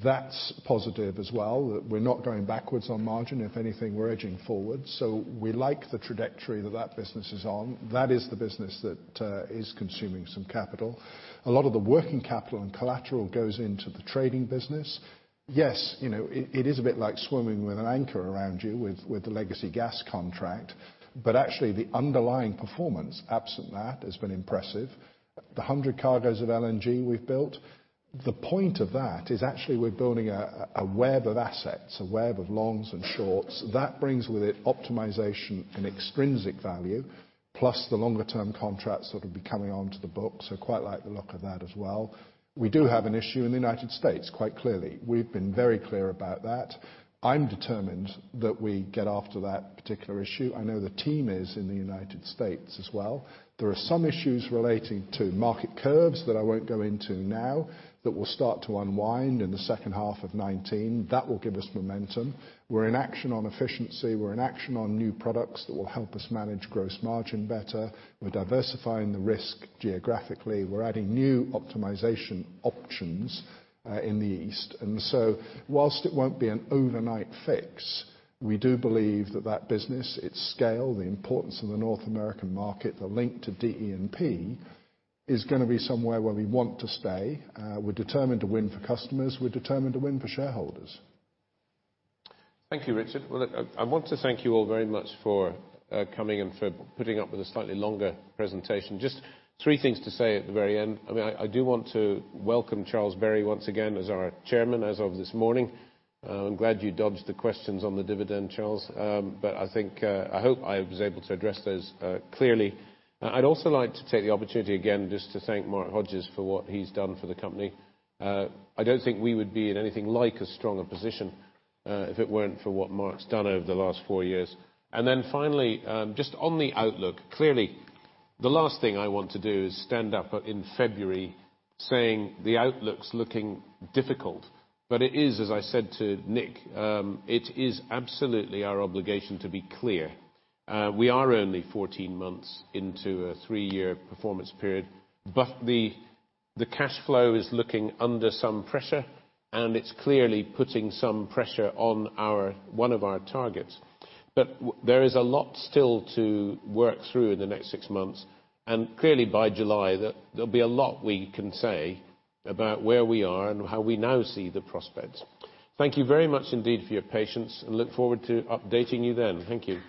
that's positive as well, that we're not going backwards on margin. If anything, we're edging forward. We like the trajectory that that business is on. That is the business that is consuming some capital. A lot of the working capital and collateral goes into the trading business. Yes, it is a bit like swimming with an anchor around you with the legacy gas contract. Actually, the underlying performance, absent that, has been impressive. The 100 cargos of LNG we've built, the point of that is actually we're building a web of assets, a web of longs and shorts. That brings with it optimization and extrinsic value, plus the longer-term contracts that'll be coming onto the book. Quite like the look of that as well. We do have an issue in the U.S., quite clearly. We've been very clear about that. I'm determined that we get after that particular issue. I know the team is in the U.S. as well. There are some issues relating to market curves that I won't go into now that will start to unwind in the second half of 2019. That will give us momentum. We're in action on efficiency. We're in action on new products that will help us manage gross margin better. We're diversifying the risk geographically. We're adding new optimization options in the East. So whilst it won't be an overnight fix, we do believe that that business, its scale, the importance of the North American market, the link to DE&P, is going to be somewhere where we want to stay. We're determined to win for customers. We're determined to win for shareholders. Thank you, Richard. Well, look, I want to thank you all very much for coming and for putting up with a slightly longer presentation. Just three things to say at the very end. I do want to welcome Charles Berry once again as our Chairman as of this morning. I'm glad you dodged the questions on the dividend, Charles. I hope I was able to address those clearly. I'd also like to take the opportunity again just to thank Mark Hodges for what he's done for the company. I don't think we would be in anything like as strong a position if it weren't for what Mark's done over the last 4 years. Then finally, just on the outlook, clearly the last thing I want to do is stand up in February saying the outlook's looking difficult. It is, as I said to Nick, it is absolutely our obligation to be clear. We are only 14 months into a 3-year performance period, but the cash flow is looking under some pressure, and it's clearly putting some pressure on one of our targets. But there is a lot still to work through in the next 6 months, and clearly by July, there'll be a lot we can say about where we are and how we now see the prospects. Thank you very much indeed for your patience, and look forward to updating you then. Thank you